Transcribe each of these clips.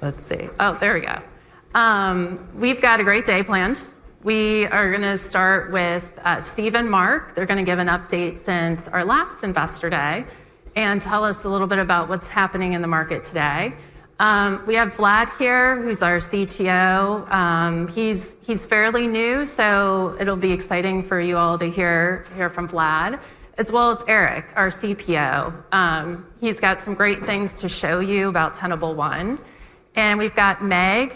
Let's see. Oh, there we go. We've got a great day planned. We are going to start with Steve and Mark. They're going to give an update since our last Investor Day and tell us a little bit about what's happening in the market today. We have Vlad here, who's our CTO. He's fairly new, so it'll be exciting for you all to hear from Vlad, as well as Eric, our CPO. He's got some great things to show you about Tenable One. We've got Meg.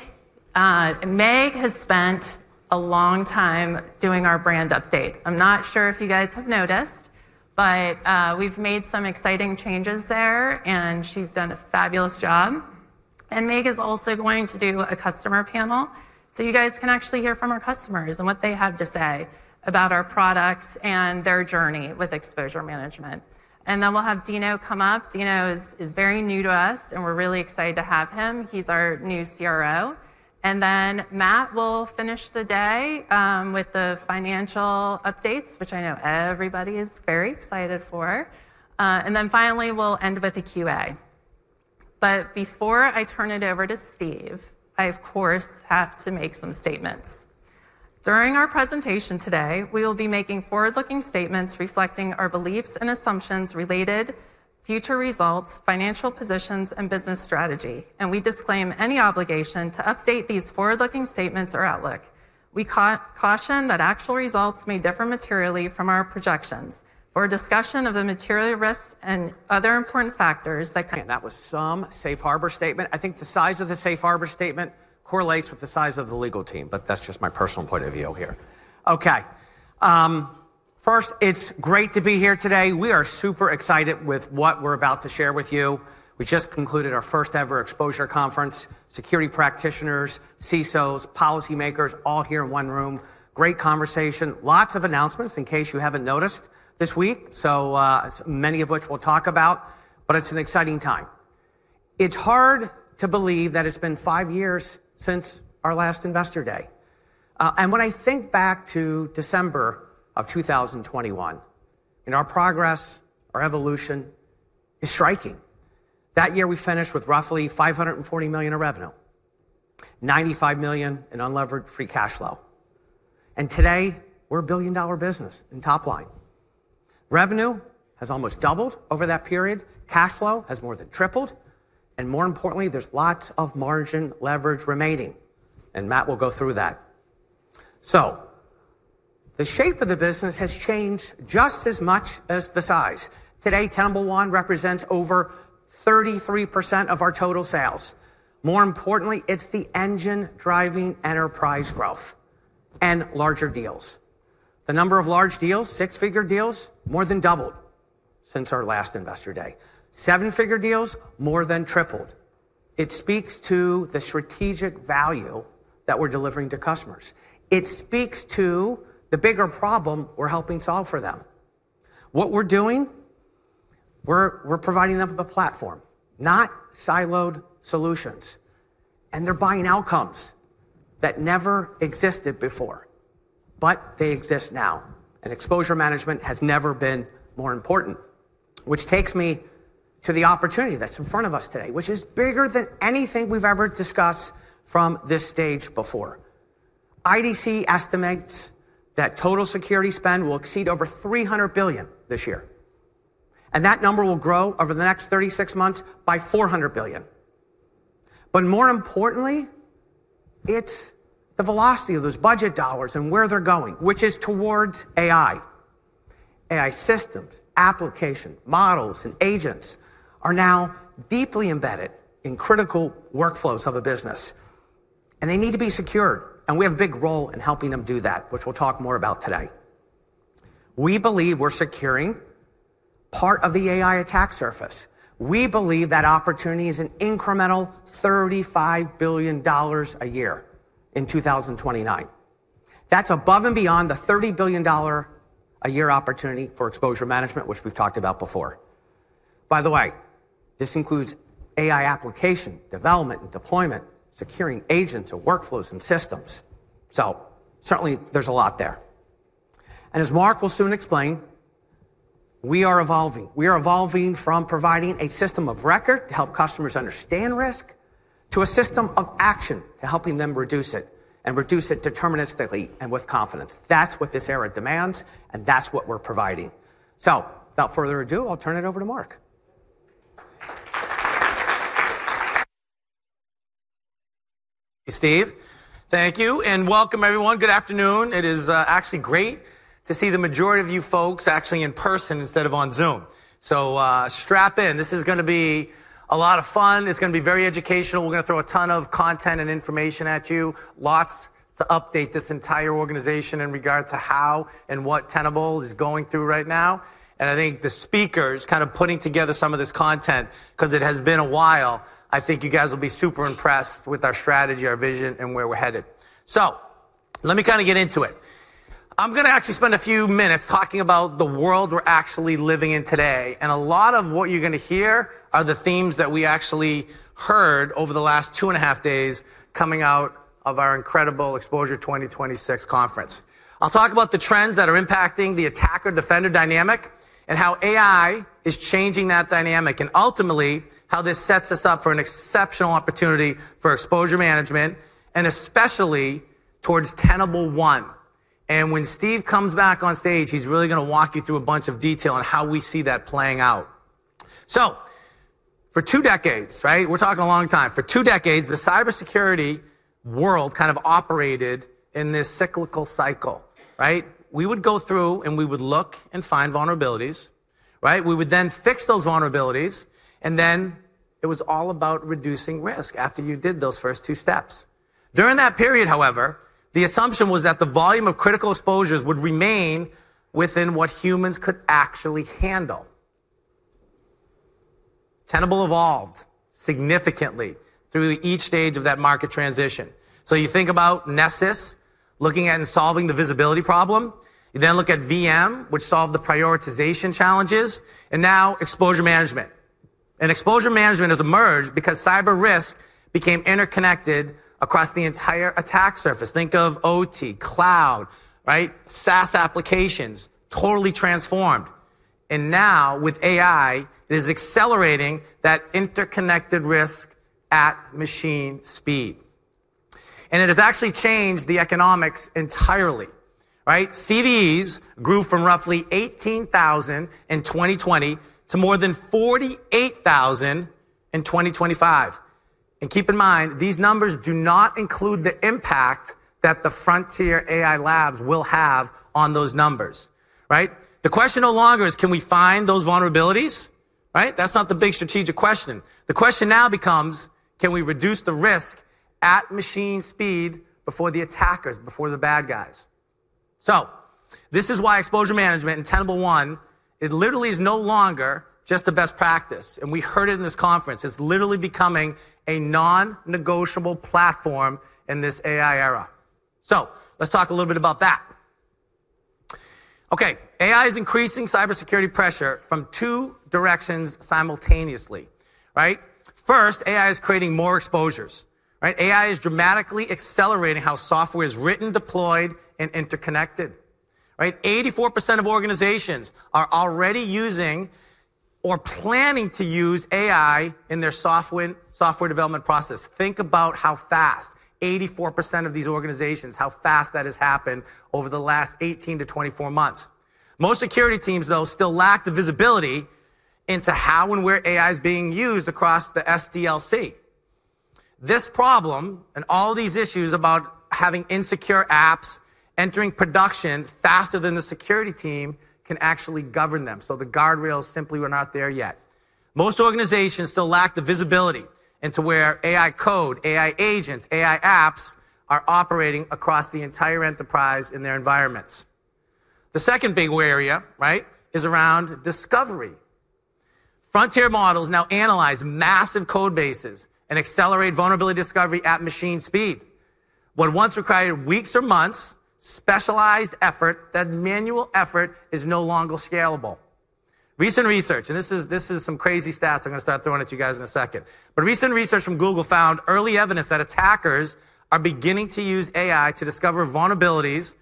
Meg has spent a long time doing our brand update. I'm not sure if you guys have noticed, but we've made some exciting changes there, and she's done a fabulous job. Meg is also going to do a customer panel so you guys can actually hear from our customers and what they have to say about our products and their journey with exposure management. Then we'll have Dino come up. Dino is very new to us, and we're really excited to have him. He's our new CRO. Then Matt will finish the day with the financial updates, which I know everybody is very excited for. Finally, we'll end with a QA. Before I turn it over to Steve, I, of course, have to make some statements. During our presentation today, we will be making forward-looking statements reflecting our beliefs and assumptions, related future results, financial positions, and business strategy, and we disclaim any obligation to update these forward-looking statements or outlook. We caution that actual results may differ materially from our projections. For a discussion of the material risks and other important factors that could- Man, that was some safe harbor statement. I think the size of the safe harbor statement correlates with the size of the legal team, but that's just my personal point of view here. Okay. First, it's great to be here today. We are super excited with what we're about to share with you. We just concluded our first-ever exposure conference, security practitioners, CISOs, policymakers, all here in one room. Great conversation. Lots of announcements, in case you haven't noticed this week, many of which we'll talk about, but it's an exciting time. It's hard to believe that it's been five years since our last Investor Day. When I think back to December of 2021, our progress, our evolution, is striking. That year, we finished with roughly $540 million of revenue, $95 million in unlevered free cash flow, and today, we're a billion-dollar business in top line. Revenue has almost doubled over that period. Cash flow has more than tripled, and more importantly, there's lots of margin leverage remaining, and Matt will go through that. The shape of the business has changed just as much as the size. Today, Tenable One represents over 33% of our total sales. More importantly, it's the engine driving enterprise growth and larger deals. The number of large deals, six-figure deals, more than doubled since our last Investor Day. Seven-figure deals, more than tripled. It speaks to the strategic value that we're delivering to customers. It speaks to the bigger problem we're helping solve for them. What we're doing, we're providing them with a platform, not siloed solutions, and they're buying outcomes that never existed before, but they exist now, and exposure management has never been more important. Which takes me to the opportunity that's in front of us today, which is bigger than anything we've ever discussed from this stage before. IDC estimates that total security spend will exceed over $300 billion this year, and that number will grow over the next 36 months by $400 billion. More importantly, it's the velocity of those budget dollars and where they're going, which is towards AI. AI systems, application, models, and agents are now deeply embedded in critical workflows of a business, and they need to be secured, and we have a big role in helping them do that, which we'll talk more about today. We believe we're securing part of the AI attack surface. We believe that opportunity is an incremental $35 billion a year in 2029. That's above and beyond the $30 billion a year opportunity for exposure management, which we've talked about before. This includes AI application, development, and deployment, securing agents and workflows and systems. Certainly, there's a lot there. As Mark will soon explain, we are evolving. We are evolving from providing a system of record to help customers understand risk, to a system of action, to helping them reduce it, and reduce it deterministically and with confidence. That's what this era demands, and that's what we're providing. Without further ado, I'll turn it over to Mark. Steve, thank you, and welcome, everyone. Good afternoon. It is actually great to see the majority of you folks actually in person instead of on Zoom. Strap in. This is going to be a lot of fun. It's going to be very educational. We're going to throw a ton of content and information at you, lots to update this entire organization in regard to how and what Tenable is going through right now. I think the speakers, kind of putting together some of this content, because it has been a while, I think you guys will be super impressed with our strategy, our vision, and where we're headed. Let me kind of get into it. I'm going to actually spend a few minutes talking about the world we're actually living in today, and a lot of what you're going to hear are the themes that we actually heard over the last two and a half days coming out of our incredible EXPOSURE 2026 conference. I'll talk about the trends that are impacting the attacker-defender dynamic and how AI is changing that dynamic, and ultimately, how this sets us up for an exceptional opportunity for exposure management, and especially towards Tenable One. When Steve comes back on stage, he's really going to walk you through a bunch of detail on how we see that playing out. For two decades, we're talking a long time. For two decades, the cybersecurity world kind of operated in this cyclical cycle. We would go through and we would look and find vulnerabilities. We would then fix those vulnerabilities, and then it was all about reducing risk after you did those first two steps. During that period, however, the assumption was that the volume of critical exposures would remain within what humans could actually handle. Tenable evolved significantly through each stage of that market transition. You think about Nessus looking at and solving the visibility problem. You look at VM, which solved the prioritization challenges, and now exposure management. Exposure management has emerged because cyber risk became interconnected across the entire attack surface. Think of OT, cloud, SaaS applications, totally transformed. Now with AI, it is accelerating that interconnected risk at machine speed. It has actually changed the economics entirely. CVEs grew from roughly 18,000 in 2020 to more than 48,000 in 2025. Keep in mind, these numbers do not include the impact that the frontier AI labs will have on those numbers. The question no longer is, can we find those vulnerabilities? That's not the big strategic question. The question now becomes, can we reduce the risk at machine speed before the attackers, before the bad guys? This is why exposure management in Tenable One, it literally is no longer just a best practice. We heard it in this conference. It's literally becoming a non-negotiable platform in this AI era. Let's talk a little bit about that. Okay. AI is increasing cybersecurity pressure from two directions simultaneously. First, AI is creating more exposures. AI is dramatically accelerating how software is written, deployed, and interconnected. 84% of organizations are already using or planning to use AI in their software development process. Think about how fast 84% of these organizations, how fast that has happened over the last 18-24 months. Most security teams, though, still lack the visibility into how and where AI is being used across the SDLC. This problem and all these issues about having insecure apps entering production faster than the security team can actually govern them. The guardrails simply were not there yet. Most organizations still lack the visibility into where AI code, AI agents, AI apps are operating across the entire enterprise in their environments. The second big area is around discovery. Frontier models now analyze massive code bases and accelerate vulnerability discovery at machine speed. What once required weeks or months, specialized effort, that manual effort is no longer scalable. Recent research, this is some crazy stats I'm going to start throwing at you guys in a second. Recent research from Google found early evidence that attackers are beginning to use AI to discover vulnerabilities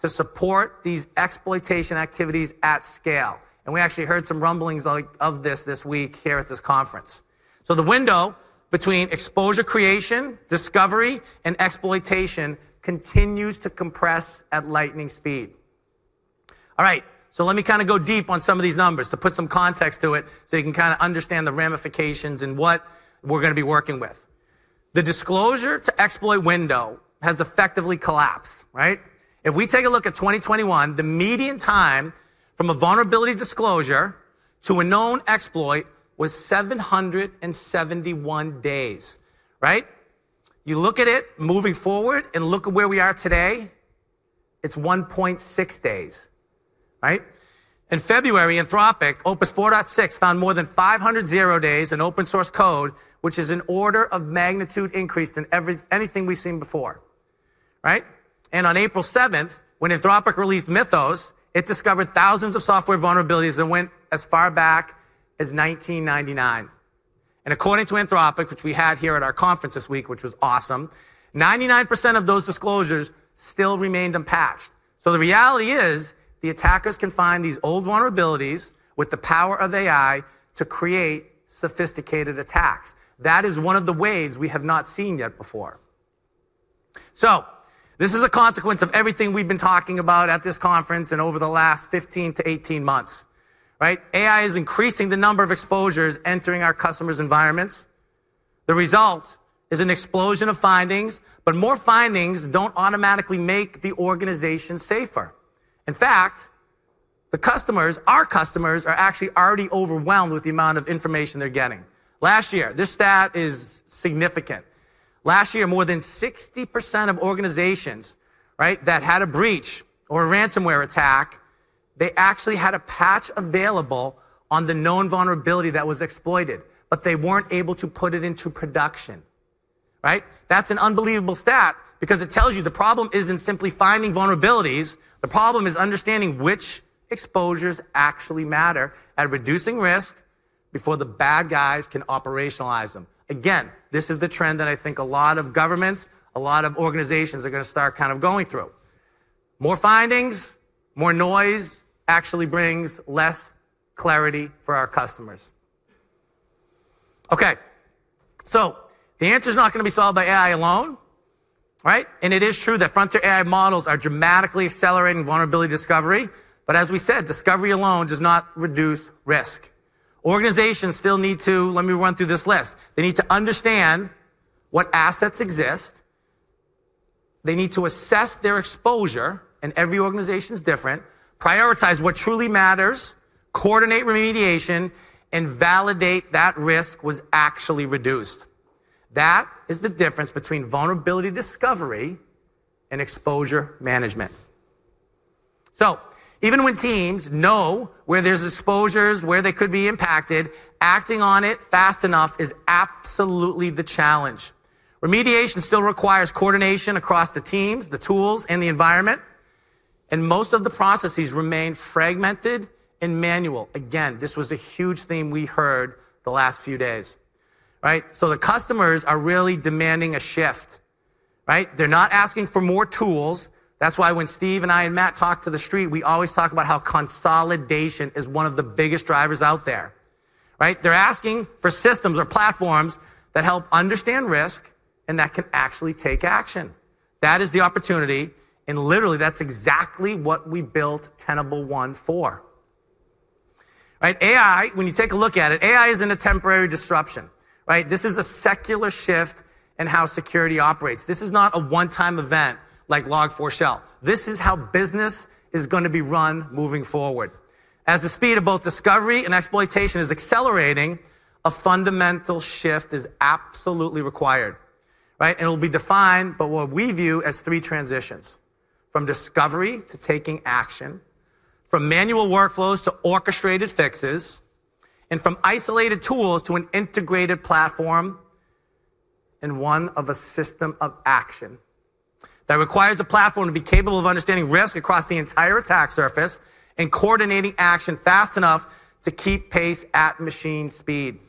to support these exploitation activities at scale. We actually heard some rumblings of this this week here at this conference. The window between exposure creation, discovery, and exploitation continues to compress at lightning speed. All right, let me go deep on some of these numbers to put some context to it so you can understand the ramifications and what we're going to be working with. The disclosure-to-exploit window has effectively collapsed. If we take a look at 2021, the median time from a vulnerability disclosure to a known exploit was 771 days. You look at it moving forward and look at where we are today, it's 1.6 days. In February, Anthropic Opus 4.6 found more than 500 zero days in open source code, which is an order of magnitude increase than anything we've seen before. On April 7th, when Anthropic released Mythos, it discovered thousands of software vulnerabilities that went as far back as 1999. According to Anthropic, which we had here at our conference this week, which was awesome, 99% of those disclosures still remained unpatched. The reality is, the attackers can find these old vulnerabilities with the power of AI to create sophisticated attacks. That is one of the waves we have not seen yet before. This is a consequence of everything we've been talking about at this conference and over the last 15-18 months. AI is increasing the number of exposures entering our customers' environments. The result is an explosion of findings, but more findings don't automatically make the organization safer. In fact, the customers, our customers, are actually already overwhelmed with the amount of information they're getting. Last year, this stat is significant. Last year, more than 60% of organizations that had a breach or a ransomware attack, they actually had a patch available on the known vulnerability that was exploited, but they weren't able to put it into production. That's an unbelievable stat because it tells you the problem isn't simply finding vulnerabilities. The problem is understanding which exposures actually matter and reducing risk before the bad guys can operationalize them. This is the trend that I think a lot of governments, a lot of organizations are going to start kind of going through. More findings, more noise actually brings less clarity for our customers. The answer is not going to be solved by AI alone. It is true that frontier AI models are dramatically accelerating vulnerability discovery. As we said, discovery alone does not reduce risk. Organizations still need to, let me run through this list. They need to understand what assets exist. They need to assess their exposure, and every organization is different, prioritize what truly matters, coordinate remediation, and validate that risk was actually reduced. That is the difference between vulnerability discovery and exposure management. Even when teams know where there's exposures, where they could be impacted, acting on it fast enough is absolutely the challenge. Remediation still requires coordination across the teams, the tools, and the environment, and most of the processes remain fragmented and manual. Again, this was a huge theme we heard the last few days. The customers are really demanding a shift. They're not asking for more tools. That's why when Steve and I and Matt talk to the street, we always talk about how consolidation is one of the biggest drivers out there. They're asking for systems or platforms that help understand risk and that can actually take action. That is the opportunity. Literally, that's exactly what we built Tenable One for. AI, when you take a look at it, AI isn't a temporary disruption. This is a secular shift in how security operates. This is not a one-time event like Log4Shell. This is how business is going to be run moving forward. As the speed of both discovery and exploitation is accelerating, a fundamental shift is absolutely required. It'll be defined by what we view as three transitions. From discovery to taking action, from manual workflows to orchestrated fixes, and from isolated tools to an integrated platform, and one of a system of action. That requires a platform to be capable of understanding risk across the entire attack surface and coordinating action fast enough to keep pace at machine speed.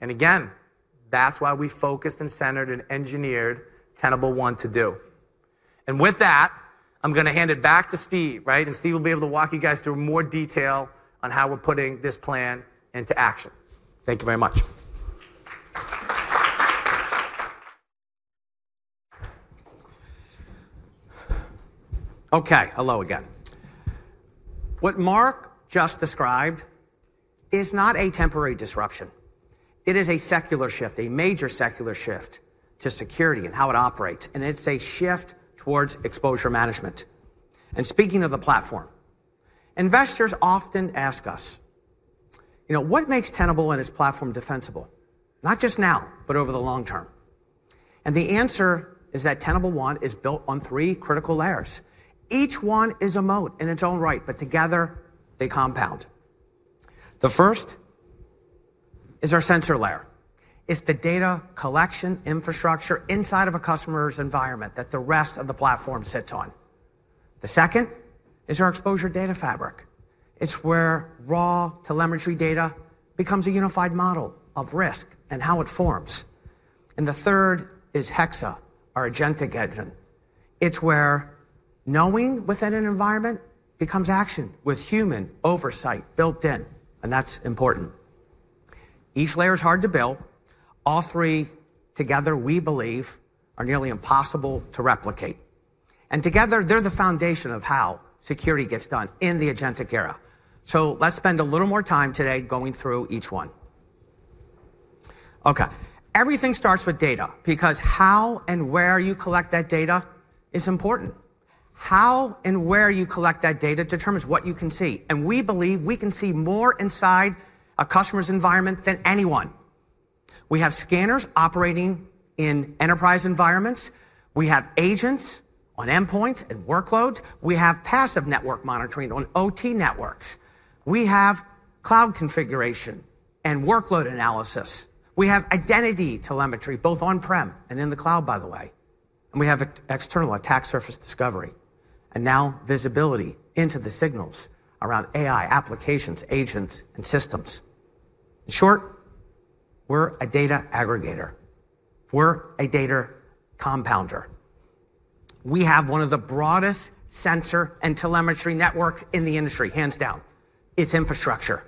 Again, that's why we focused and centered and engineered Tenable One to do. With that, I'm going to hand it back to Steve. Steve will be able to walk you guys through more detail on how we're putting this plan into action. Thank you very much. Okay. Hello again. What Mark just described is not a temporary disruption. It is a secular shift, a major secular shift to security and how it operates, and it's a shift towards exposure management. Speaking of the platform, investors often ask us, "What makes Tenable and its platform defensible, not just now, but over the long term?" The answer is that Tenable One is built on three critical layers. Each one is a moat in its own right, but together they compound. The first is our sensor layer. It's the data collection infrastructure inside of a customer's environment that the rest of the platform sits on. The second is our Exposure Data Fabric. It's where raw telemetry data becomes a unified model of risk and how it forms. The third is Hexa, our agentic engine. It's where knowing within an environment becomes action with human oversight built in, that's important. Each layer is hard to build. All three together, we believe, are nearly impossible to replicate. Together, they're the foundation of how security gets done in the agentic era. Let's spend a little more time today going through each one. Okay. Everything starts with data because how and where you collect that data is important. How and where you collect that data determines what you can see. We believe we can see more inside a customer's environment than anyone. We have scanners operating in enterprise environments. We have agents on endpoint and workloads. We have passive network monitoring on OT networks. We have cloud configuration and workload analysis. We have identity telemetry both on-prem and in the cloud, by the way. We have external attack surface discovery. Now visibility into the signals around AI applications, agents, and systems. In short, we're a data aggregator. We're a data compounder. We have one of the broadest sensor and telemetry networks in the industry, hands down. It's infrastructure.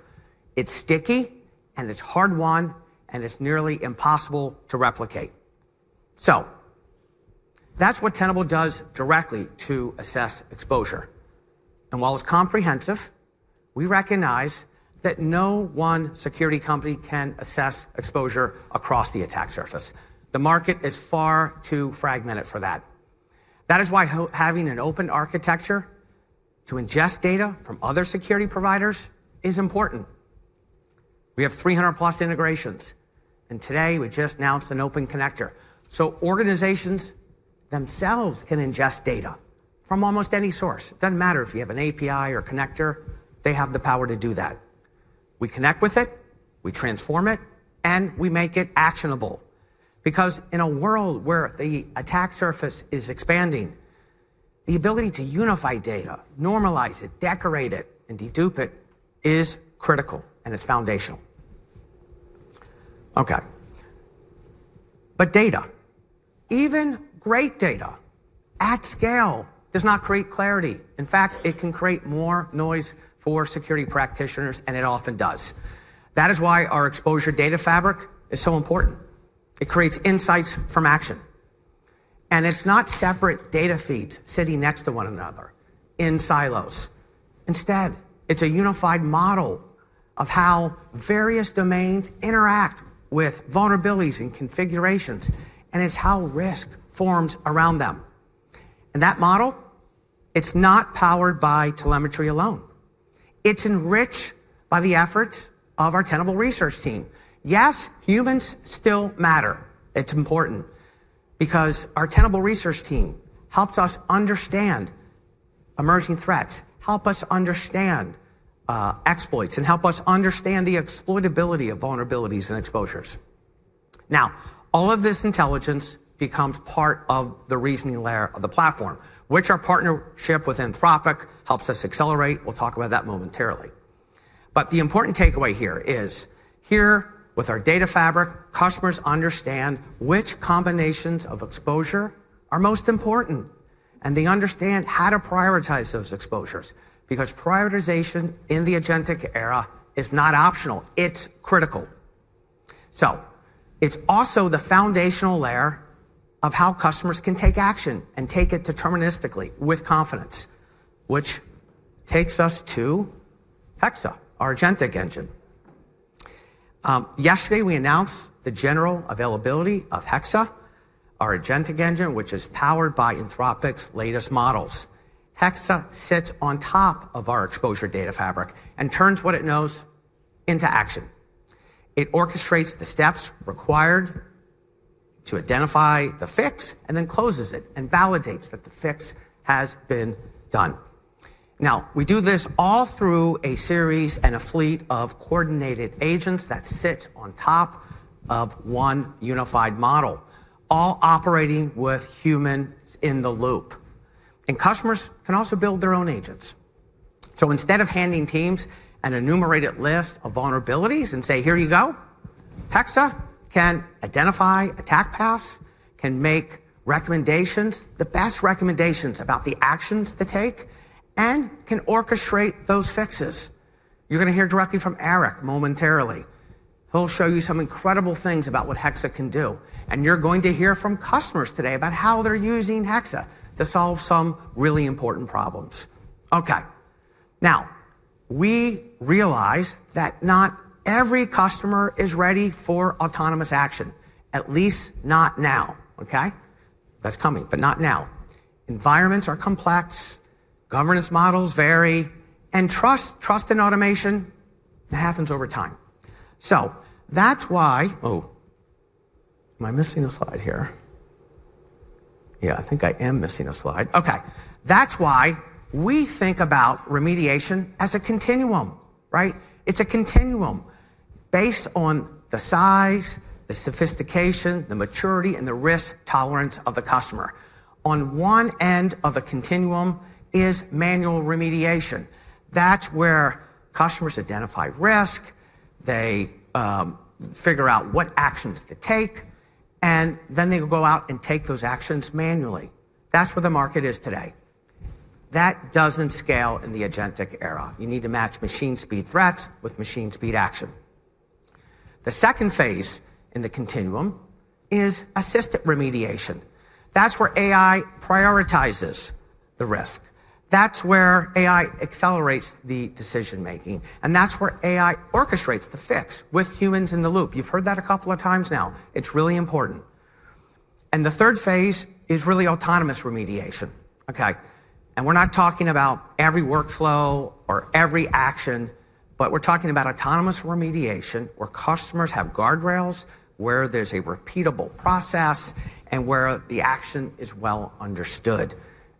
It's sticky and it's hard-won, and it's nearly impossible to replicate. That's what Tenable does directly to assess exposure. While it's comprehensive, we recognize that no one security company can assess exposure across the attack surface. The market is far too fragmented for that. That is why having an open architecture to ingest data from other security providers is important. We have 300+ integrations, and today we just announced an open connector so organizations themselves can ingest data from almost any source. It doesn't matter if you have an API or connector, they have the power to do that. We connect with it, we transform it, and we make it actionable. In a world where the attack surface is expanding, the ability to unify data, normalize it, decorate it, and dedupe it is critical, and it's foundational. Data, even great data at scale, does not create clarity. In fact, it can create more noise for security practitioners, and it often does. That is why our Exposure Data Fabric is so important. It creates insights from action. It's not separate data feeds sitting next to one another in silos. Instead, it's a unified model of how various domains interact with vulnerabilities and configurations, and it's how risk forms around them. That model, it's not powered by telemetry alone. It's enriched by the efforts of our Tenable research team. Yes, humans still matter. It's important because our Tenable research team helps us understand emerging threats, help us understand exploits, and help us understand the exploitability of vulnerabilities and exposures. All of this intelligence becomes part of the reasoning layer of the platform, which our partnership with Anthropic helps us accelerate. We'll talk about that momentarily. The important takeaway here is, here, with our data fabric, customers understand which combinations of exposure are most important, and they understand how to prioritize those exposures, because prioritization in the agentic era is not optional. It's critical. It's also the foundational layer of how customers can take action and take it deterministically with confidence. Which takes us to Hexa, our agentic engine. Yesterday, we announced the general availability of Hexa, our agentic engine, which is powered by Anthropic's latest models. Hexa sits on top of our Exposure Data Fabric and turns what it knows into action. It orchestrates the steps required to identify the fix, and then closes it and validates that the fix has been done. We do this all through a series and a fleet of coordinated agents that sit on top of one unified model, all operating with humans in the loop. Customers can also build their own agents. Instead of handing teams an enumerated list of vulnerabilities and say, "Here you go," Hexa can identify attack paths, can make recommendations, the best recommendations about the actions to take, and can orchestrate those fixes. You're going to hear directly from Eric momentarily. He'll show you some incredible things about what Hexa can do, and you're going to hear from customers today about how they're using Hexa to solve some really important problems. Okay. We realize that not every customer is ready for autonomous action, at least not now, okay? That's coming, but not now. Environments are complex, governance models vary, and trust in automation, it happens over time. That's why- Oh, am I missing a slide here? Yeah, I think I am missing a slide. Okay. That's why we think about remediation as a continuum, right? It's a continuum based on the size, the sophistication, the maturity, and the risk tolerance of the customer. On one end of the continuum is manual remediation. That's where customers identify risk, they figure out what actions to take, and then they go out and take those actions manually. That's where the market is today. That doesn't scale in the agentic era. You need to match machine speed threats with machine speed action. The second phase in the continuum is assisted remediation. That's where AI prioritizes the risk. That's where AI accelerates the decision-making, and that's where AI orchestrates the fix with humans in the loop. You've heard that a couple of times now. It's really important. The third phase is really autonomous remediation. Okay. We're not talking about every workflow or every action, but we're talking about autonomous remediation where customers have guardrails, where there's a repeatable process, and where the action is well understood.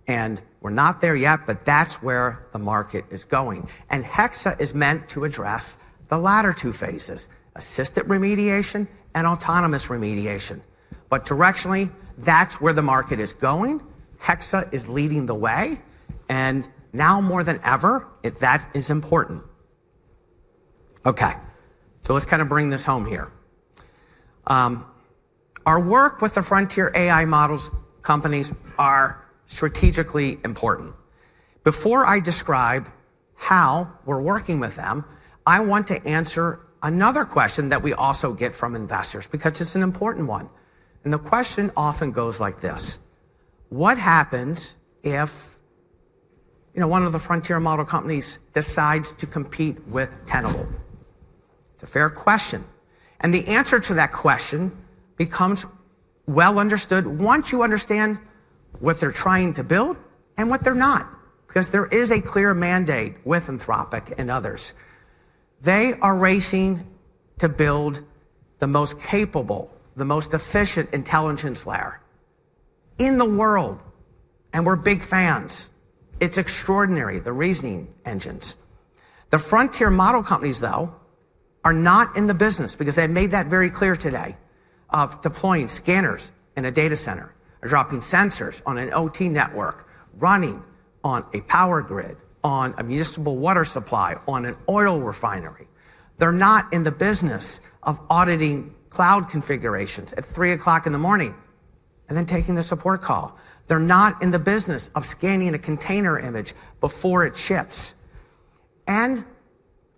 We're not there yet, but that's where the market is going. Hexa is meant to address the latter two phases, assisted remediation and autonomous remediation. Directionally, that's where the market is going. Hexa is leading the way, and now more than ever, that is important. Okay. Let's kind of bring this home here. Our work with the frontier AI models companies are strategically important. Before I describe how we're working with them, I want to answer another question that we also get from investors because it's an important one. The question often goes like this: What happens if one of the frontier model companies decides to compete with Tenable? It's a fair question. The answer to that question becomes well understood once you understand what they're trying to build and what they're not, because there is a clear mandate with Anthropic and others. They are racing to build the most capable, the most efficient intelligence layer in the world. We're big fans. It's extraordinary, the reasoning engines. The frontier model companies, though, are not in the business, because they have made that very clear today, of deploying scanners in a data center or dropping sensors on an OT network, running on a power grid, on a municipal water supply, on an oil refinery. They're not in the business of auditing cloud configurations at 3:00 A.M. and then taking the support call. They're not in the business of scanning a container image before it ships.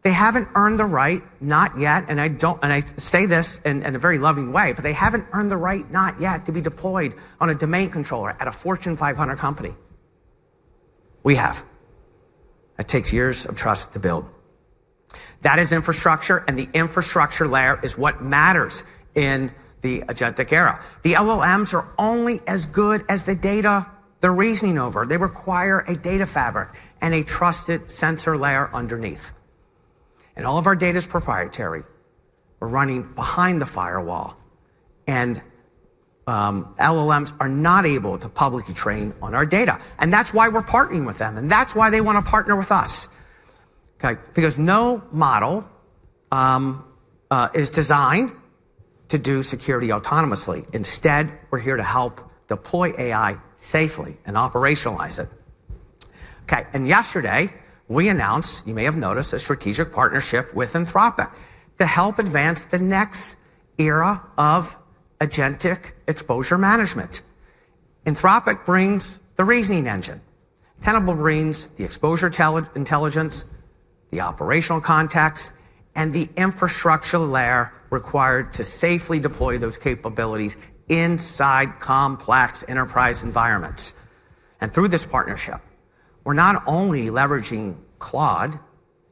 They haven't earned the right, not yet, and I say this in a very loving way, but they haven't earned the right, not yet, to be deployed on a domain controller at a Fortune 500 company. We have. It takes years of trust to build. That is infrastructure, and the infrastructure layer is what matters in the agentic era. The LLMs are only as good as the data they're reasoning over. They require a data fabric and a trusted sensor layer underneath. All of our data is proprietary. We're running behind the firewall. LLMs are not able to publicly train on our data. That's why we're partnering with them, and that's why they want to partner with us. Okay. No model is designed to do security autonomously. Instead, we're here to help deploy AI safely and operationalize it. Okay. Yesterday, we announced, you may have noticed, a strategic partnership with Anthropic to help advance the next era of agentic exposure management. Anthropic brings the reasoning engine. Tenable brings the exposure intelligence, the operational context, and the infrastructure layer required to safely deploy those capabilities inside complex enterprise environments. Through this partnership, we're not only leveraging Claude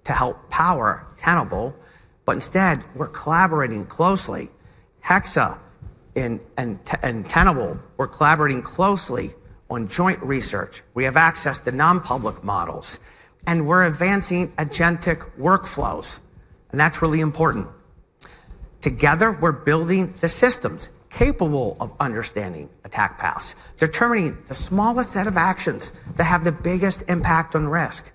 to help power Tenable, but instead, we're collaborating closely. Hexa and Tenable, we're collaborating closely on joint research. We have access to non-public models. We're advancing agentic workflows, and that's really important. Together, we're building the systems capable of understanding attack paths, determining the smallest set of actions that have the biggest impact on risk.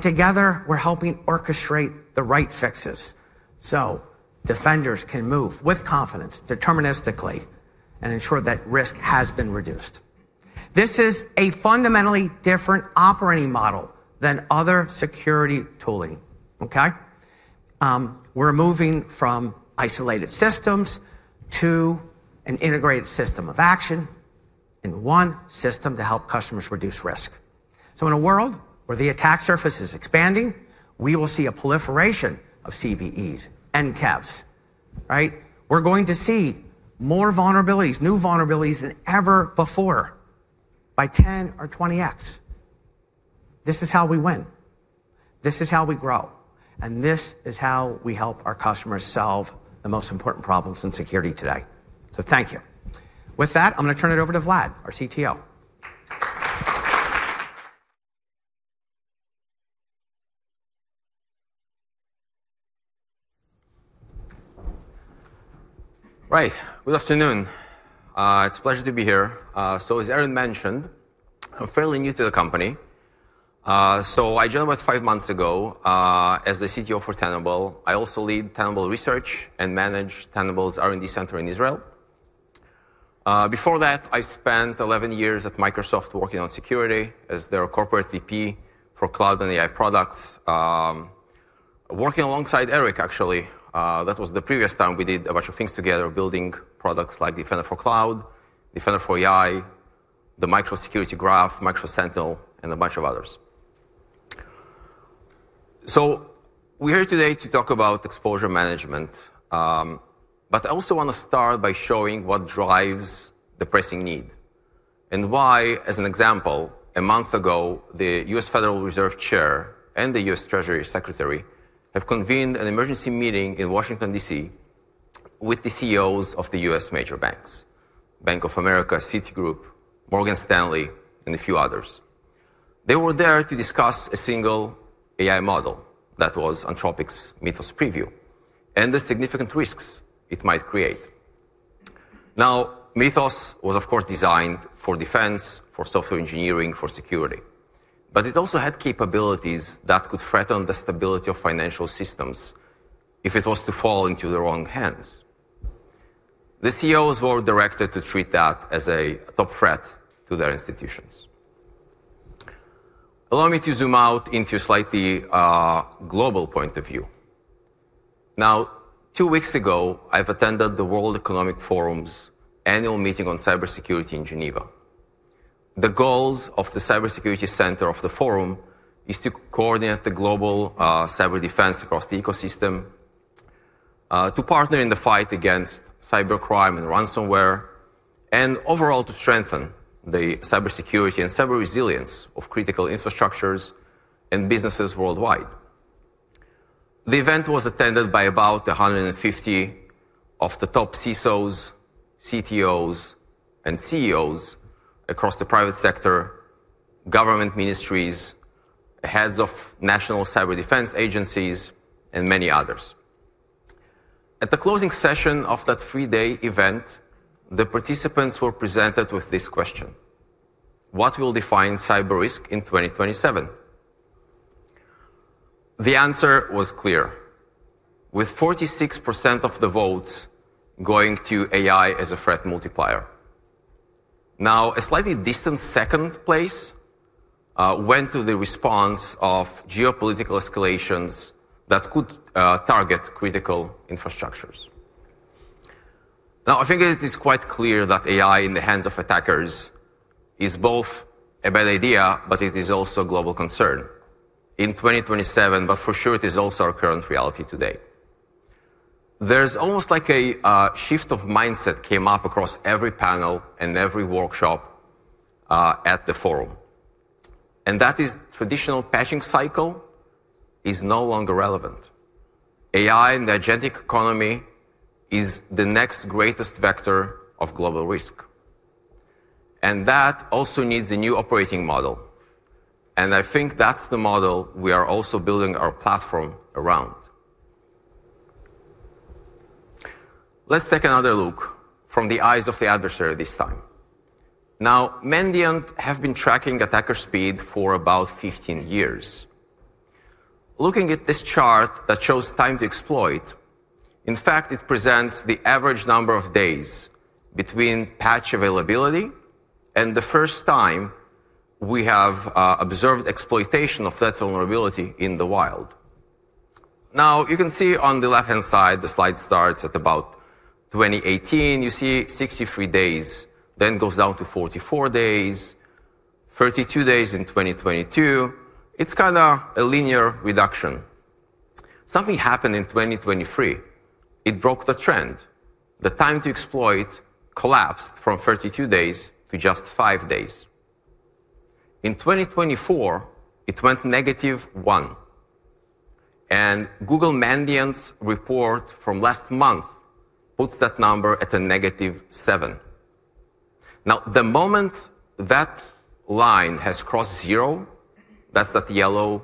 Together, we're helping orchestrate the right fixes so defenders can move with confidence deterministically and ensure that risk has been reduced. This is a fundamentally different operating model than other security tooling. Okay? We're moving from isolated systems to an integrated system of action in one system to help customers reduce risk. In a world where the attack surface is expanding, we will see a proliferation of CVEs and KEVs, right? We're going to see more vulnerabilities, new vulnerabilities than ever before by 10x or 20x. This is how we win. This is how we grow, and this is how we help our customers solve the most important problems in security today. Thank you. With that, I'm going to turn it over to Vlad, our CTO. Right. Good afternoon. It's a pleasure to be here. As Erin mentioned, I'm fairly new to the company. I joined about five months ago, as the CTO for Tenable. I also lead Tenable research and manage Tenable's R&D center in Israel. Before that, I spent 11 years at Microsoft working on security as their corporate VP for cloud and AI products, working alongside Eric, actually. That was the previous time we did a bunch of things together, building products like Defender for Cloud, Defender for AI, the Microsoft Security Graph, Microsoft Sentinel, and a bunch of others. We're here today to talk about exposure management, but I also want to start by showing what drives the pressing need and why, as an example, a month ago, the U.S. Federal Reserve chair and the U.S. Treasury secretary have convened an emergency meeting in Washington, D.C., with the CEOs of the U.S. major banks, Bank of America, Citigroup, Morgan Stanley, and a few others. They were there to discuss a single AI model that was Anthropic's Mythos preview and the significant risks it might create. Mythos was, of course, designed for defense, for software engineering, for security, but it also had capabilities that could threaten the stability of financial systems if it was to fall into the wrong hands. The CEOs were directed to treat that as a top threat to their institutions. Allow me to zoom out into a slightly global point of view. Now, two weeks ago, I've attended the World Economic Forum's annual meeting on cybersecurity in Geneva. The goals of the Cybersecurity Center of the Forum is to coordinate the global cyber defense across the ecosystem, to partner in the fight against cybercrime and ransomware, and overall, to strengthen the cybersecurity and cyber resilience of critical infrastructures and businesses worldwide. The event was attended by about 150 of the top CISOs, CTOs, and CEOs across the private sector, government ministries, heads of national cyber defense agencies, and many others. At the closing session of that three-day event, the participants were presented with this question: What will define cyber risk in 2027? The answer was clear, with 46% of the votes going to AI as a threat multiplier. Now, a slightly distant second place went to the response of geopolitical escalations that could target critical infrastructures. I think it is quite clear that AI in the hands of attackers is both a bad idea, but it is also a global concern in 2027, but for sure, it is also our current reality today. There's almost like a shift of mindset came up across every panel and every workshop at the forum. That is traditional patching cycle is no longer relevant. AI and the agentic economy is the next greatest vector of global risk, and that also needs a new operating model. I think that's the model we are also building our platform around. Let's take another look from the eyes of the adversary this time. Mandiant have been tracking attacker speed for about 15 years. Looking at this chart that shows time to exploit, in fact, it presents the average number of days between patch availability and the first time we have observed exploitation of that vulnerability in the wild. You can see on the left-hand side, the slide starts at about 2018. You see 63 days, then goes down to 44 days, 32 days in 2022. It's kind of a linear reduction. Something happened in 2023. It broke the trend. The time to exploit collapsed from 32 days to just 5 days. In 2024, it went -1, and Google Mandiant's report from last month puts that number at a -7. The moment that line has crossed zero, that's that yellow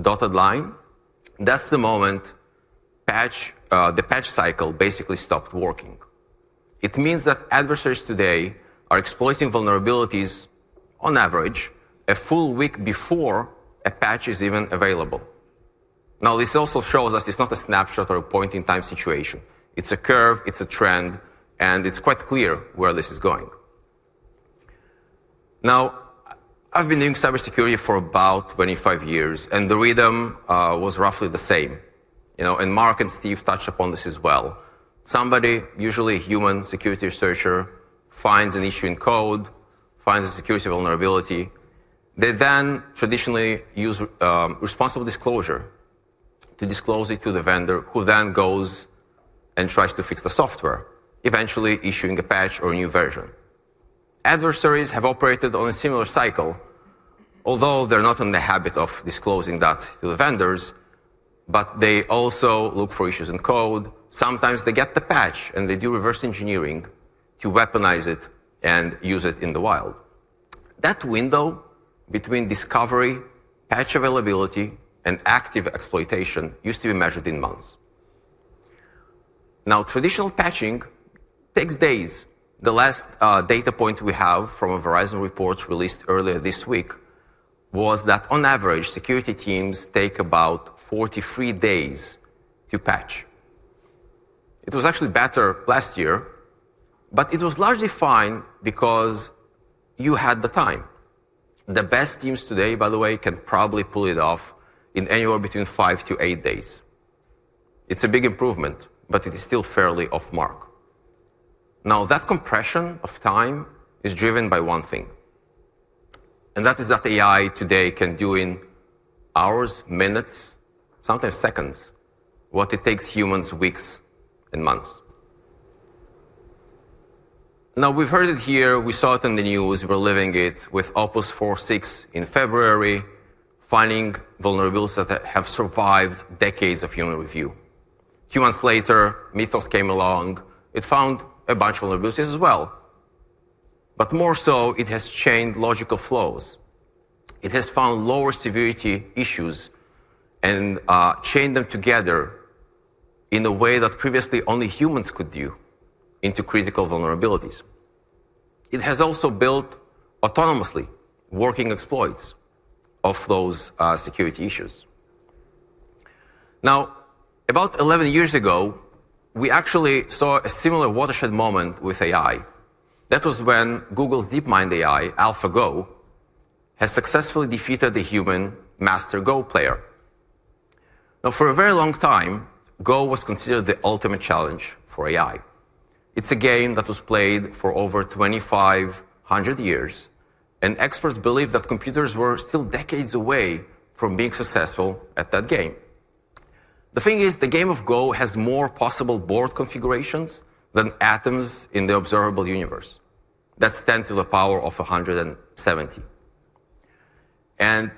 dotted line. That's the moment the patch cycle basically stopped working. It means that adversaries today are exploiting vulnerabilities on average a full week before a patch is even available. This also shows us it's not a snapshot or a point-in-time situation. It's a curve, it's a trend, it's quite clear where this is going. I've been doing cybersecurity for about 25 years, the rhythm was roughly the same. Mark and Steve touched upon this as well. Somebody, usually a human security researcher, finds an issue in code, finds a security vulnerability. They then traditionally use responsible disclosure to disclose it to the vendor, who then goes and tries to fix the software, eventually issuing a patch or a new version. Adversaries have operated on a similar cycle, although they're not in the habit of disclosing that to the vendors, they also look for issues in code. Sometimes they get the patch, they do reverse engineering to weaponize it and use it in the wild. That window between discovery, patch availability, and active exploitation used to be measured in months. Traditional patching takes days. The last data point we have from a Verizon report released earlier this week was that on average, security teams take about 43 days to patch. It was actually better last year. It was largely fine because you had the time. The best teams today, by the way, can probably pull it off in anywhere between five to eight days. It is a big improvement, but it is still fairly off-mark. That compression of time is driven by one thing, and that is that AI today can do in hours, minutes, sometimes seconds, what it takes humans weeks and months. We've heard it here. We saw it in the news. We're living it with Opus 4.6 in February, finding vulnerabilities that have survived decades of human review. A few months later, Mythos came along. It found a bunch of vulnerabilities as well. More so, it has chained logical flaws. It has found lower severity issues and chained them together in a way that previously only humans could do into critical vulnerabilities. It has also built autonomously working exploits of those security issues. About 11 years ago, we actually saw a similar watershed moment with AI. That was when Google's DeepMind AI, AlphaGo, has successfully defeated the human master Go player. For a very long time, Go was considered the ultimate challenge for AI. It's a game that was played for over 2,500 years, and experts believe that computers were still decades away from being successful at that game. The thing is, the game of Go has more possible board configurations than atoms in the observable universe. That's 10 to the power of 170.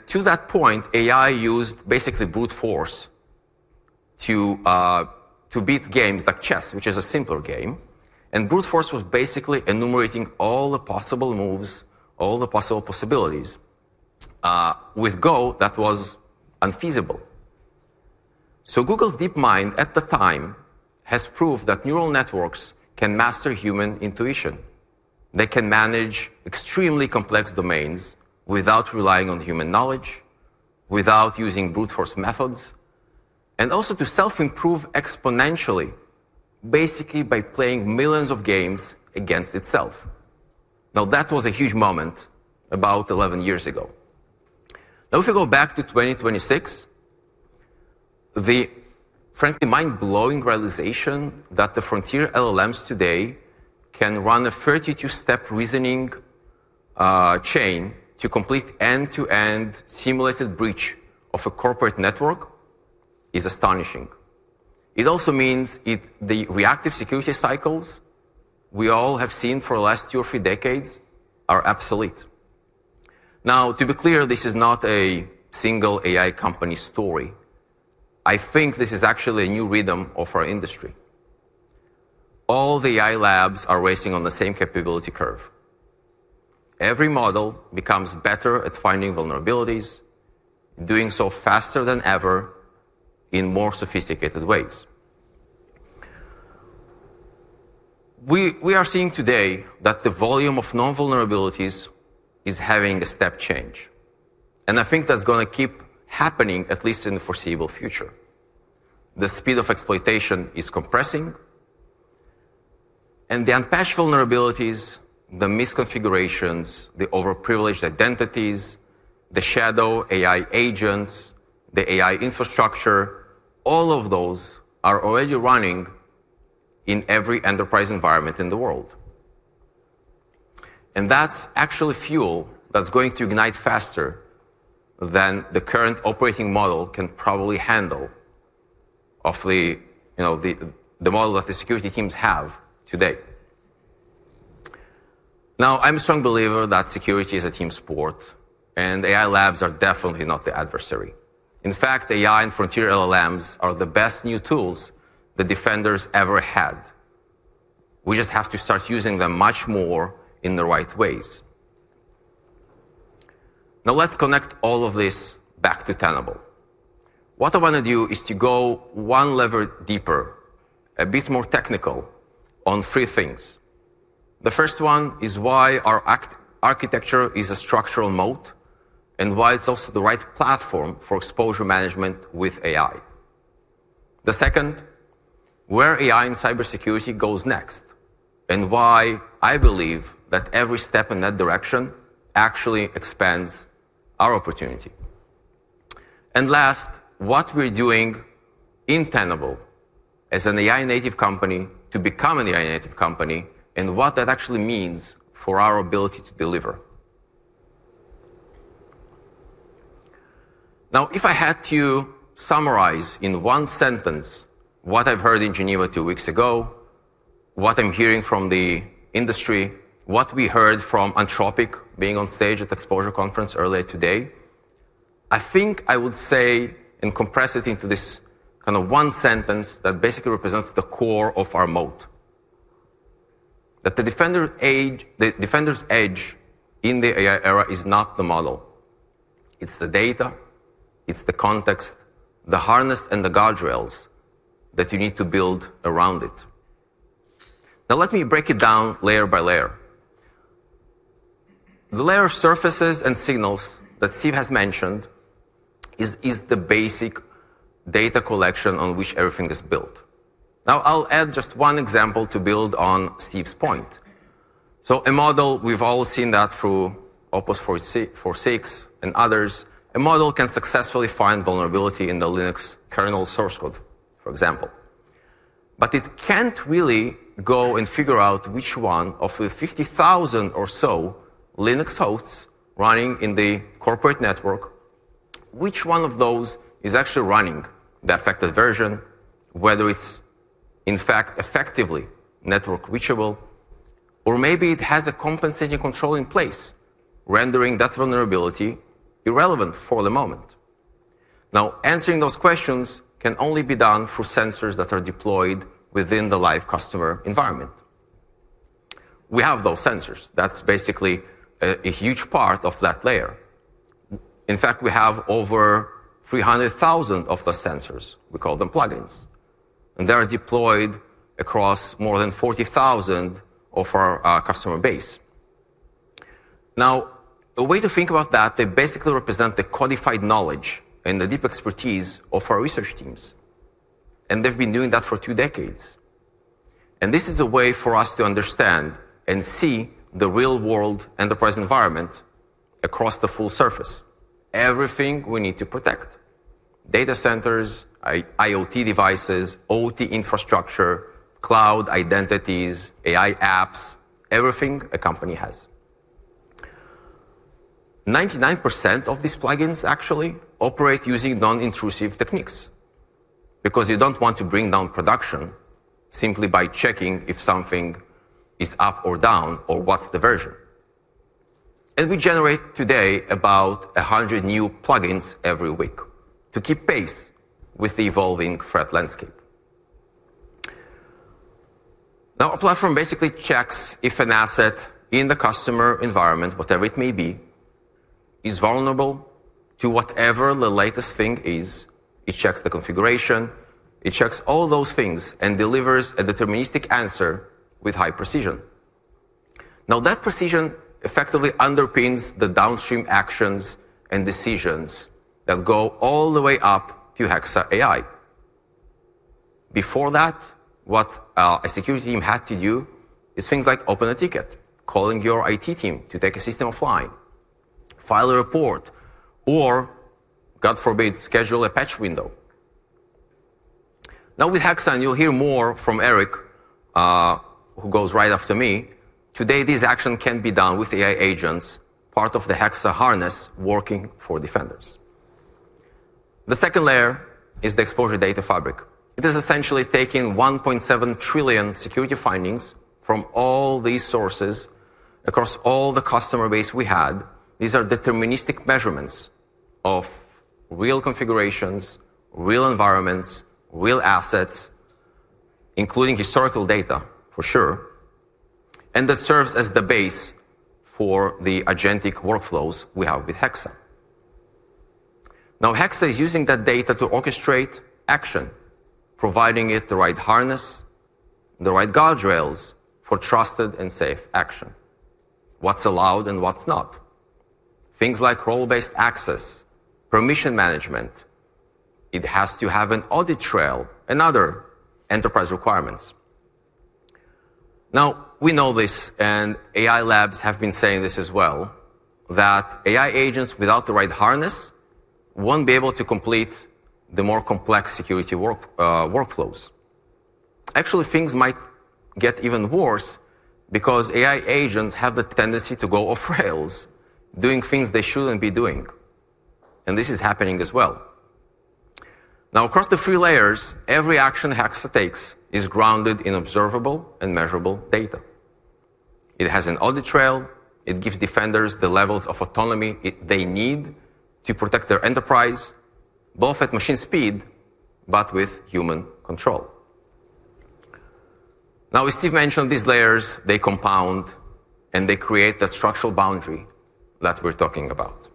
To that point, AI used basically brute force to beat games like chess, which is a simpler game, and brute force was basically enumerating all the possible moves, all the possible possibilities. With Go, that was unfeasible. Google's DeepMind at the time has proved that neural networks can master human intuition. They can manage extremely complex domains without relying on human knowledge, without using brute force methods, and also to self-improve exponentially, basically by playing millions of games against itself. That was a huge moment about 11 years ago. If we go back to 2026, the frankly mind-blowing realization that the frontier LLMs today can run a 32-step reasoning chain to complete end-to-end simulated breach of a corporate network is astonishing. It also means the reactive security cycles we all have seen for the last two or three decades are obsolete. Now, to be clear, this is not a single AI company story. I think this is actually a new rhythm of our industry. All the AI labs are racing on the same capability curve. Every model becomes better at finding vulnerabilities, doing so faster than ever in more sophisticated ways. We are seeing today that the volume of known vulnerabilities is having a step change, and I think that's going to keep happening, at least in the foreseeable future. The speed of exploitation is compressing and the unpatched vulnerabilities, the misconfigurations, the overprivileged identities, the shadow AI agents, the AI infrastructure, all of those are already running in every enterprise environment in the world. That's actually fuel that's going to ignite faster than the current operating model can probably handle of the model that the security teams have today. Now, I'm a strong believer that security is a team sport, and AI labs are definitely not the adversary. In fact, AI and frontier LLMs are the best new tools the defenders ever had. We just have to start using them much more in the right ways. Now let's connect all of this back to Tenable. What I want to do is to go one level deeper, a bit more technical on three things. The first one is why our architecture is a structural moat and why it's also the right platform for exposure management with AI. The second, where AI and cybersecurity goes next, and why I believe that every step in that direction actually expands our opportunity. Last, what we're doing in Tenable as an AI-native company to become an AI-native company, and what that actually means for our ability to deliver. If I had to summarize in one sentence what I've heard in Geneva two weeks ago, what I'm hearing from the industry, what we heard from Anthropic being on stage at the EXPOSURE conference earlier today, I think I would say and compress it into this one sentence that basically represents the core of our moat, that the defender's edge in the AI era is not the model. It's the data, it's the context, the harness and the guardrails that you need to build around it. Let me break it down layer by layer. The layer surfaces and signals that Steve has mentioned is the basic data collection on which everything is built. I'll add just one example to build on Steve's point. A model, we've all seen that through Opus 4.6 and others. A model can successfully find vulnerability in the Linux kernel source code, for example. But it can't really go and figure out which one of the 50,000 or so Linux hosts running in the corporate network, which one of those is actually running the affected version, whether it's in fact effectively network reachable, or maybe it has a compensating control in place, rendering that vulnerability irrelevant for the moment. Answering those questions can only be done through sensors that are deployed within the live customer environment. We have those sensors. That's basically a huge part of that layer. We have over 300,000 of the sensors. We call them plugins, and they are deployed across more than 40,000 of our customer base. A way to think about that, they basically represent the codified knowledge and the deep expertise of our research teams, they've been doing that for two decades. This is a way for us to understand and see the real-world enterprise environment across the full surface. Everything we need to protect, data centers, IoT devices, OT infrastructure, cloud identities, AI apps, everything a company has. 99% of these plugins actually operate using non-intrusive techniques because you don't want to bring down production simply by checking if something is up or down or what's the version. We generate today about 100 new plugins every week to keep pace with the evolving threat landscape. Now our platform basically checks if an asset in the customer environment, whatever it may be, is vulnerable to whatever the latest thing is. It checks the configuration, it checks all those things and delivers a deterministic answer with high precision. That precision effectively underpins the downstream actions and decisions that go all the way up to Hexa AI. Before that, what our security team had to do is things like open a ticket, calling your IT team to take a system offline, file a report, or God forbid, schedule a patch window. With Hexa, and you'll hear more from Eric, who goes right after me. Today this action can be done with AI agents, part of the Hexa harness working for defenders. The second layer is the Exposure Data Fabric. It is essentially taking 1.7 trillion security findings from all these sources across all the customer base we had. These are deterministic measurements of real configurations, real environments, real assets, including historical data for sure, and that serves as the base for the agentic workflows we have with Hexa. Now Hexa is using that data to orchestrate action, providing it the right harness, the right guardrails for trusted and safe action. What's allowed and what's not. Things like role-based access, permission management. It has to have an audit trail and other enterprise requirements. Now we know this, and AI labs have been saying this as well, that AI agents without the right harness won't be able to complete the more complex security workflows. Actually, things might get even worse because AI agents have the tendency to go off rails doing things they shouldn't be doing, and this is happening as well. Now across the three layers, every action Hexa takes is grounded in observable and measurable data. It has an audit trail. It gives defenders the levels of autonomy they need to protect their enterprise, both at machine speed but with human control. Now, as Steve mentioned, these layers, they compound and they create that structural boundary that we're talking about.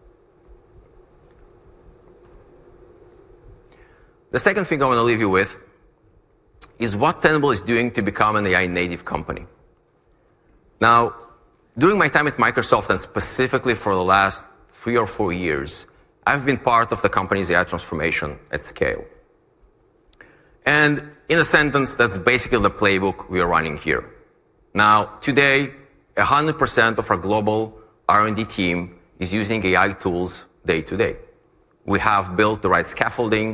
The second thing I want to leave you with is what Tenable is doing to become an AI native company. Now, during my time at Microsoft, and specifically for the last three or four years, I've been part of the company's AI transformation at scale. In a sentence, that's basically the playbook we are running here. Now, today, 100% of our global R&D team is using AI tools day to day. We have built the right scaffolding,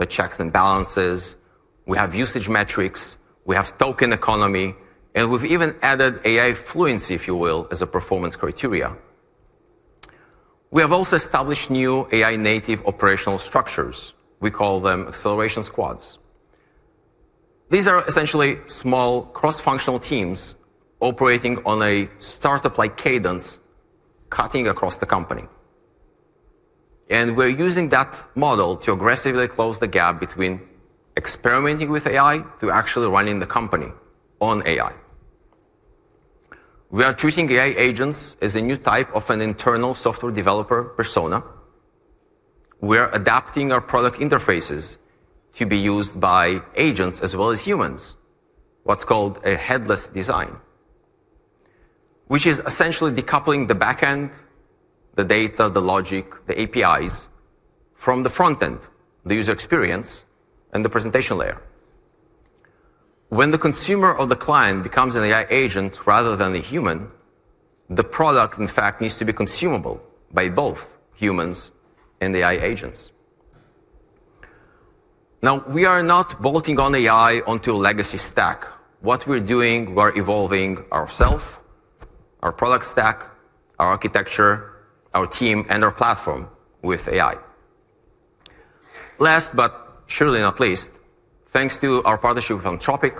the checks and balances. We have usage metrics, we have token economy, and we've even added AI fluency, if you will, as a performance criteria. We have also established new AI native operational structures. We call them acceleration squads. These are essentially small cross-functional teams operating on a startup-like cadence cutting across the company. We're using that model to aggressively close the gap between experimenting with AI to actually running the company on AI. We are treating AI agents as a new type of an internal software developer persona. We are adapting our product interfaces to be used by agents as well as humans, what's called a headless design, which is essentially decoupling the back end, the data, the logic, the APIs from the front end, the user experience and the presentation layer. When the consumer or the client becomes an AI agent rather than a human, the product in fact needs to be consumable by both humans and AI agents. We are not bolting on AI onto a legacy stack. What we're doing, we're evolving ourselves, our product stack, our architecture, our team, and our platform with AI. Last but surely not least, thanks to our partnership with Anthropic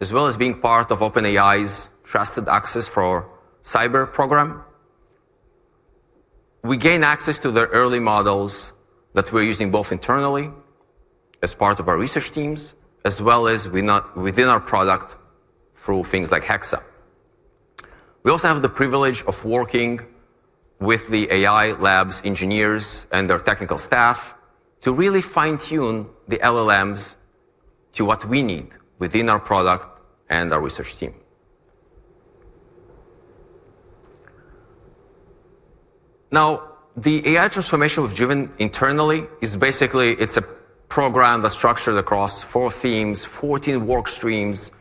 as well as being part of OpenAI's Trusted Access for Cyber program, we gain access to their early models that we're using both internally as part of our research teams as well as within our product through things like Hexa. We also have the privilege of working with the AI labs engineers and their technical staff to really fine-tune the LLMs to what we need within our product and our research team. The AI transformation we've driven internally is basically, it's a program that's structured across four themes, 14 work streams.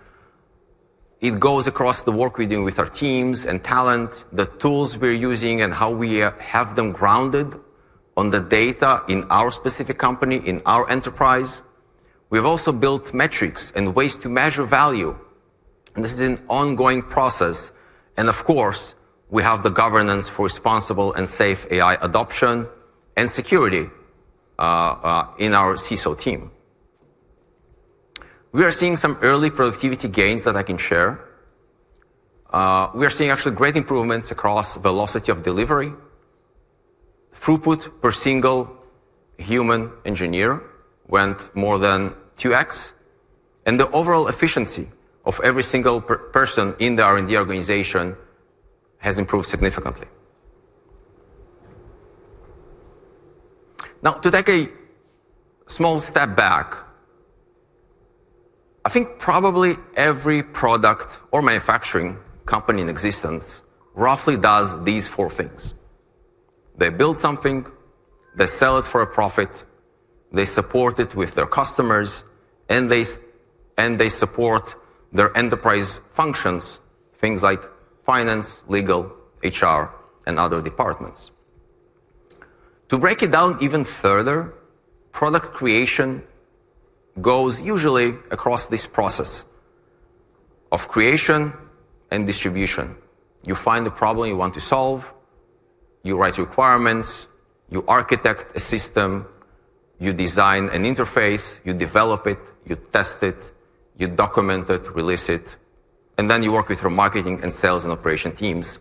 It goes across the work we do with our teams and talent, the tools we're using, and how we have them grounded on the data in our specific company, in our enterprise. We've also built metrics and ways to measure value, and this is an ongoing process. Of course, we have the governance for responsible and safe AI adoption and security in our CISO team. We are seeing some early productivity gains that I can share. We are seeing actually great improvements across velocity of delivery throughput per single human engineer went more than 2x, and the overall efficiency of every single person in the R&D organization has improved significantly. To take a small step back, I think probably every product or manufacturing company in existence roughly does these four things. They build something, they sell it for a profit, they support it with their customers, and they support their enterprise functions, things like finance, legal, HR, and other departments. To break it down even further, product creation goes usually across this process of creation and distribution. You find the problem you want to solve, you write requirements, you architect a system, you design an interface, you develop it, you test it, you document it, release it, and then you work with your marketing and sales and operation teams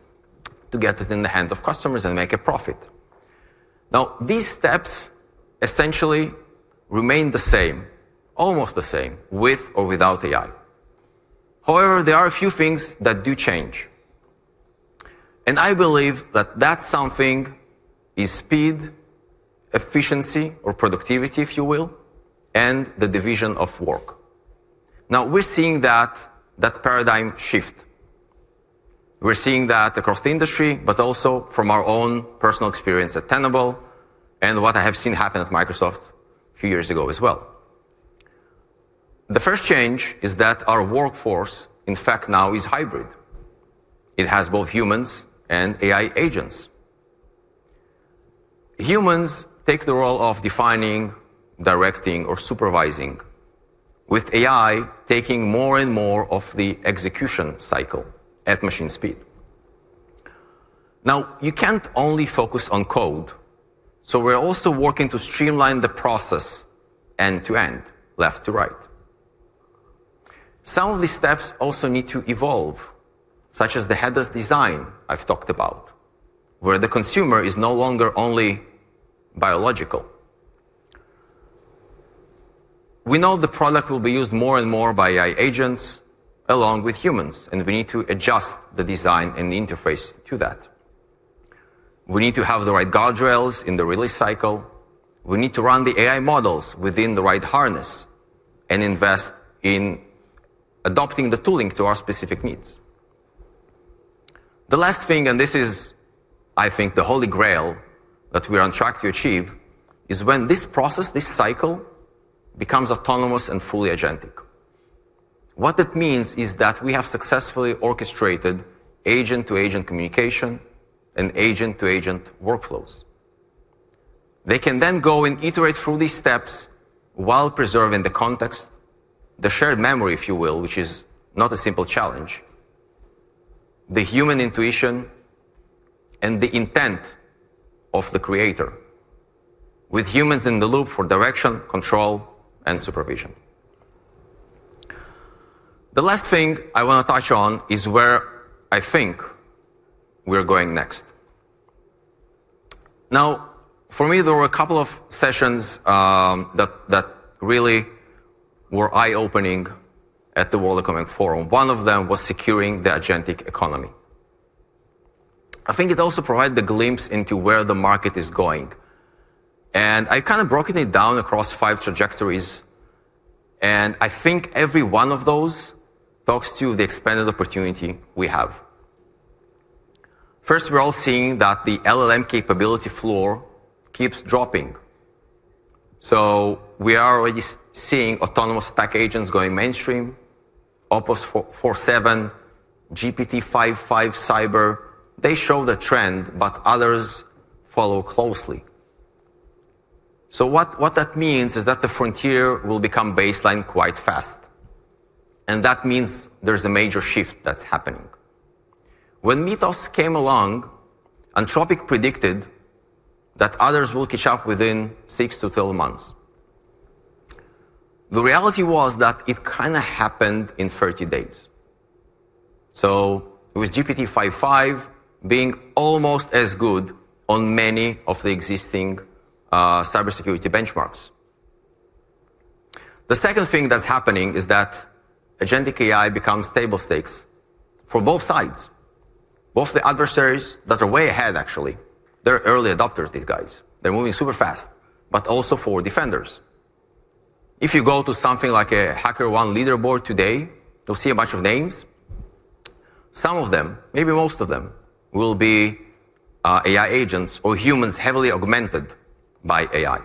to get it in the hands of customers and make a profit. These steps essentially remain the same, almost the same with or without AI. However, there are a few things that do change, and I believe that that something is speed, efficiency, or productivity, if you will, and the division of work. We're seeing that paradigm shift. We're seeing that across the industry, but also from our own personal experience at Tenable and what I have seen happen at Microsoft a few years ago as well. The first change is that our workforce, in fact, now is hybrid. It has both humans and AI agents. Humans take the role of defining, directing, or supervising, with AI taking more and more of the execution cycle at machine speed. You can't only focus on code, so we're also working to streamline the process end to end, left to right. Some of these steps also need to evolve, such as the headless design I've talked about, where the consumer is no longer only biological. We know the product will be used more and more by AI agents along with humans, we need to adjust the design and the interface to that. We need to have the right guardrails in the release cycle. We need to run the AI models within the right harness and invest in adopting the tooling to our specific needs. The last thing, and this is I think the holy grail that we're on track to achieve, is when this process, this cycle becomes autonomous and fully agentic. What that means is that we have successfully orchestrated agent-to-agent communication and agent-to-agent workflows. They can then go and iterate through these steps while preserving the context, the shared memory, if you will, which is not a simple challenge, the human intuition, and the intent of the creator with humans in the loop for direction, control and supervision. The last thing I want to touch on is where I think we're going next. For me, there were a couple of sessions that really were eye-opening at the World Economic Forum. One of them was securing the agentic economy. I think it also provided a glimpse into where the market is going, and I kind of broken it down across five trajectories, and I think every one of those talks to the expanded opportunity we have. First, we're all seeing that the LLM capability floor keeps dropping. We are already seeing autonomous stack agents going mainstream, Opus 4.7, GPT-5.5-Cyber. They show the trend, but others follow closely. What that means is that the frontier will become baseline quite fast, and that means there's a major shift that's happening. When Mythos came along, Anthropic predicted that others will catch up within 6-12 months. The reality was that it kind of happened in 30 days. With GPT-5.5 Being almost as good on many of the existing cybersecurity benchmarks. The second thing that's happening is that agentic AI becomes table stakes for both sides, both the adversaries that are way ahead, actually, they're early adopters, these guys. They're moving super fast, also for defenders. If you go to something like a HackerOne leaderboard today, you'll see a bunch of names. Some of them, maybe most of them will be AI agents or humans heavily augmented by AI.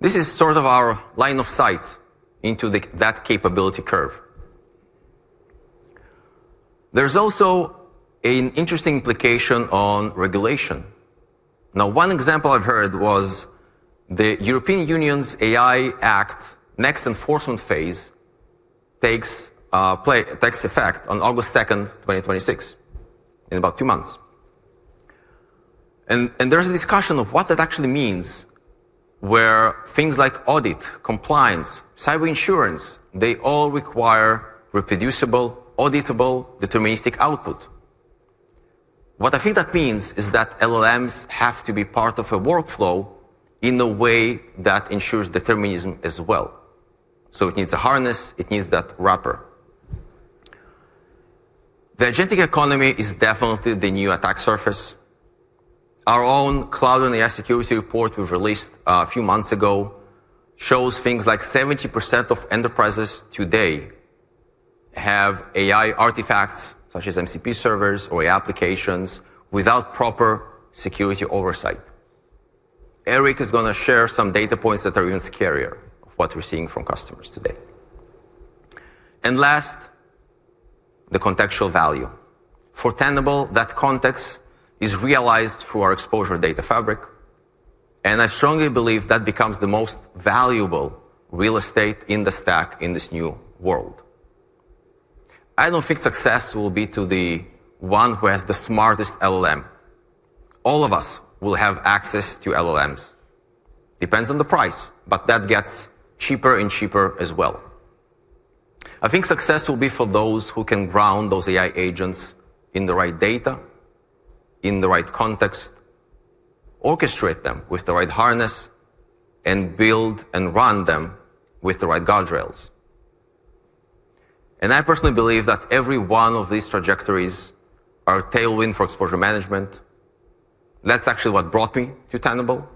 This is sort of our line of sight into that capability curve. There's also an interesting implication on regulation. One example I've heard was the European Union's AI Act next enforcement phase takes effect on August 2nd, 2026, in about two months. There's a discussion of what that actually means, where things like audit, compliance, cyber insurance, they all require reproducible, auditable, deterministic output. What I think that means is that LLMs have to be part of a workflow in a way that ensures determinism as well. It needs a harness. It needs that wrapper. The agentic economy is definitely the new attack surface. Our own cloud and AI security report we've released a few months ago shows things like 70% of enterprises today have AI artifacts such as MCP servers or AI applications without proper security oversight. Eric is going to share some data points that are even scarier of what we're seeing from customers today. Last, the contextual value. For Tenable, that context is realized through our Exposure Data Fabric, and I strongly believe that becomes the most valuable real estate in the stack in this new world. I don't think success will be to the one who has the smartest LLM. All of us will have access to LLMs. Depends on the price, that gets cheaper and cheaper as well. I think success will be for those who can ground those AI agents in the right data, in the right context, orchestrate them with the right harness, and build and run them with the right guardrails. I personally believe that every one of these trajectories are a tailwind for exposure management. That's actually what brought me to Tenable,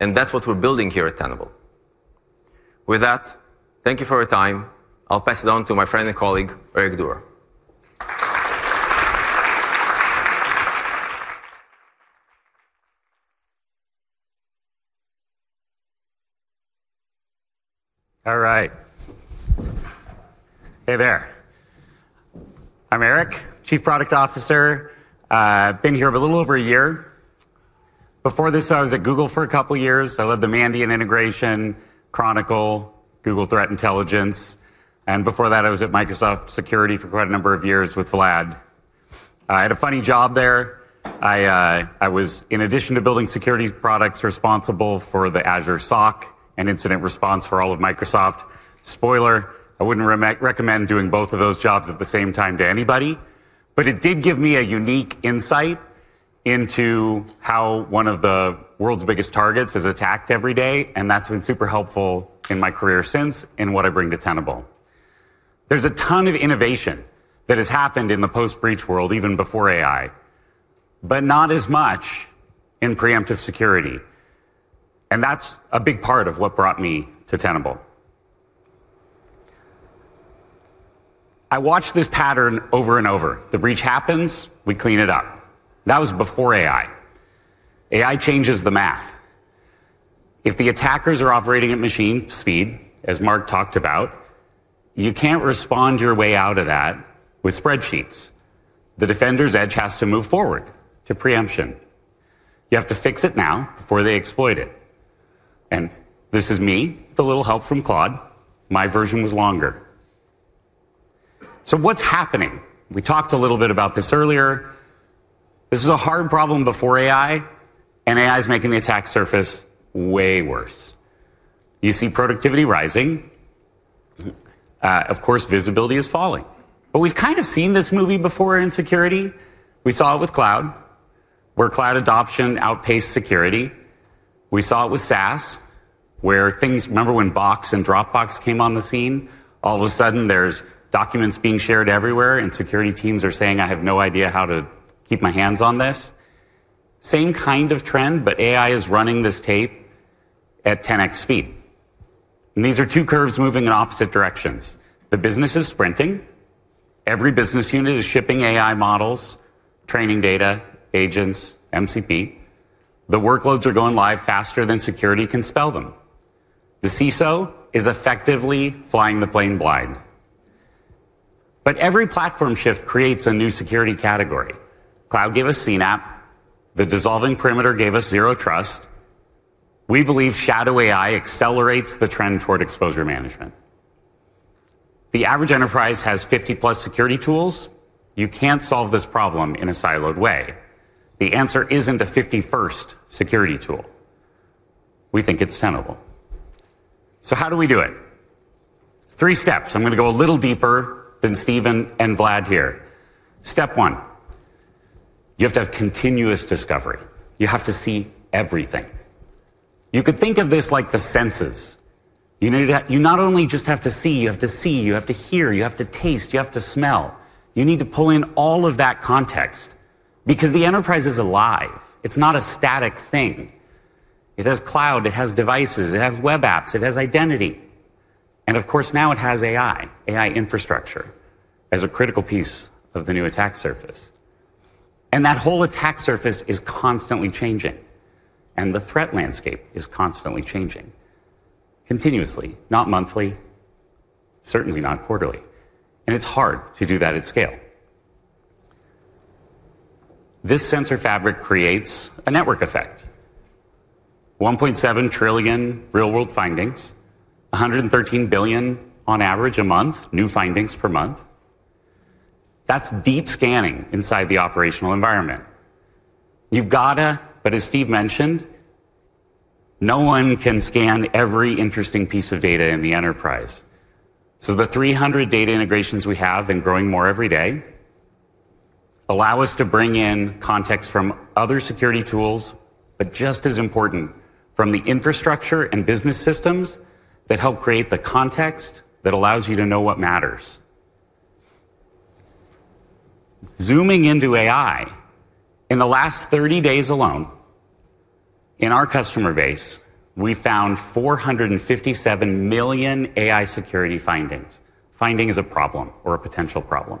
and that's what we're building here at Tenable. With that, thank you for your time. I'll pass it on to my friend and colleague, Eric Doerr. All right. Hey there. I am Eric, Chief Product Officer. Been here a little over a year. Before this, I was at Google for a couple of years. I led the Mandiant integration, Chronicle, Google Threat Intelligence. Before that, I was at Microsoft Security for quite a number of years with Vlad. I had a funny job there. I was, in addition to building security products, responsible for the Azure SOC and incident response for all of Microsoft. Spoiler, I wouldn't recommend doing both of those jobs at the same time to anybody. It did give me a unique insight into how one of the world's biggest targets is attacked every day, and that's been super helpful in my career since, and what I bring to Tenable. There's a ton of innovation that has happened in the post-breach world, even before AI, but not as much in preemptive security, and that's a big part of what brought me to Tenable. I watched this pattern over and over. The breach happens, we clean it up. That was before AI. AI changes the math. If the attackers are operating at machine speed, as Mark talked about, you can't respond your way out of that with spreadsheets. The defender's edge has to move forward to preemption. You have to fix it now before they exploit it. This is me with a little help from Claude. My version was longer. What's happening? We talked a little bit about this earlier. This is a hard problem before AI, and AI is making the attack surface way worse. You see productivity rising. Of course, visibility is falling. We've kind of seen this movie before in security. We saw it with cloud, where cloud adoption outpaced security. We saw it with SaaS, where things, remember when Box and Dropbox came on the scene? All of a sudden, there's documents being shared everywhere, and security teams are saying, "I have no idea how to keep my hands on this." Same kind of trend, AI is running this tape at 10x speed. These are two curves moving in opposite directions. The business is sprinting. Every business unit is shipping AI models, training data, agents, MCP. The workloads are going live faster than security can spell them. The CISO is effectively flying the plane blind. Every platform shift creates a new security category. Cloud gave us CNAPP. The dissolving perimeter gave us zero trust. We believe shadow AI accelerates the trend toward exposure management. The average enterprise has 50+ security tools. You can't solve this problem in a siloed way. The answer isn't a 51st security tool. We think it's Tenable. How do we do it? Three steps. I'm going to go a little deeper than Steve and Vlad here. Step one, you have to have continuous discovery. You have to see everything. You could think of this like the senses. You not only just have to see, you have to hear, you have to taste, you have to smell. You need to pull in all of that context because the enterprise is alive. It's not a static thing. It has cloud, it has devices, it has web apps, it has identity. Of course, now it has AI infrastructure, as a critical piece of the new attack surface. That whole attack surface is constantly changing, and the threat landscape is constantly changing, continuously, not monthly, certainly not quarterly. It's hard to do that at scale. This sensor fabric creates a network effect. 1.7 trillion real-world findings, 113 billion on average a month, new findings per month. That's deep scanning inside the operational environment. As Steve mentioned, no one can scan every interesting piece of data in the enterprise. The 300 data integrations we have, and growing more every day, allow us to bring in context from other security tools, but just as important, from the infrastructure and business systems that help create the context that allows you to know what matters. Zooming into AI, in the last 30 days alone, in our customer base, we found 457 million AI security findings. Finding is a problem or a potential problem.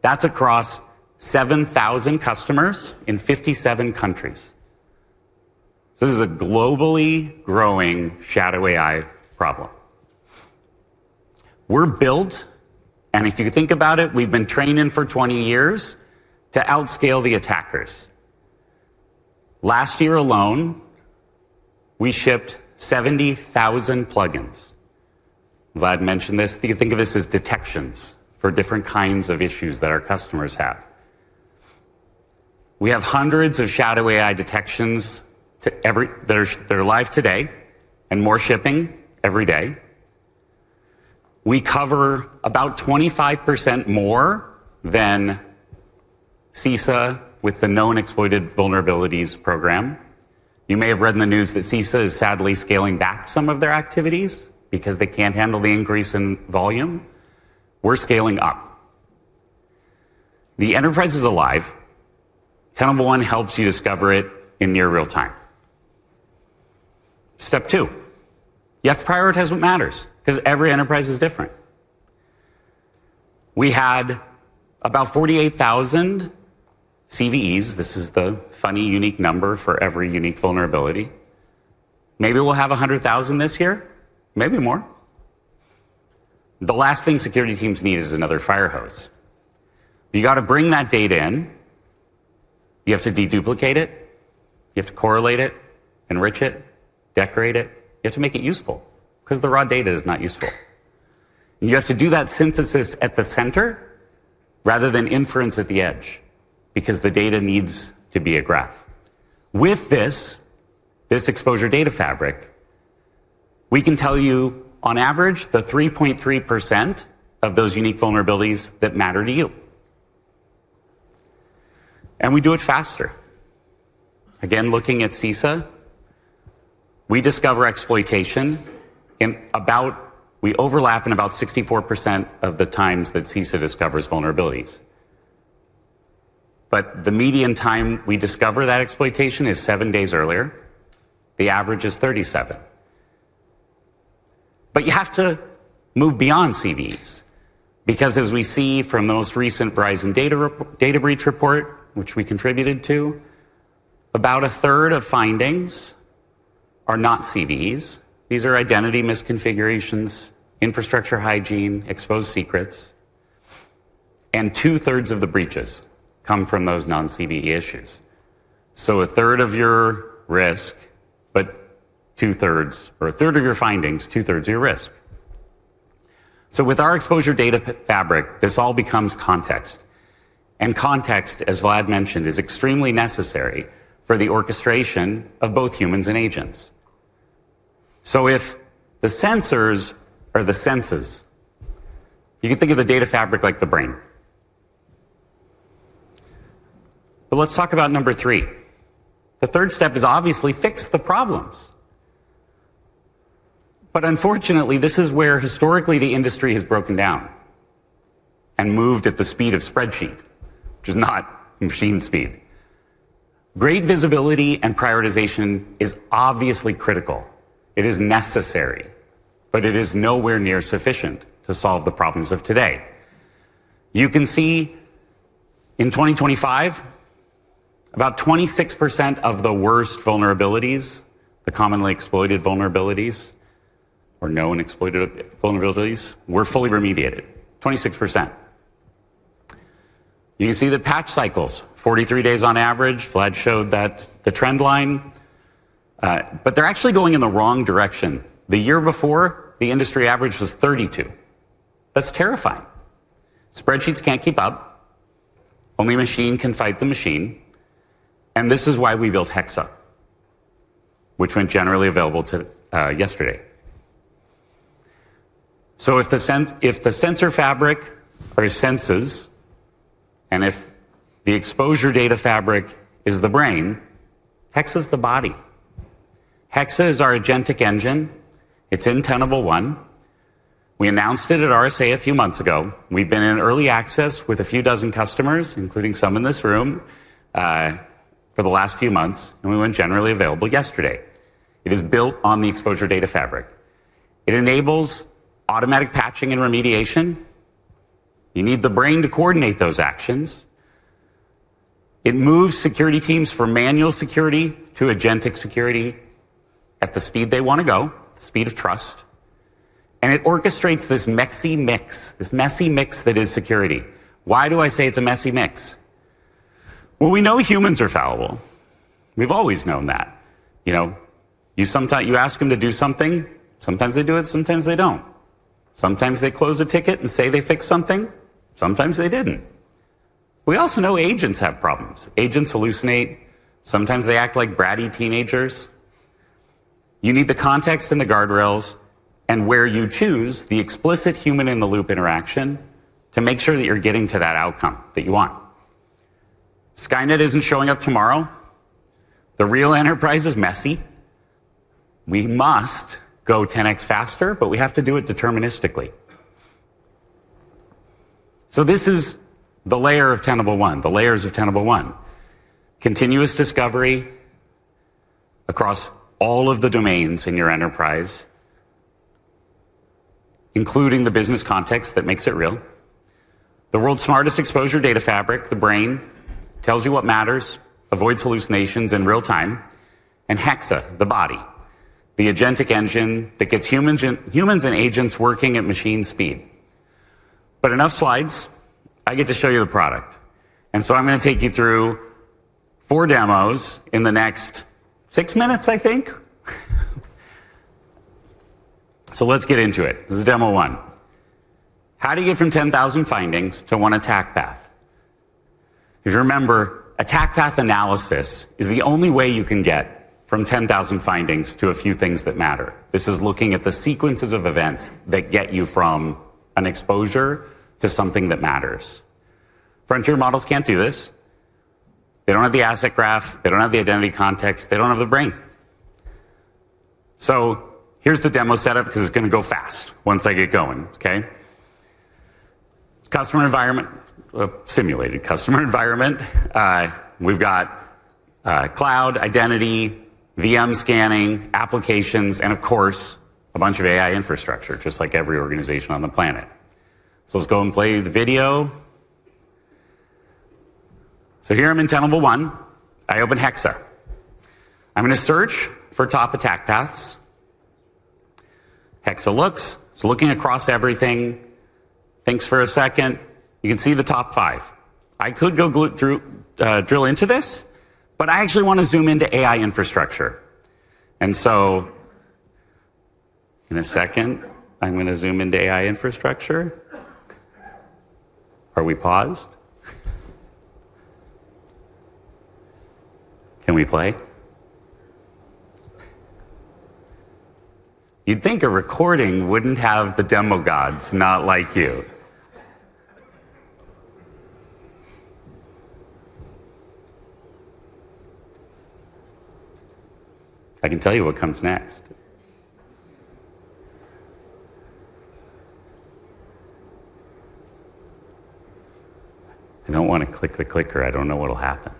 That's across 7,000 customers in 57 countries. This is a globally growing shadow AI problem. We're built, and if you think about it, we've been training for 20 years to outscale the attackers. Last year alone, we shipped 70,000 plugins. Vlad mentioned this. You can think of this as detections for different kinds of issues that our customers have. We have hundreds of shadow AI detections, they're live today, and more shipping every day. We cover about 25% more than CISA with the Known Exploited Vulnerabilities Program. You may have read in the news that CISA is sadly scaling back some of their activities because they can't handle the increase in volume. We're scaling up. The enterprise is alive. Tenable One helps you discover it in near real-time. Step two, you have to prioritize what matters because every enterprise is different. We had about 48,000 CVEs. This is the funny, unique number for every unique vulnerability. Maybe we'll have 100,000 this year, maybe more. The last thing security teams need is another fire hose. You got to bring that data in, you have to de-duplicate it, you have to correlate it, enrich it, decorate it. You have to make it useful, because the raw data is not useful. You have to do that synthesis at the center rather than inference at the edge, because the data needs to be a graph. With this Exposure Data Fabric, we can tell you on average the 3.3% of those unique vulnerabilities that matter to you. We do it faster. Again, looking at CISA, we discover exploitation, we overlap in about 64% of the times that CISA discovers vulnerabilities. The median time we discover that exploitation is seven days earlier. The average is 37. You have to move beyond CVEs, because as we see from the most recent Verizon data breach report, which we contributed to, about 1/3 of findings are not CVEs. These are identity misconfigurations, infrastructure hygiene, exposed secrets, and 2/3 of the breaches come from those non-CVE issues. A third of your risk, but 2/3, or 1/3 of your findings, 2/3 of your risk. With our Exposure Data Fabric, this all becomes context. Context, as Vlad mentioned, is extremely necessary for the orchestration of both humans and agents. If the sensors are the senses, you can think of the data fabric like the brain. Let's talk about number three. The third step is obviously fix the problems. Unfortunately, this is where historically the industry has broken down and moved at the speed of spreadsheet, which is not machine speed. Great visibility and prioritization is obviously critical. It is necessary, but it is nowhere near sufficient to solve the problems of today. You can see in 2025, about 26% of the worst vulnerabilities, the commonly exploited vulnerabilities or known exploited vulnerabilities, were fully remediated, 26%. You can see the patch cycles, 43 days on average. Vlad showed the trend line, but they're actually going in the wrong direction. The year before, the industry average was 32. That's terrifying. Spreadsheets can't keep up. Only a machine can fight the machine, and this is why we built Hexa, which went generally available yesterday. If the sensor fabric are senses, and if the Tenable Exposure Data Fabric is the brain, Hexa is the body. Hexa is our agentic engine. It's in Tenable One. We announced it at RSA a few months ago. We've been in early access with a few dozen customers, including some in this room, for the last few months, and we went generally available yesterday. It is built on the Exposure Data Fabric. It enables automatic patching and remediation. You need the brain to coordinate those actions. It moves security teams from manual security to agentic security at the speed they want to go, the speed of trust, and it orchestrates this messy mix that is security. Why do I say it's a messy mix? Well, we know humans are fallible. We've always known that. You ask them to do something, sometimes they do it, sometimes they don't. Sometimes they close a ticket and say they fixed something, sometimes they didn't. We also know agents have problems. Agents hallucinate. Sometimes they act like bratty teenagers. You need the context and the guardrails and where you choose the explicit human-in-the-loop interaction to make sure that you're getting to that outcome that you want. Skynet isn't showing up tomorrow. The real enterprise is messy. We must go 10x faster, but we have to do it deterministically. This is the layer of Tenable One, the layers of Tenable One. Continuous discovery across all of the domains in your enterprise, including the business context that makes it real. The world's smartest Exposure Data Fabric, the brain, tells you what matters, avoids hallucinations in real time. Hexa, the body, the agentic engine that gets humans and agents working at machine speed. Enough slides. I get to show you the product. I'm going to take you through four demos in the next six minutes, I think. Let's get into it. This is demo one. How do you get from 10,000 findings to one attack path? Remember, attack path analysis is the only way you can get from 10,000 findings to a few things that matter. This is looking at the sequences of events that get you from an exposure to something that matters. Frontier models can't do this. They don't have the asset graph. They don't have the identity context. They don't have the brain. Here's the demo setup, because it's going to go fast once I get going. Okay? Simulated customer environment. We've got cloud identity, VM scanning, applications, and of course, a bunch of AI infrastructure, just like every organization on the planet. Let's go and play the video. Here I'm in Tenable One. I open Hexa. I'm going to search for top attack paths. Hexa looks. It's looking across everything. Thinks for a second. You can see the top five. I could go drill into this. I actually want to zoom into AI infrastructure. In a second, I'm going to zoom into AI infrastructure. Are we paused? Can we play? You'd think a recording wouldn't have the demo gods not like you. I can tell you what comes next. I don't want to click the clicker. I don't know what'll happen.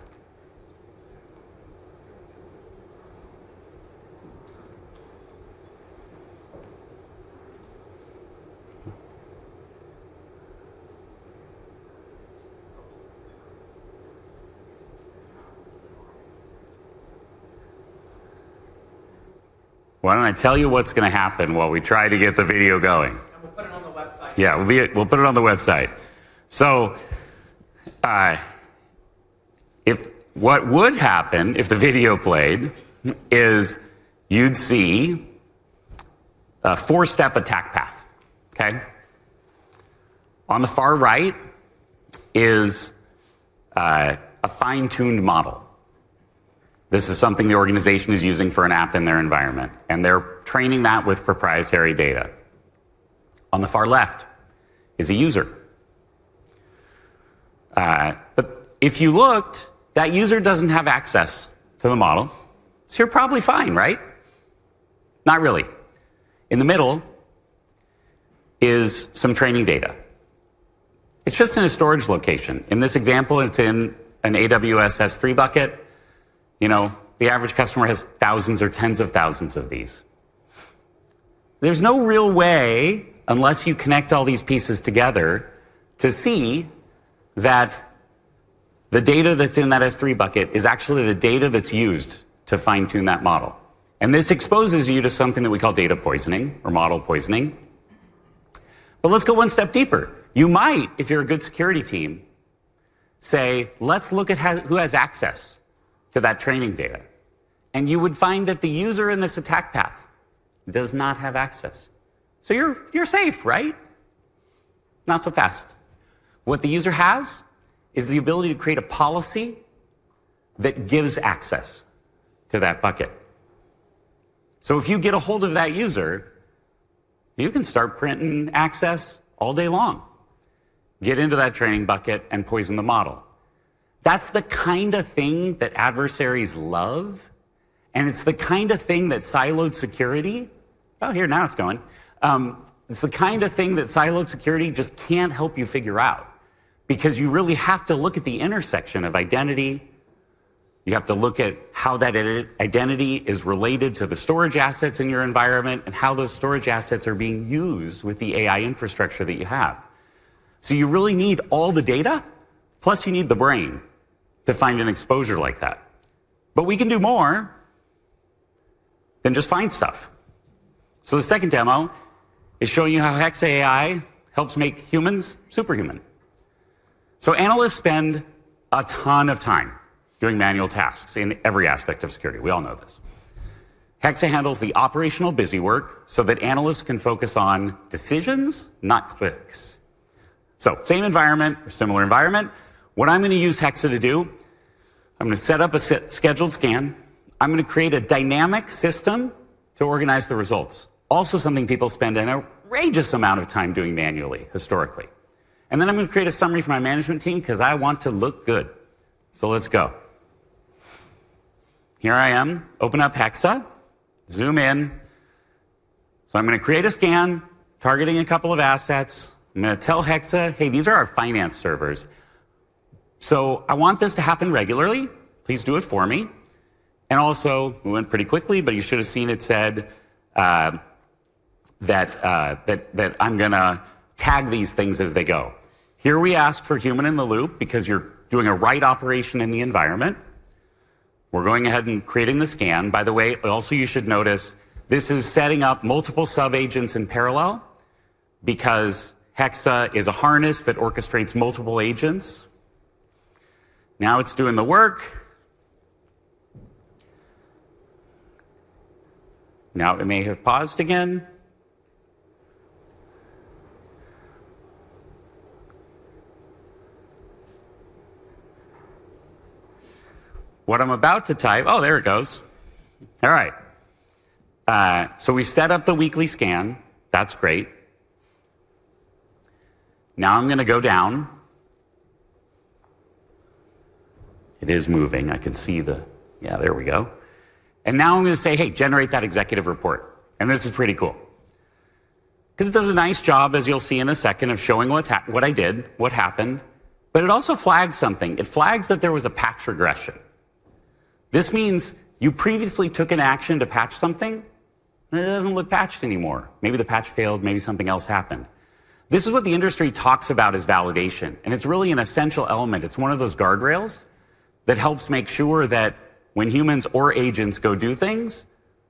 Why don't I tell you what's going to happen while we try to get the video going? Yeah. We'll put it on the website. What would happen if the video played is you'd see a four-step attack path. Okay. On the far right is a fine-tuned model. This is something the organization is using for an app in their environment, and they're training that with proprietary data. On the far left is a user. If you looked, that user doesn't have access to the model, so you're probably fine, right. Not really. In the middle is some training data. It's just in a storage location. In this example, it's in an AWS S3 bucket. The average customer has thousands or tens of thousands of these. There's no real way, unless you connect all these pieces together, to see that the data that's in that S3 bucket is actually the data that's used to fine-tune that model. This exposes you to something that we call data poisoning or model poisoning. Let's go one step deeper. You might, if you're a good security team, say, "Let's look at who has access to that training data." You would find that the user in this attack path does not have access. You're safe, right? Not so fast. What the user has is the ability to create a policy that gives access to that bucket. If you get ahold of that user, you can start printing access all day long, get into that training bucket, and poison the model. That's the kind of thing that adversaries love, and it's the kind of thing that siloed security. It's the kind of thing that siloed security just can't help you figure out because you really have to look at the intersection of identity. You have to look at how that identity is related to the storage assets in your environment and how those storage assets are being used with the AI infrastructure that you have. You really need all the data, plus you need the brain to find an exposure like that. We can do more than just find stuff. The second demo is showing you how Hexa AI helps make humans superhuman. Analysts spend a ton of time doing manual tasks in every aspect of security. We all know this. Hexa handles the operational busy work so that analysts can focus on decisions, not clicks. Same environment or similar environment. What I'm going to use Hexa to do, I'm going to set up a scheduled scan. I'm going to create a dynamic system to organize the results. Also, something people spend an outrageous amount of time doing manually, historically. Then I'm going to create a summary for my management team because I want to look good. Let's go. Here I am. Open up Hexa. Zoom in. I'm going to create a scan targeting a couple of assets. I'm going to tell Hexa, "Hey, these are our finance servers, so I want this to happen regularly. Please do it for me." Also, we went pretty quickly, but you should have seen it said that I'm going to tag these things as they go. Here we ask for human in the loop because you're doing a write operation in the environment. We're going ahead and creating the scan. By the way, also you should notice this is setting up multiple sub-agents in parallel because Hexa is a harness that orchestrates multiple agents. Now it's doing the work. It may have paused again. What I'm about to type, there it goes. All right. We set up the weekly scan. That's great. I'm going to go down. It is moving. I can see the, there we go. I'm going to say, "Hey, generate that executive report." This is pretty cool because it does a nice job, as you'll see in a second, of showing what I did, what happened, but it also flags something. It flags that there was a patch regression. This means you previously took an action to patch something, and it doesn't look patched anymore. Maybe the patch failed, maybe something else happened. This is what the industry talks about as validation, and it's really an essential element. It's one of those guardrails that helps make sure that when humans or agents go do things,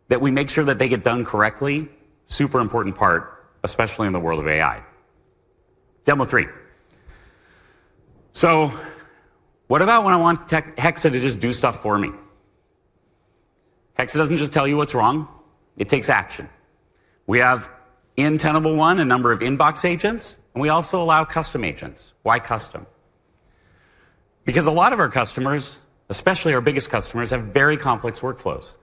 that we make sure that they get done correctly. Super important part, especially in the world of AI. Demo three. What about when I want Hexa to just do stuff for me? Hexa doesn't just tell you what's wrong. It takes action. We have in Tenable One, a number of inbox agents, and we also allow custom agents. Why custom? A lot of our customers, especially our biggest customers, have very complex workflows.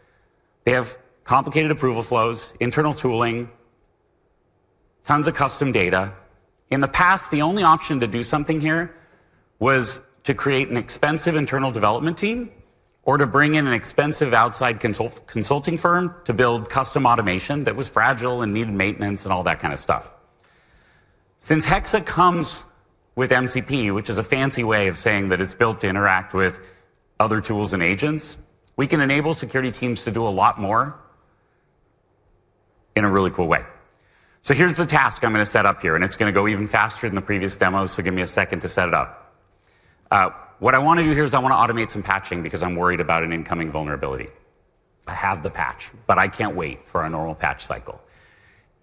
They have complicated approval flows, internal tooling, tons of custom data. In the past, the only option to do something here was to create an expensive internal development team or to bring in an expensive outside consulting firm to build custom automation that was fragile and needed maintenance and all that kind of stuff. Since Hexa comes with MCP, which is a fancy way of saying that it's built to interact with other tools and agents, we can enable security teams to do a lot more in a really cool way. Here's the task I'm going to set up here, and it's going to go even faster than the previous demos, so give me a second to set it up. What I want to do here is I want to automate some patching because I'm worried about an incoming vulnerability. I have the patch, but I can't wait for a normal patch cycle.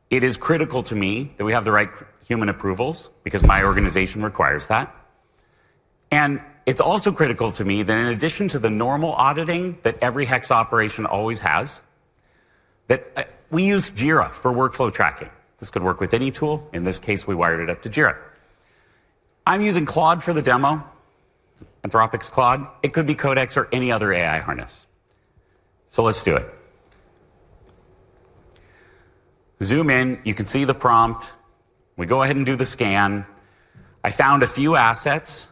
It is critical to me that we have the right human approvals because my organization requires that. It's also critical to me that in addition to the normal auditing that every Hexa operation always has, that we use Jira for workflow tracking. This could work with any tool. In this case, we wired it up to Jira. I'm using Claude for the demo, Anthropic's Claude. It could be Codex or any other AI harness. Let's do it. Zoom in. You can see the prompt. We go ahead and do the scan. I found a few assets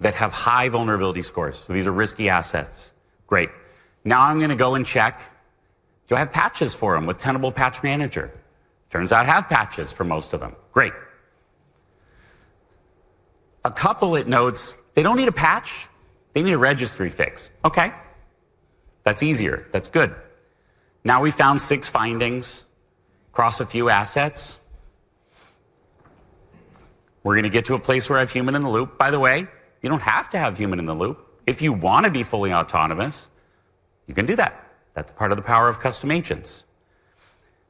that have high vulnerability scores, so these are risky assets. Great. Now I'm going to go and check, do I have patches for them with Tenable Patch Manager? Turns out I have patches for most of them. Great. A couple it notes, they don't need a patch, they need a registry fix. Okay. That's easier. That's good. We found six findings across a few assets. We're going to get to a place where I have human in the loop. By the way, you don't have to have human in the loop. If you want to be fully autonomous, you can do that. That's part of the power of custom agents.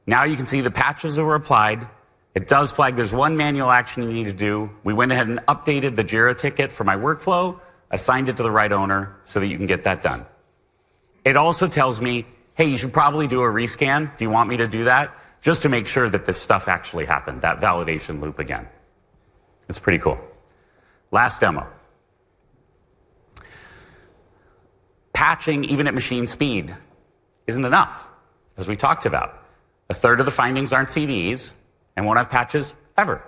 You can see the patches that were applied. It does flag there's one manual action you need to do. We went ahead and updated the Jira ticket for my workflow. I assigned it to the right owner so that you can get that done. It also tells me, "Hey, you should probably do a rescan. Do you want me to do that?" Just to make sure that this stuff actually happened, that validation loop again. It's pretty cool. Last demo. Patching, even at machine speed, isn't enough, as we talked about. A third of the findings aren't CVEs and won't have patches ever.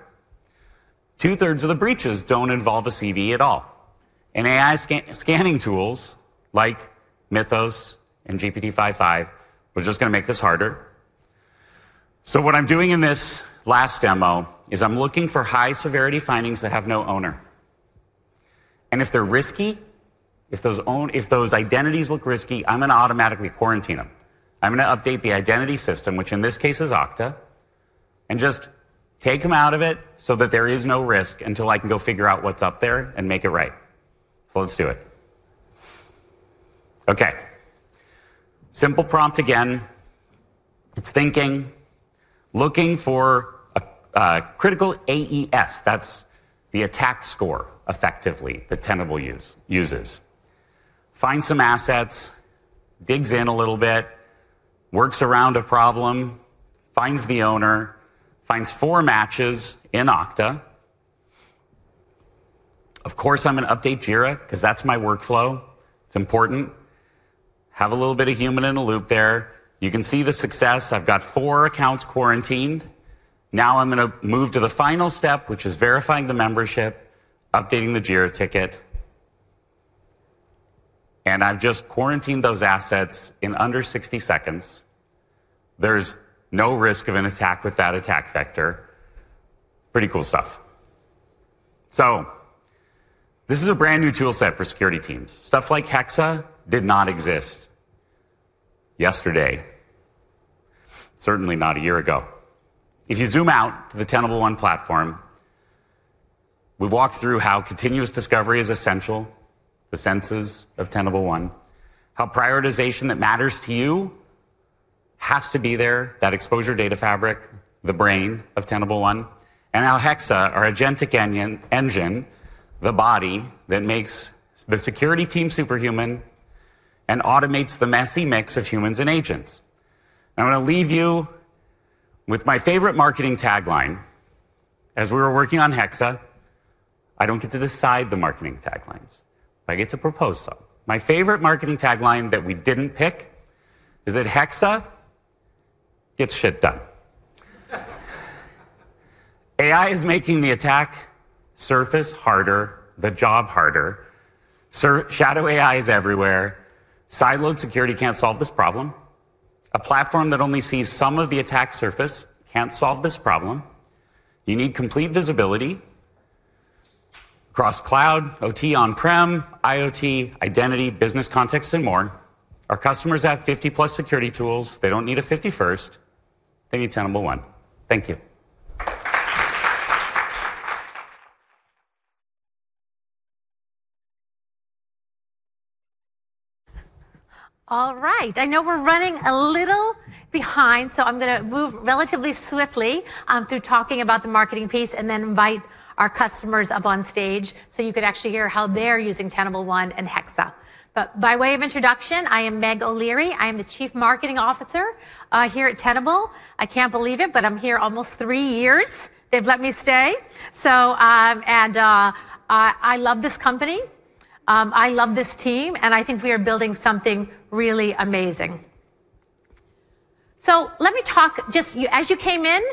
Two-thirds of the breaches don't involve a CVE at all. AI scanning tools like Mythos and GPT-5.5 are just going to make this harder. What I'm doing in this last demo is I'm looking for high-severity findings that have no owner. If they're risky, if those identities look risky, I'm going to automatically quarantine them. I'm going to update the identity system, which in this case is Okta. And just take him out of it so that there is no risk until I can go figure out what's up there and make it right. Let's do it. Okay. Simple prompt again. It's thinking, looking for a critical AES. That's the attack score, effectively, that Tenable uses. Finds some assets, digs in a little bit, works around a problem, finds the owner, finds four matches in Okta. Of course, I'm going to update Jira because that's my workflow. It's important. Have a little bit of human in the loop there. You can see the success. I've got four accounts quarantined. I'm going to move to the final step, which is verifying the membership, updating the Jira ticket. I've just quarantined those assets in under 60 seconds. There's no risk of an attack with that attack vector. Pretty cool stuff. This is a brand-new tool set for security teams. Stuff like Hexa did not exist yesterday, certainly not a year ago. If you zoom out to the Tenable One platform, we've walked through how continuous discovery is essential, the senses of Tenable One, how prioritization that matters to you has to be there, that Exposure Data Fabric, the brain of Tenable One, and now Hexa, our agentic engine, the body that makes the security team superhuman and automates the messy mix of humans and agents. I'm going to leave you with my favorite marketing tagline. As we were working on Hexa, I don't get to decide the marketing taglines, but I get to propose some. My favorite marketing tagline that we didn't pick is that Hexa gets shit done. AI is making the attack surface harder, the job harder. Shadow AI is everywhere. Siloed security can't solve this problem. A platform that only sees some of the attack surface can't solve this problem. You need complete visibility across cloud, OT, on-prem, IoT, identity, business context, and more. Our customers have 50+ security tools. They don't need a 51st. They need Tenable One. Thank you. All right. I know we're running a little behind, so I'm going to move relatively swiftly through talking about the marketing piece and then invite our customers up on stage so you could actually hear how they're using Tenable One and Hexa. By way of introduction, I am Meg O'Leary. I am the Chief Marketing Officer here at Tenable. I can't believe it, but I'm here almost three years. They've let me stay. I love this company, I love this team, and I think we are building something really amazing. Let me talk, just as you came in,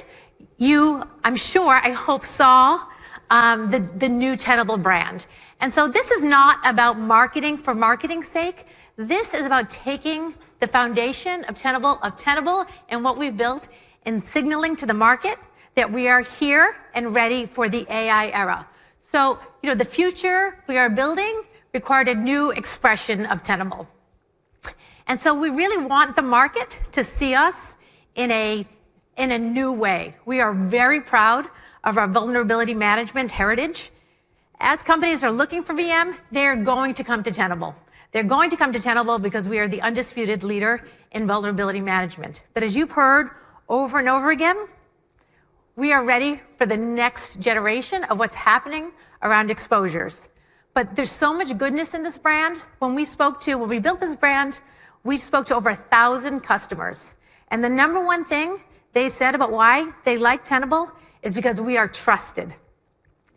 you I'm sure, I hope, saw the new Tenable brand. This is not about marketing for marketing's sake. This is about taking the foundation of Tenable and what we've built and signaling to the market that we are here and ready for the AI era. The future we are building required a new expression of Tenable. We really want the market to see us in a new way. We are very proud of our vulnerability management heritage. As companies are looking for VM, they are going to come to Tenable. They're going to come to Tenable because we are the undisputed leader in vulnerability management. As you've heard over and over again, we are ready for the next generation of what's happening around exposures. There's so much goodness in this brand. When we built this brand, we spoke to over 1,000 customers, and the number one thing they said about why they like Tenable is because we are trusted.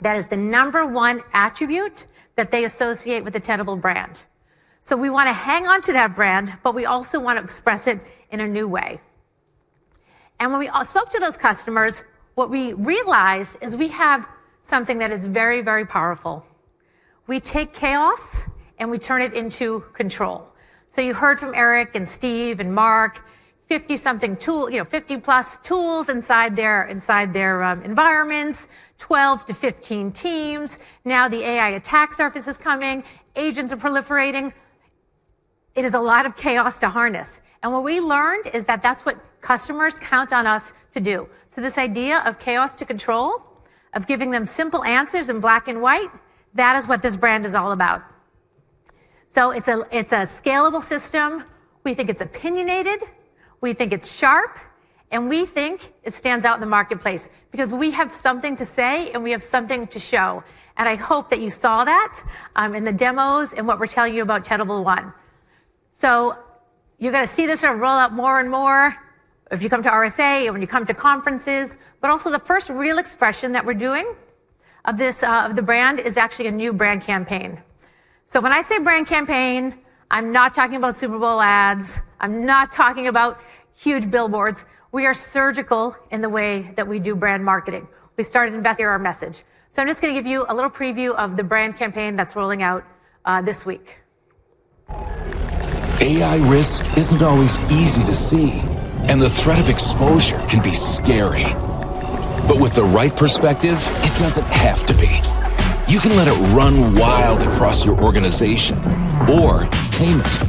That is the number one attribute that they associate with the Tenable brand. We want to hang on to that brand, but we also want to express it in a new way. When we spoke to those customers, what we realized is we have something that is very, very powerful. We take chaos, and we turn it into control. You heard from Eric and Steve and Mark, 50+ tools inside their environments, 12-15 teams. Now the AI attack surface is coming. Agents are proliferating. It is a lot of chaos to harness. What we learned is that that's what customers count on us to do. This idea of chaos to control, of giving them simple answers in black and white, that is what this brand is all about. It's a scalable system. We think it's opinionated, we think it's sharp, and we think it stands out in the marketplace because we have something to say, and we have something to show, and I hope that you saw that in the demos and what we're telling you about Tenable One. You're going to see this sort of roll out more and more if you come to RSA or when you come to conferences. Also the first real expression that we're doing of the brand is actually a new brand campaign. When I say brand campaign, I'm not talking about Super Bowl ads. I'm not talking about huge billboards. We are surgical in the way that we do brand marketing. We started investigating our message. I'm just going to give you a little preview of the brand campaign that's rolling out this week. AI risk isn't always easy to see, and the threat of exposure can be scary. With the right perspective, it doesn't have to be. You can let it run wild across your organization or tame it.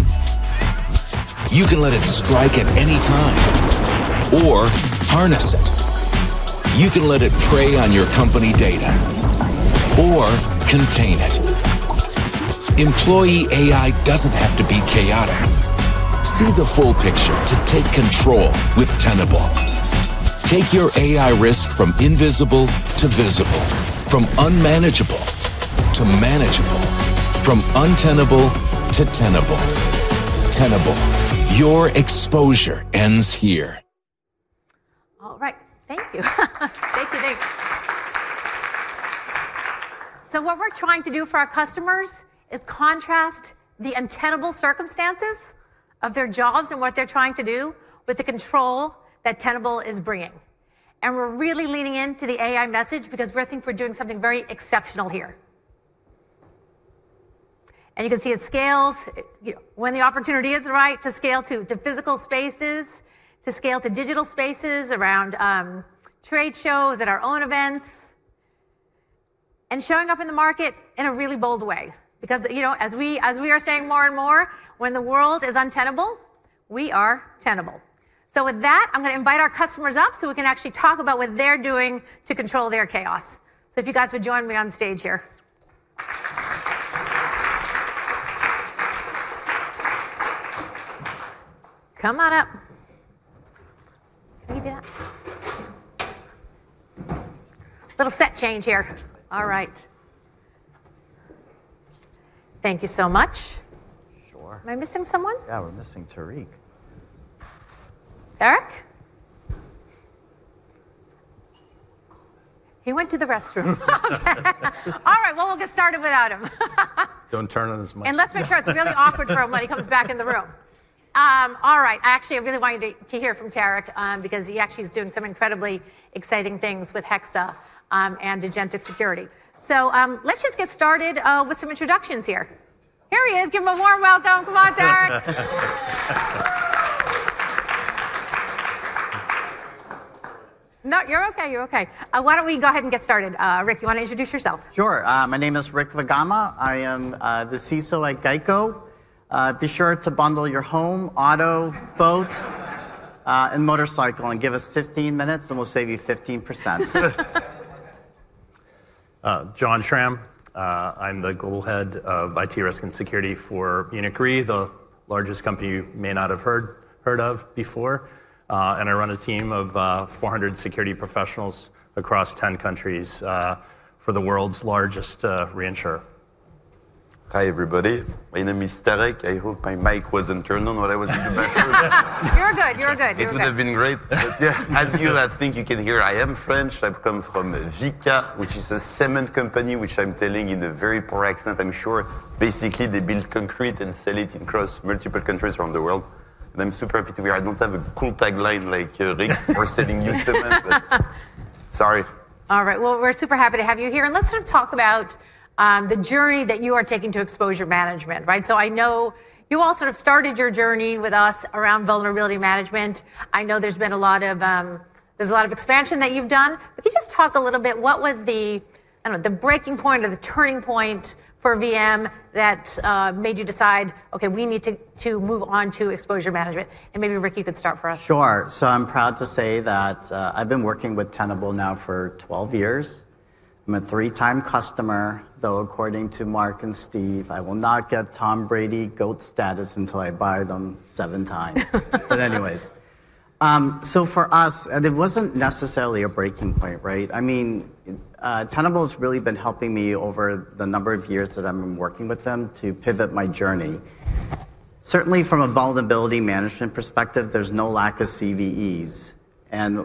You can let it strike at any time, or harness it. You can let it prey on your company data, or contain it. Employee AI doesn't have to be chaotic. See the full picture to take control with Tenable. Take your AI risk from invisible to visible, from unmanageable to manageable, from untenable to Tenable. Tenable. Your exposure ends here. All right. Thank you. Thank you. What we're trying to do for our customers is contrast the untenable circumstances of their jobs and what they're trying to do with the control that Tenable is bringing. We're really leaning into the AI message because we think we're doing something very exceptional here. You can see it scales when the opportunity is right to scale to physical spaces, to scale to digital spaces, around trade shows, at our own events, and showing up in the market in a really bold way. As we are saying more and more, when the world is untenable, we are Tenable. With that, I'm going to invite our customers up so we can actually talk about what they're doing to control their chaos. If you guys would join me on stage here. Come on up. Can you do that? Little set change here. All right. Thank you so much. Sure. Am I missing someone? Yeah, we're missing Tarek. Tarek? He went to the restroom. All right. Well, we'll get started without him. Don't turn on his mic. Let's make sure it's really awkward for him when he comes back in the room. All right. Actually, I really want to hear from Tarek, because he actually is doing some incredibly exciting things with Hexa, and agentic security. Let's just get started with some introductions here. Here he is. Give him a warm welcome. Come on, Tarek. No, you're okay. Why don't we go ahead and get started? Rick, you want to introduce yourself? Sure. My name is Rick Vadgama. I am the CISO at GEICO. Be sure to bundle your home, auto, boat, and motorcycle and give us 15 minutes and we'll save you 15%. John Schramm. I'm the Global Head of IT Risk and Security for Munich Re, the largest company you may not have heard of before. I run a team of 400 security professionals across 10 countries, for the world's largest reinsurer. Hi, everybody. My name is Tarek. I hope my mic wasn't turned on while I was in the bathroom. You're good. It would have been great. Yeah, as you, I think you can hear, I am French. I've come from Vicat, which is a cement company, which I'm telling in a very poor accent, I'm sure. Basically, they build concrete and sell it across multiple countries around the world. I'm super happy to be here. I don't have a cool tagline like Rick for selling you cement. Sorry. All right. Well, we're super happy to have you here, and let's sort of talk about the journey that you are taking to exposure management. I know you all sort of started your journey with us around vulnerability management. I know there's a lot of expansion that you've done. Can you just talk a little bit, what was the breaking point or the turning point for VM that made you decide, "Okay, we need to move on to exposure management"? Maybe Rick, you could start for us. Sure. I'm proud to say that I've been working with Tenable now for 12 years. I'm a three-time customer, though according to Mark and Steve, I will not get Tom Brady GOAT status until I buy them 7x. For us, it wasn't necessarily a breaking point. Tenable's really been helping me over the number of years that I've been working with them to pivot my journey. Certainly from a vulnerability management perspective, there's no lack of CVEs.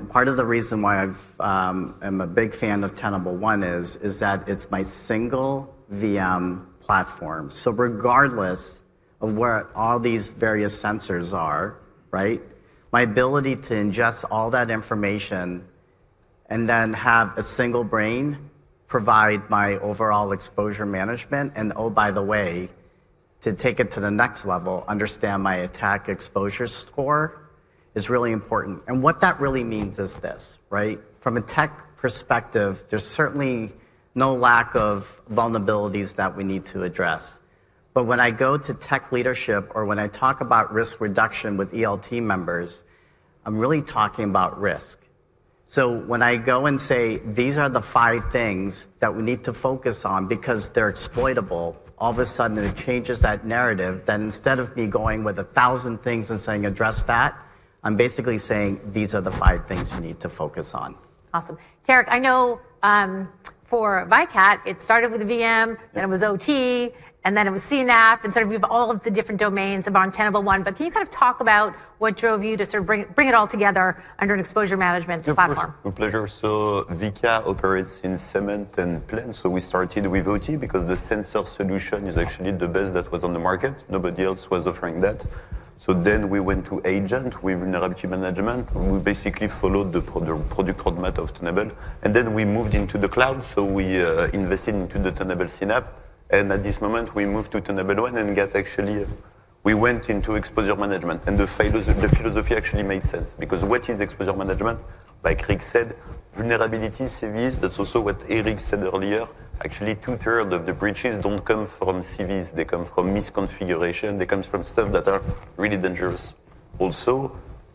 Part of the reason why I'm a big fan of Tenable One is that it's my single VM platform. Regardless of where all these various sensors are, my ability to ingest all that information and then have a single brain provide my overall exposure management, and oh by the way, to take it to the next level, understand my attack exposure score, is really important. What that really means is this. From a tech perspective, there is certainly no lack of vulnerabilities that we need to address. When I go to tech leadership or when I talk about risk reduction with ELT members, I am really talking about risk. When I go and say, "These are the five things that we need to focus on because they are exploitable," all of a sudden it changes that narrative. Instead of me going with 1,000 things and saying, "Address that," I am basically saying, "These are the five things you need to focus on." Awesome. Tarek, I know for Vicat, it started with a VM- It was OT, and then it was CNAPP, and sort of we have all of the different domains of on Tenable One. Can you kind of talk about what drove you to sort of bring it all together under an exposure management platform? Yeah, of course. With pleasure. Vicat operates in cement and plants, so we started with OT because the sensor solution is actually the best that was on the market. Nobody else was offering that. Then we went to agent with vulnerability management, and we basically followed the product roadmap of Tenable, and then we moved into the cloud, so we invested into the Tenable CNAPP. At this moment, we moved to Tenable One and- we went into exposure management, and the philosophy actually made sense, because what is exposure management? Like Rick said, vulnerability, CVEs. That's also what Eric said earlier. Two-third of the breaches don't come from CVEs. They come from misconfiguration. They comes from stuff that are really dangerous. Also,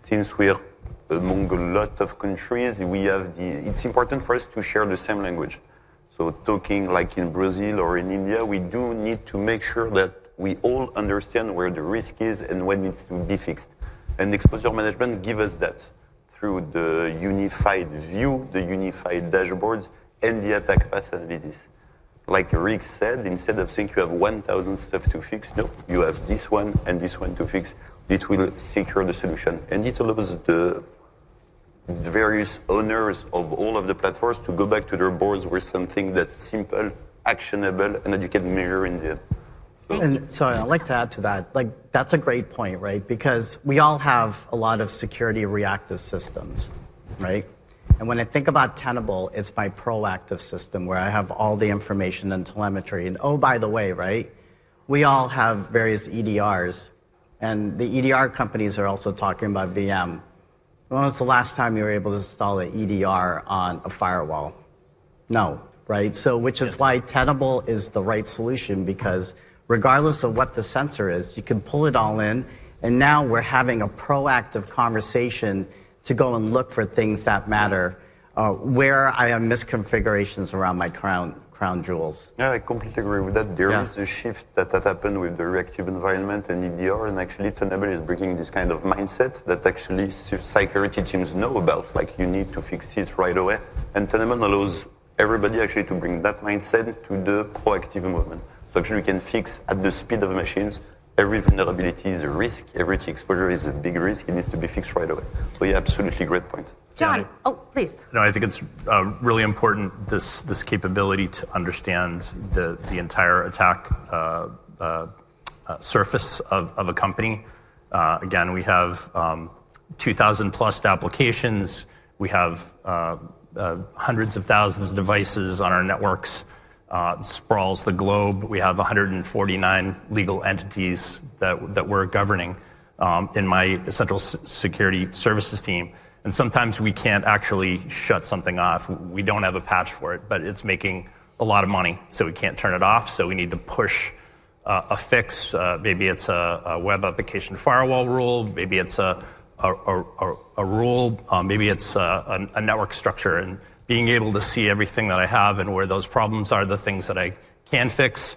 since we are among a lot of countries, it's important for us to share the same language. Talking like in Brazil or in India, we do need to make sure that we all understand where the risk is and when it needs to be fixed. Exposure management gives us that through the unified view, the unified dashboards, and the attack path analysis. Like Rick said, instead of think you have 1,000 stuff to fix, nope, you have this one and this one to fix, it will secure the solution. It allows the various owners of all of the platforms to go back to their boards with something that's simple, actionable, and that you can mirror in the end. Sorry, I'd like to add to that. That's a great point, because we all have a lot of security reactive systems. Right? When I think about Tenable, it's my proactive system where I have all the information and telemetry and oh, by the way, we all have various EDRs, and the EDR companies are also talking about VM. When was the last time you were able to install an EDR on a firewall? No. Right? Which is why Tenable is the right solution, because regardless of what the sensor is, you can pull it all in and now we're having a proactive conversation to go and look for things that matter, where I have misconfigurations around my crown jewels. Yeah, I completely agree with that. Yeah. There is a shift that happened with the reactive environment and EDR, actually Tenable is bringing this kind of mindset that actually security teams know about, like you need to fix it right away. Tenable allows everybody actually to bring that mindset to the proactive movement. Actually, we can fix at the speed of machines. Every vulnerability is a risk. Every exposure is a big risk. It needs to be fixed right away. Yeah, absolutely great point. John. Oh, please. I think it's really important, this capability to understand the entire attack surface of a company. We have 2,000+ applications. We have hundreds of thousands of devices on our networks, sprawls the globe. We have 149 legal entities that we're governing in my central security services team, and sometimes we can't actually shut something off. We don't have a patch for it, but it's making a lot of money, so we can't turn it off. We need to push a fix. Maybe it's a web application firewall rule. Maybe it's a rule. Maybe it's a network structure. Being able to see everything that I have and where those problems are, the things that I can fix,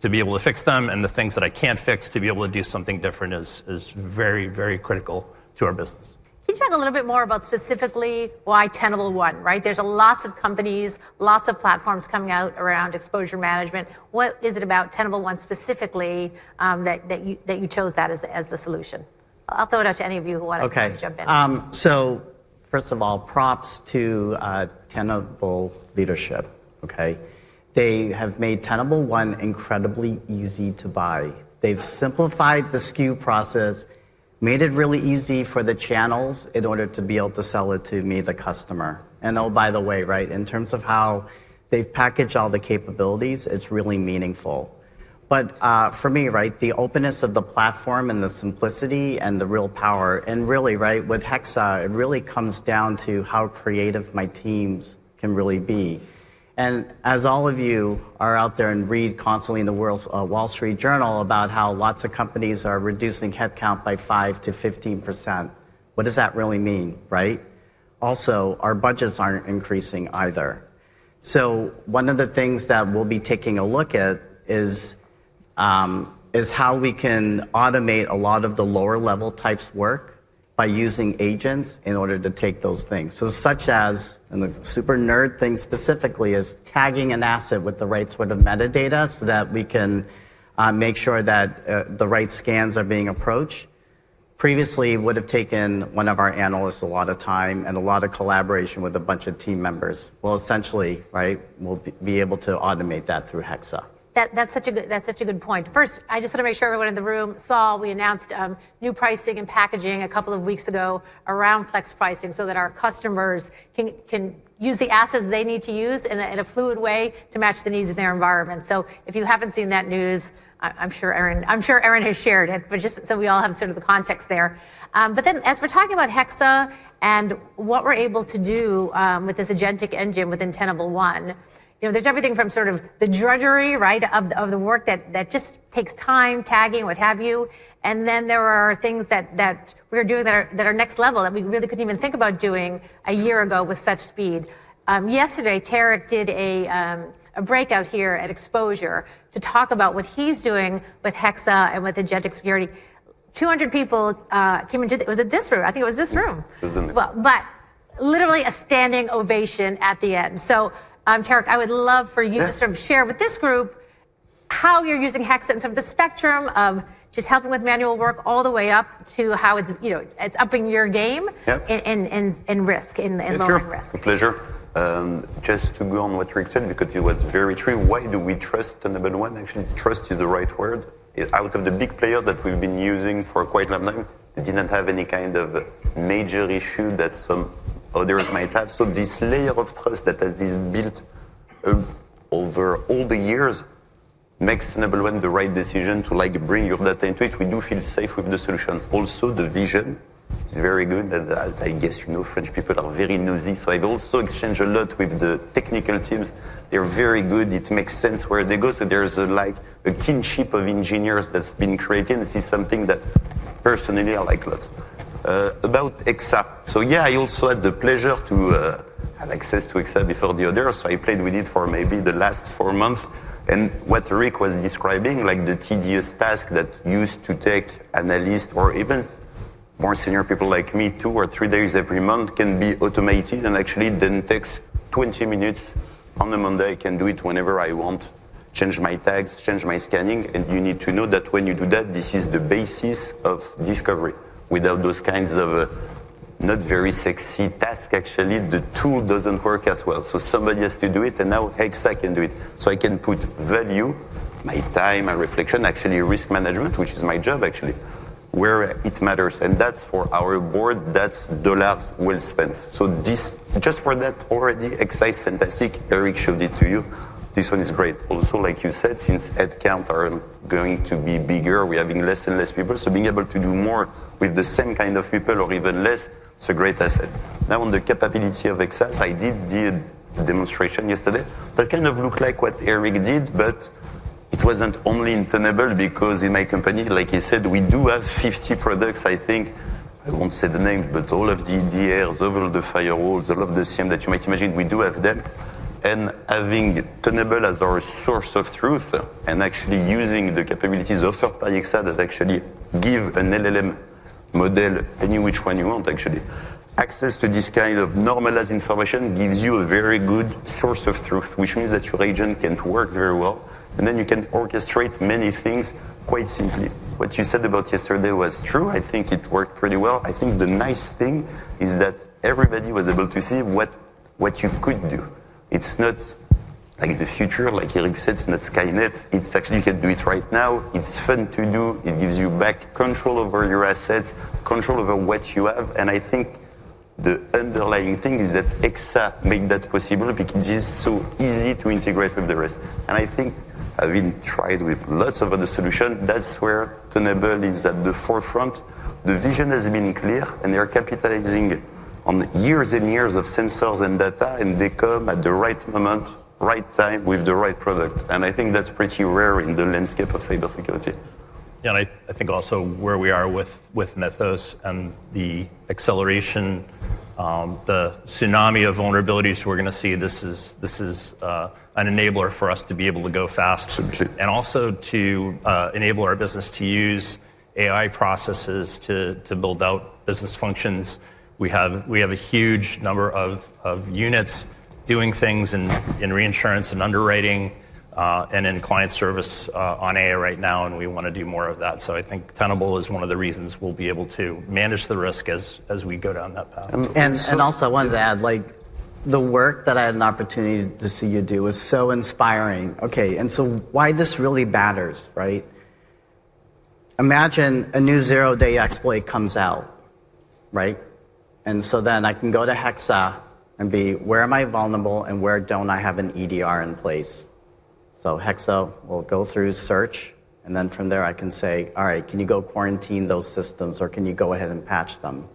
to be able to fix them, and the things that I can't fix, to be able to do something different is very critical to our business. Can you talk a little bit more about specifically why Tenable One? There's lots of companies, lots of platforms coming out around exposure management. What is it about Tenable One specifically that you chose that as the solution? I'll throw it out to any of you who want to jump in. First of all, props to Tenable leadership. They have made Tenable One incredibly easy to buy. They've simplified the SKU process, made it really easy for the channels in order to be able to sell it to me, the customer. Oh, by the way, in terms of how they've packaged all the capabilities, it's really meaningful. For me, the openness of the platform and the simplicity and the real power and really with Hexa, it really comes down to how creative my teams can really be. As all of you are out there and read constantly in The Wall Street Journal about how lots of companies are reducing headcount by 5%-15%, what does that really mean? Right? Also, our budgets aren't increasing either. One of the things that we'll be taking a look at is how we can automate a lot of the lower-level types work by using agents in order to take those things. Such as, and the super nerd thing specifically is tagging an asset with the right sort of metadata so that we can make sure that the right scans are being approached. Previously, it would've taken one of our analysts a lot of time and a lot of collaboration with a bunch of team members. Essentially, we'll be able to automate that through Hexa. That's such a good point. First, I just want to make sure everyone in the room saw, we announced new pricing and packaging a couple of weeks ago around flex pricing so that our customers can use the assets they need to use in a fluid way to match the needs of their environment. If you haven't seen that news, I'm sure Erin has shared it, but just so we all have sort of the context there. As we're talking about Hexa and what we're able to do with this agentic engine within Tenable One, there's everything from sort of the drudgery of the work that just takes time, tagging, what have you, and then there are things that we are doing that are next level that we really couldn't even think about doing a year ago with such speed. Yesterday, Tarek did a breakout here at EXPOSURE to talk about what he's doing with Hexa and with agentic security. 200 people came into. Was it this room? I think it was this room. It was in there. Literally a standing ovation at the end. Tarek, I would love for you- Yeah.... to sort of share with this group how you're using Hexa in sort of the spectrum of just helping with manual work all the way up to how it's upping your game- Yep.... in risk, in managing risk. Sure. Pleasure. Just to go on what Rick said, because it was very true, why do we trust Tenable One? Actually, trust is the right word. Out of the big player that we've been using for quite a long time, it didn't have any kind of major issue that some others might have. This layer of trust that has built over all the years makes Tenable One the right decision to bring your data into it. We do feel safe with the solution. The vision. It's very good. I guess you know French people are very nosy, I've also exchanged a lot with the technical teams. They're very good. It makes sense where they go. There's a kinship of engineers that's been created, this is something that personally I like a lot. About Hexa. Yeah, I also had the pleasure to have access to Hexa before the others. I played with it for maybe the last four months. What Rick was describing, the tedious task that used to take an analyst or even more senior people like me two or three days every month can be automated and actually then takes 20 minutes on a Monday. I can do it whenever I want, change my tags, change my scanning, you need to know that when you do that, this is the basis of discovery. Without those kinds of not very sexy task, actually, the tool doesn't work as well. Somebody has to do it, now Hexa can do it. I can put value, my time, my reflection, actually risk management, which is my job actually, where it matters. That's for our board, that's dollars well spent. Just for that already, Hexa is fantastic. Eric showed it to you. This one is great. Like you said, since headcount are going to be bigger, we are being less and less people. Being able to do more with the same kind of people or even less is a great asset. On the capability of Hexa, I did the demonstration yesterday. That kind of looked like what Eric did, but it wasn't only in Tenable because in my company, like you said, we do have 50 products, I think. I won't say the names, but all of the DLPs, over the firewalls, all of the SIM that you might imagine, we do have them. Having Tenable as our source of truth and actually using the capabilities offered by Hexa that actually give an LLM model, and which one you want actually, access to this kind of normalized information gives you a very good source of truth, which means that your agent can work very well, and then you can orchestrate many things quite simply. What you said about yesterday was true. I think it worked pretty well. I think the nice thing is that everybody was able to see what you could do. It's not like the future, like Eric said, it's not Skynet. It's actually you can do it right now. It's fun to do. It gives you back control over your assets, control over what you have, and I think the underlying thing is that Hexa made that possible because it is so easy to integrate with the rest. I think having tried with lots of other solution, that's where Tenable is at the forefront. The vision has been clear, and they are capitalizing on years and years of sensors and data, and they come at the right moment, right time, with the right product. I think that's pretty rare in the landscape of cybersecurity. Yeah, I think also where we are with Mythos and the acceleration, the tsunami of vulnerabilities we're going to see, this is an enabler for us to be able to go fast. Absolutely. Also to enable our business to use AI processes to build out business functions. We have a huge number of units doing things in reinsurance and underwriting, and in client service on AI right now, and we want to do more of that. I think Tenable is one of the reasons we'll be able to manage the risk as we go down that path. And so- Also I wanted to add, the work that I had an opportunity to see you do is so inspiring. Why this really matters. Imagine a new zero-day exploit comes out. I can go to Hexa and be, "Where am I vulnerable and where don't I have an EDR in place?" Hexa will go through search, from there I can say, "All right, can you go quarantine those systems or can you go ahead and patch them?"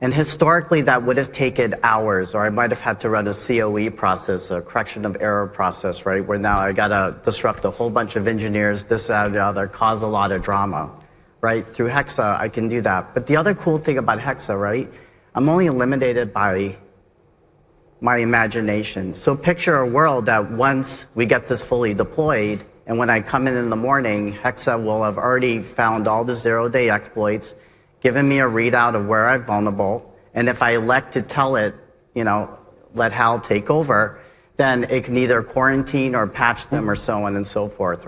Historically, that would have taken hours or I might have had to run a COE process, a correction of error process, where now I got to disrupt a whole bunch of engineers, this, that, and the other, cause a lot of drama. Through Hexa, I can do that. The other cool thing about Hexa, I'm only limited by my imagination. Picture a world that once we get this fully deployed and when I come in in the morning, Hexa will have already found all the zero-day exploits, given me a readout of where I'm vulnerable, and if I elect to tell it, "Let Hal take over," then it can either quarantine or patch them or so on and so forth.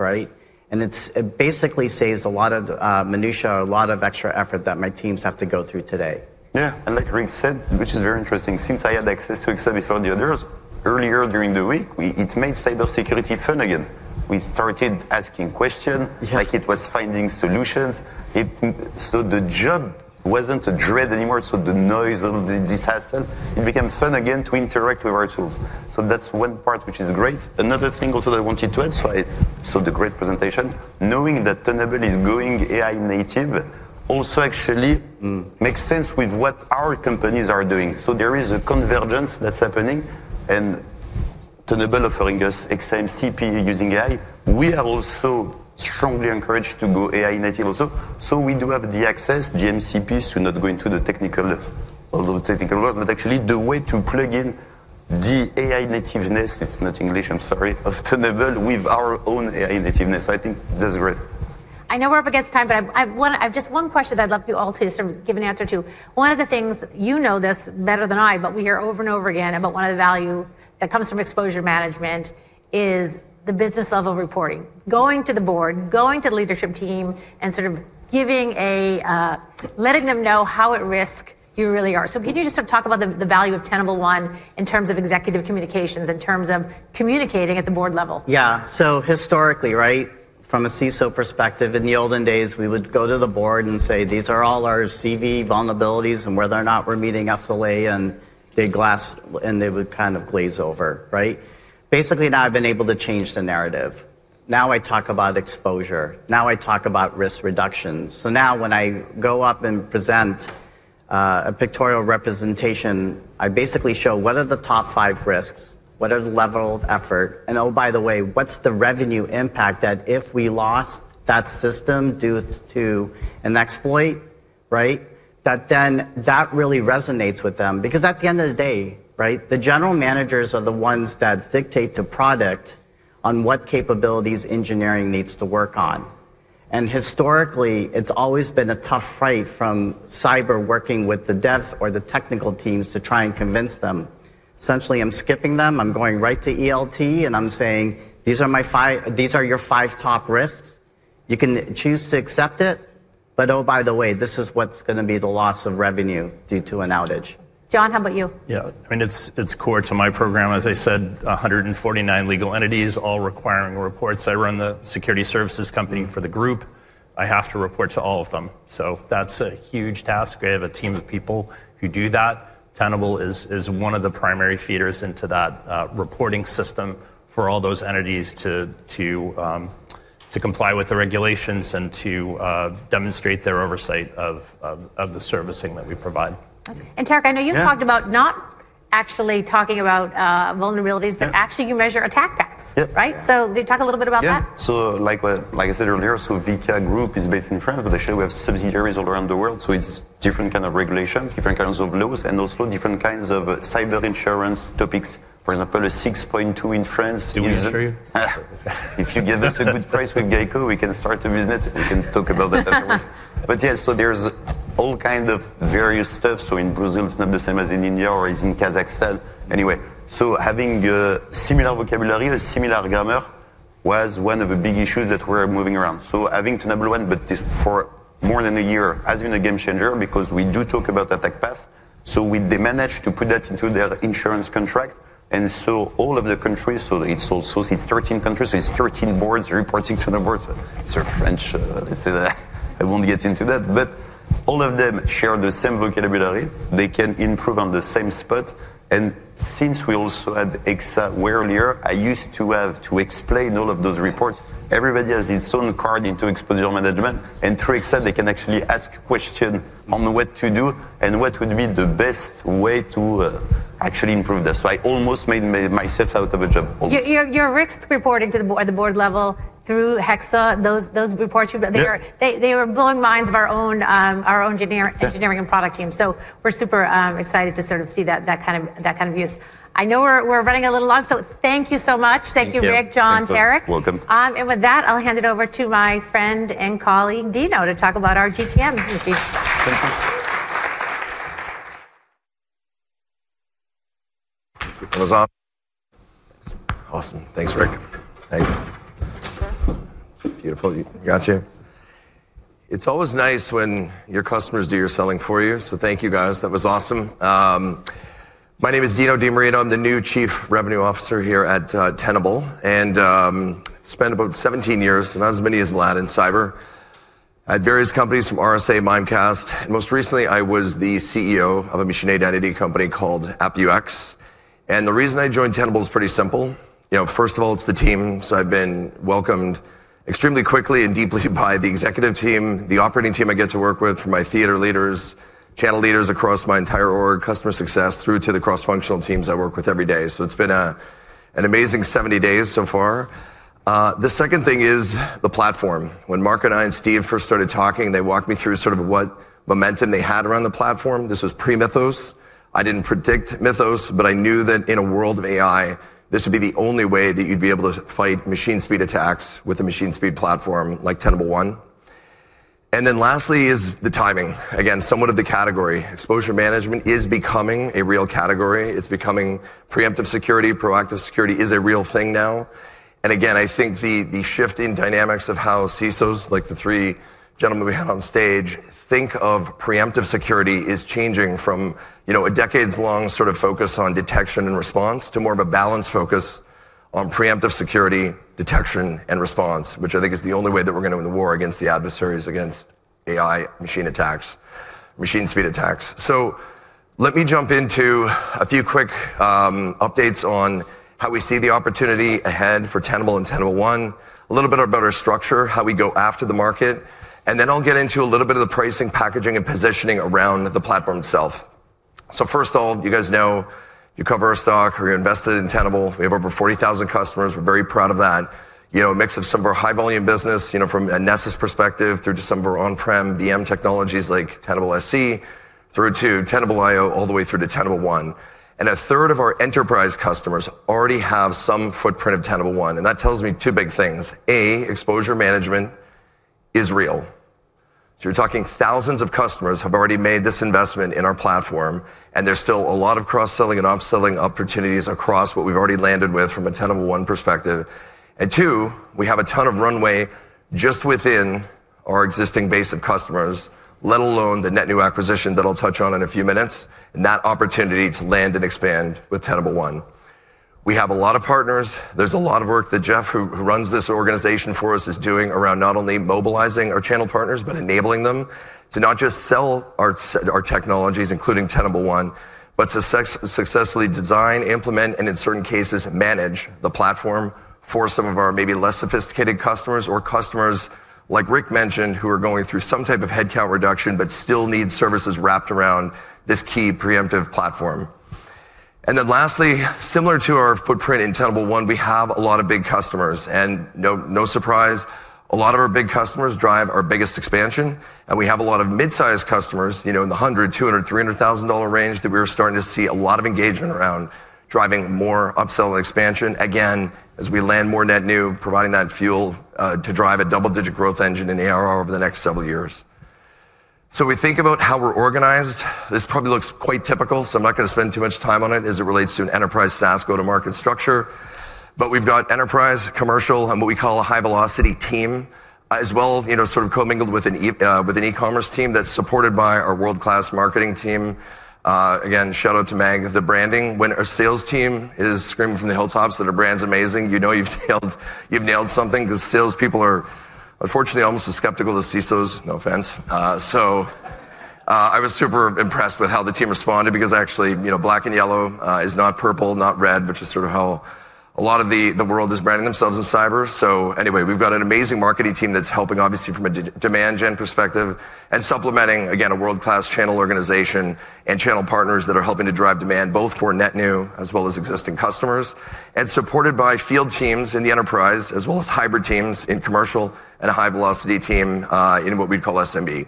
It basically saves a lot of minutia, a lot of extra effort that my teams have to go through today. Yeah. Like Rick said, which is very interesting, since I had access to Hexa before the others, earlier during the week, it made cybersecurity fun again. We started asking question. Yeah. Like it was finding solutions. The job wasn't a dread anymore. The noise of this hassle, it became fun again to interact with our tools. That's one part which is great. Another thing also that I wanted to add, I saw the great presentation. Knowing that Tenable is going AI-native also actually makes sense with what our companies are doing. There is a convergence that's happening and Tenable offering us an MCP using AI, we are also strongly encouraged to go AI-native also. We do have the access, the MCPs to not go into all those technical work. Actually the way to plug in the AI-nativeness, it's not English, I'm sorry, of Tenable with our own AI-nativeness, I think this is great. I know we're up against time, I've just one question that I'd love you all to sort of give an answer to. One of the things, you know this better than I, we hear over and over again about one of the value that comes from exposure management is the business level reporting. Going to the board, going to the leadership team, sort of letting them know how at risk you really are. Can you just sort of talk about the value of Tenable One in terms of executive communications, in terms of communicating at the board level? Historically, from a CISO perspective, in the olden days we would go to the board and say, "These are all our CVE vulnerabilities and whether or not we're meeting SLA" and they glass- and they would kind of glaze over. Now I've been able to change the narrative. Now I talk about exposure. Now I talk about risk reduction. Now when I go up and present a pictorial representation, I show what are the top five risks, what are the level of effort, and, oh, by the way, what's the revenue impact that if we lost that system due to an exploit, right? That really resonates with them because at the end of the day, right, the general managers are the ones that dictate the product on what capabilities engineering needs to work on. Historically, it's always been a tough fight from cyber working with the dev or the technical teams to try and convince them. Essentially, I'm skipping them, I'm going right to ELT and I'm saying, "These are your five top risks. You can choose to accept it, oh, by the way, this is what's going to be the loss of revenue due to an outage." John, how about you? Yeah. It's core to my program. As I said, 149 legal entities all requiring reports. I run the security services company for the group, I have to report to all of them. That's a huge task. I have a team of people who do that. Tenable is one of the primary feeders into that reporting system for all those entities to comply with the regulations and to demonstrate their oversight of the servicing that we provide. Awesome. Tarek, I know you've talked about not actually talking about vulnerabilities- Yeah. Actually you measure attack paths. Yeah. Right? Can you talk a little bit about that? Yeah. Like I said earlier, Vicat Group is based in France, actually we have subsidiaries all around the world, it's different kind of regulations, different kinds of laws, and also different kinds of cyber insurance topics. For example, a 6.2 in France is- Do you insure. [inaudible] If you give us a good price with GEICO, we can start a business. We can talk about that afterwards. Yeah, there's all kind of various stuff. In Brazil it's not the same as in India or as in Kazakhstan. Anyway, having a similar vocabulary, similar grammar was one of the big issues that we're moving around. Having Tenable One, but for more than a year has been a game changer because we do talk about attack path. They managed to put that into their insurance contract. All of the countries, it's 13 countries, it's 13 boards reporting to the boards. It's French, let's say that. I won't get into that. All of them share the same vocabulary. They can improve on the same spot. Since we also had Hexa earlier, I used to have to explain all of those reports. Everybody has its own card into exposure management, and through Hexa they can actually ask question on what to do and what would be the best way to actually improve this. I almost made myself out of a job. Almost. Your risks reporting at the board level through Hexa, those reports you've got- Yeah.... they were blowing minds of our own engineering- Yeah.... and product team. We're super excited to sort of see that kind of use. I know we're running a little long, so thank you so much. Thank you. Thank you Rick, John, Tarek. Welcome. With that, I'll hand it over to my friend and colleague Dino to talk about our GTM machine. Thank you. That was awesome. Awesome. Thanks, Rick. Thank you. [inaudible] Gotcha. It's always nice when your customers do your selling for you, so thank you guys, that was awesome. My name is Dino DiMarino. I'm the new Chief Revenue Officer here at Tenable, and spent about 17 years, so not as many as Vlad, in cyber at various companies from RSA, Mimecast, and most recently I was the CEO of a machine identity company called AppViewX. The reason I joined Tenable is pretty simple. First of all, it's the team. I've been welcomed extremely quickly and deeply by the executive team, the operating team I get to work with, from my theater leaders, channel leaders across my entire org, customer success, through to the cross-functional teams I work with every day. It's been an amazing 70 days so far. The second thing is the platform. When Mark and I and Steve first started talking, they walked me through sort of what momentum they had around the platform. This was pre-Mythos. I didn't predict Mythos, but I knew that in a world of AI, this would be the only way that you'd be able to fight machine speed attacks with a machine speed platform like Tenable One. Lastly is the timing. Again, somewhat of the category. Exposure management is becoming a real category. It's becoming preemptive security. Proactive security is a real thing now. Again, I think the shift in dynamics of how CISOs, like the three gentlemen we had on stage, think of preemptive security is changing from a decades long sort of focus on detection and response to more of a balanced focus on preemptive security detection and response, which I think is the only way that we're going to win the war against the adversaries, against AI machine attacks, machine speed attacks. Let me jump into a few quick updates on how we see the opportunity ahead for Tenable and Tenable One, a little bit about our structure, how we go after the market, and then I'll get into a little bit of the pricing, packaging, and positioning around the platform itself. First of all, you guys know you cover our stock or you're invested in Tenable. We have over 40,000 customers. We're very proud of that. A mix of some of our high volume business from a Nessus perspective through to some of our on-prem VM technologies like Tenable.sc, through to Tenable.io, all the way through to Tenable One. A third of our enterprise customers already have some footprint of Tenable One, and that tells me two big things. A, exposure management is real. You're talking thousands of customers have already made this investment in our platform, and there's still a lot of cross-selling and upselling opportunities across what we've already landed with from a Tenable One perspective. Two, we have a ton of runway just within our existing base of customers, let alone the net new acquisition that I'll touch on in a few minutes, and that opportunity to land and expand with Tenable One. We have a lot of partners. There's a lot of work that Jeff, who runs this organization for us, is doing around not only mobilizing our channel partners, but enabling them to not just sell our technologies, including Tenable One, but successfully design, implement, and in certain cases, manage the platform for some of our maybe less sophisticated customers or customers, like Rick mentioned, who are going through some type of headcount reduction but still need services wrapped around this key preemptive platform. Lastly, similar to our footprint in Tenable One, we have a lot of big customers, and no surprise, a lot of our big customers drive our biggest expansion. We have a lot of mid-size customers, in the $100,000, $200,000, $300,000 range that we are starting to see a lot of engagement around driving more upsell and expansion, again, as we land more net new, providing that fuel to drive a double-digit growth engine in ARR over the next several years. We think about how we're organized. This probably looks quite typical, so I'm not going to spend too much time on it as it relates to an enterprise SaaS go-to-market structure. We've got enterprise, commercial, and what we call a high-velocity team, as well as, sort of commingled with an e-commerce team that's supported by our world-class marketing team. Again, shout out to Meg. The branding, when our sales team is screaming from the hilltops that our brand's amazing, you know you've nailed something because salespeople are unfortunately almost as skeptical as CISOs, no offense. I was super impressed with how the team responded because actually, black and yellow is not purple, not red, which is sort of how a lot of the world is branding themselves as cyber. Anyway, we've got an amazing marketing team that's helping obviously from a demand gen perspective and supplementing, again, a world-class channel organization and channel partners that are helping to drive demand, both for net new as well as existing customers, and supported by field teams in the enterprise, as well as hybrid teams in commercial and a high-velocity team, in what we'd call SMB.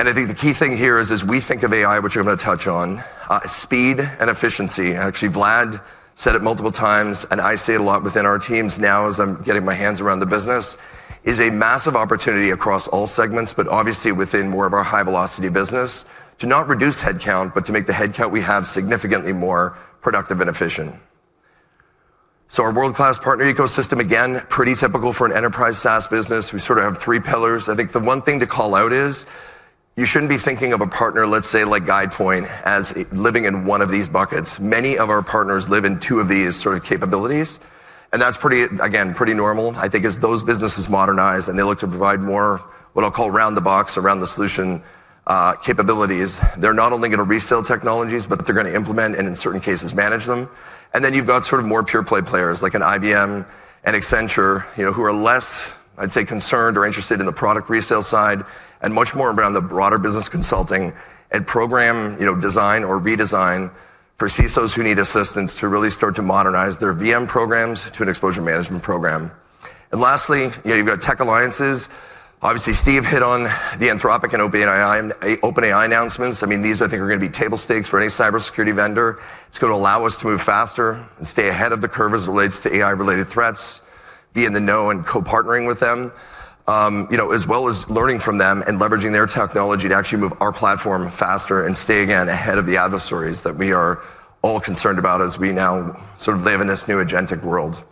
I think the key thing here is, as we think of AI, which I'm going to touch on, speed and efficiency. Actually, Vlad said it multiple times, and I say it a lot within our teams now as I'm getting my hands around the business, is a massive opportunity across all segments, but obviously within more of our high-velocity business to not reduce headcount, but to make the headcount we have significantly more productive and efficient. Our world-class partner ecosystem, again, pretty typical for an enterprise SaaS business. We sort of have three pillars. I think the one thing to call out is you shouldn't be thinking of a partner, let's say like Guidepoint, as living in one of these buckets. Many of our partners live in two of these sort of capabilities, and that's, again, pretty normal. I think as those businesses modernize and they look to provide more, what I'll call around-the-box, around-the-solution capabilities, they're not only going to resell technologies, but they're going to implement and in certain cases, manage them. Then you've got more pure play players like an IBM, an Accenture, who are less, I'd say, concerned or interested in the product resale side and much more around the broader business consulting and program design or redesign for CISOs who need assistance to really start to modernize their VM programs to an exposure management program. Lastly, you've got tech alliances. Obviously, Steve hit on the Anthropic and OpenAI announcements. These I think are going to be table stakes for any cybersecurity vendor. It's going to allow us to move faster and stay ahead of the curve as it relates to AI-related threats, be in the know and co-partnering with them, as well as learning from them and leveraging their technology to actually move our platform faster and stay, again, ahead of the adversaries that we are all concerned about as we now live in this new agentic world.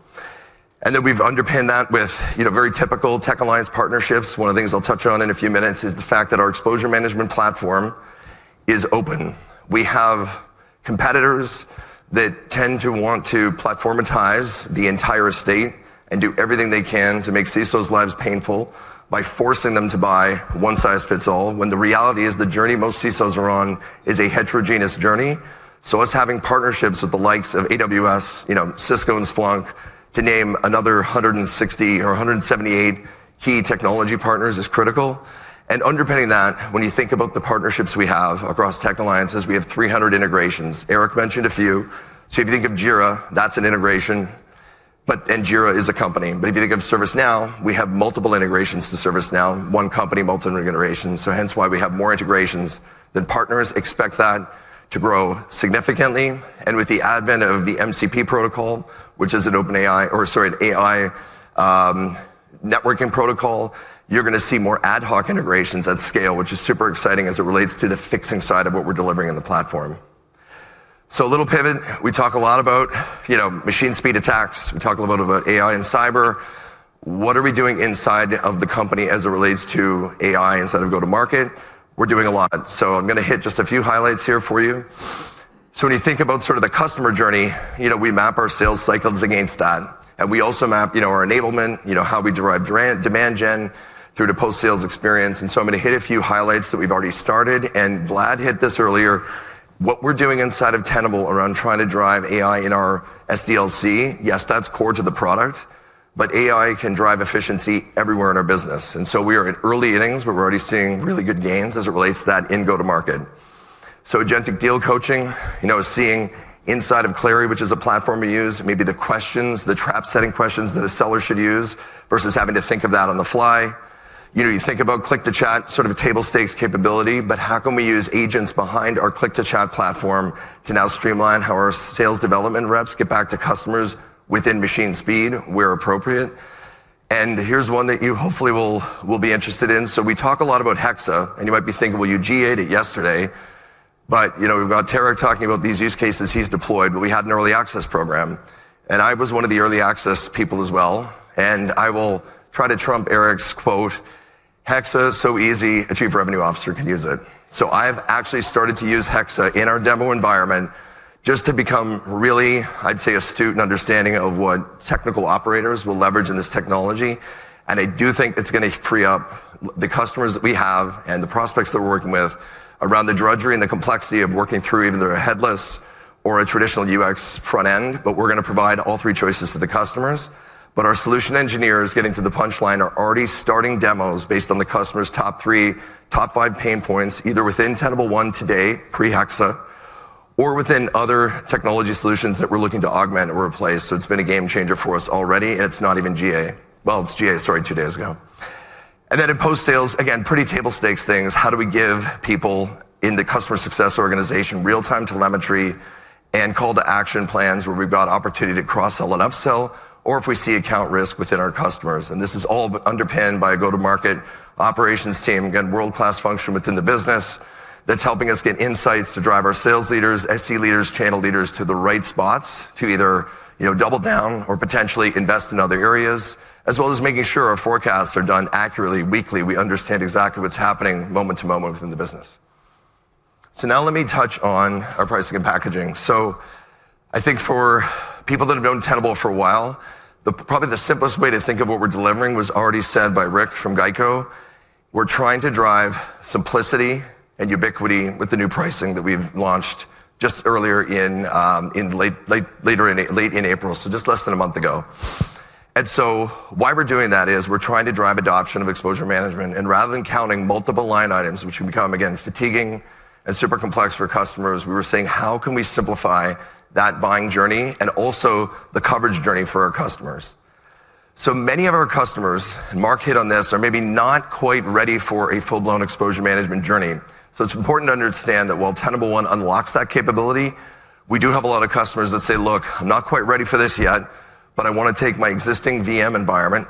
Then we've underpinned that with very typical tech alliance partnerships. One of the things I'll touch on in a few minutes is the fact that our exposure management platform is open. We have competitors that tend to want to platformatize the entire estate and do everything they can to make CISOs' lives painful by forcing them to buy one size fits all, when the reality is the journey most CISOs are on is a heterogeneous journey. Us having partnerships with the likes of AWS, Cisco, and Splunk, to name another 160 or 178 key technology partners, is critical. Underpinning that, when you think about the partnerships we have across tech alliances, we have 300 integrations. Eric mentioned a few. If you think of Jira, that's an integration. Jira is a company. If you think of ServiceNow, we have multiple integrations to ServiceNow. One company, multiple integrations, hence why we have more integrations than partners. Expect that to grow significantly. With the advent of the MCP protocol, which is an AI networking protocol, you're going to see more ad hoc integrations at scale, which is super exciting as it relates to the fixing side of what we're delivering on the platform. A little pivot. We talk a lot about machine speed attacks. We talk a little bit about AI and cyber. What are we doing inside of the company as it relates to AI inside of go-to-market? We're doing a lot. I'm going to hit just a few highlights here for you. When you think about the customer journey, we map our sales cycles against that, and we also map our enablement, how we derive demand gen through to post-sales experience. I'm going to hit a few highlights that we've already started, and Vlad hit this earlier. What we're doing inside of Tenable around trying to drive AI in our SDLC, yes, that's core to the product, but AI can drive efficiency everywhere in our business. We are in early innings, but we're already seeing really good gains as it relates to that in go-to-market. Agentic deal coaching, seeing inside of Clari, which is a platform we use, maybe the questions, the trap-setting questions that a seller should use versus having to think of that on the fly. Think about click-to-chat, sort of a table stakes capability, but how can we use agents behind our click-to-chat platform to now streamline how our sales development reps get back to customers within machine speed where appropriate? Here's one that you hopefully will be interested in. We talk a lot about Hexa, and you might be thinking, "Well, you GA'd it yesterday," but we've got Tarek talking about these use cases he's deployed, but we had an early access program, and I was one of the early access people as well, and I will try to trump Eric's quote Hexa is so easy, a chief revenue officer can use it. I've actually started to use Hexa in our demo environment just to become really, I'd say, astute in understanding of what technical operators will leverage in this technology, and I do think it's going to free up the customers that we have and the prospects that we're working with around the drudgery and the complexity of working through either their headless or a traditional UX front end, but we're going to provide all three choices to the customers. Our solution engineers, getting to the punchline, are already starting demos based on the customer's top three, top five pain points, either within Tenable One today, pre-Hexa, or within other technology solutions that we're looking to augment or replace. It's been a game changer for us already, and it's not even GA. Well, it's GA, sorry, two days ago. Then in post-sales, again, pretty table stakes things. How do we give people in the customer success organization real-time telemetry and call to action plans where we've got opportunity to cross-sell and up-sell, or if we see account risk within our customers. This is all underpinned by a go-to-market operations team, again, world-class function within the business that's helping us get insights to drive our sales leaders, SE leaders, channel leaders to the right spots to either double down or potentially invest in other areas, as well as making sure our forecasts are done accurately weekly. We understand exactly what's happening moment to moment within the business. Now let me touch on our pricing and packaging. I think for people that have known Tenable for a while, probably the simplest way to think of what we're delivering was already said by Rick from GEICO. We're trying to drive simplicity and ubiquity with the new pricing that we've launched just earlier in late in April, so just less than a month ago. Why we're doing that is we're trying to drive adoption of exposure management, and rather than counting multiple line items, which can become, again, fatiguing and super complex for customers, we were saying, how can we simplify that buying journey and also the coverage journey for our customers? Many of our customers, and Mark hit on this, are maybe not quite ready for a full-blown exposure management journey. It's important to understand that while Tenable One unlocks that capability, we do have a lot of customers that say, "Look, I'm not quite ready for this yet, but I want to take my existing VM environment,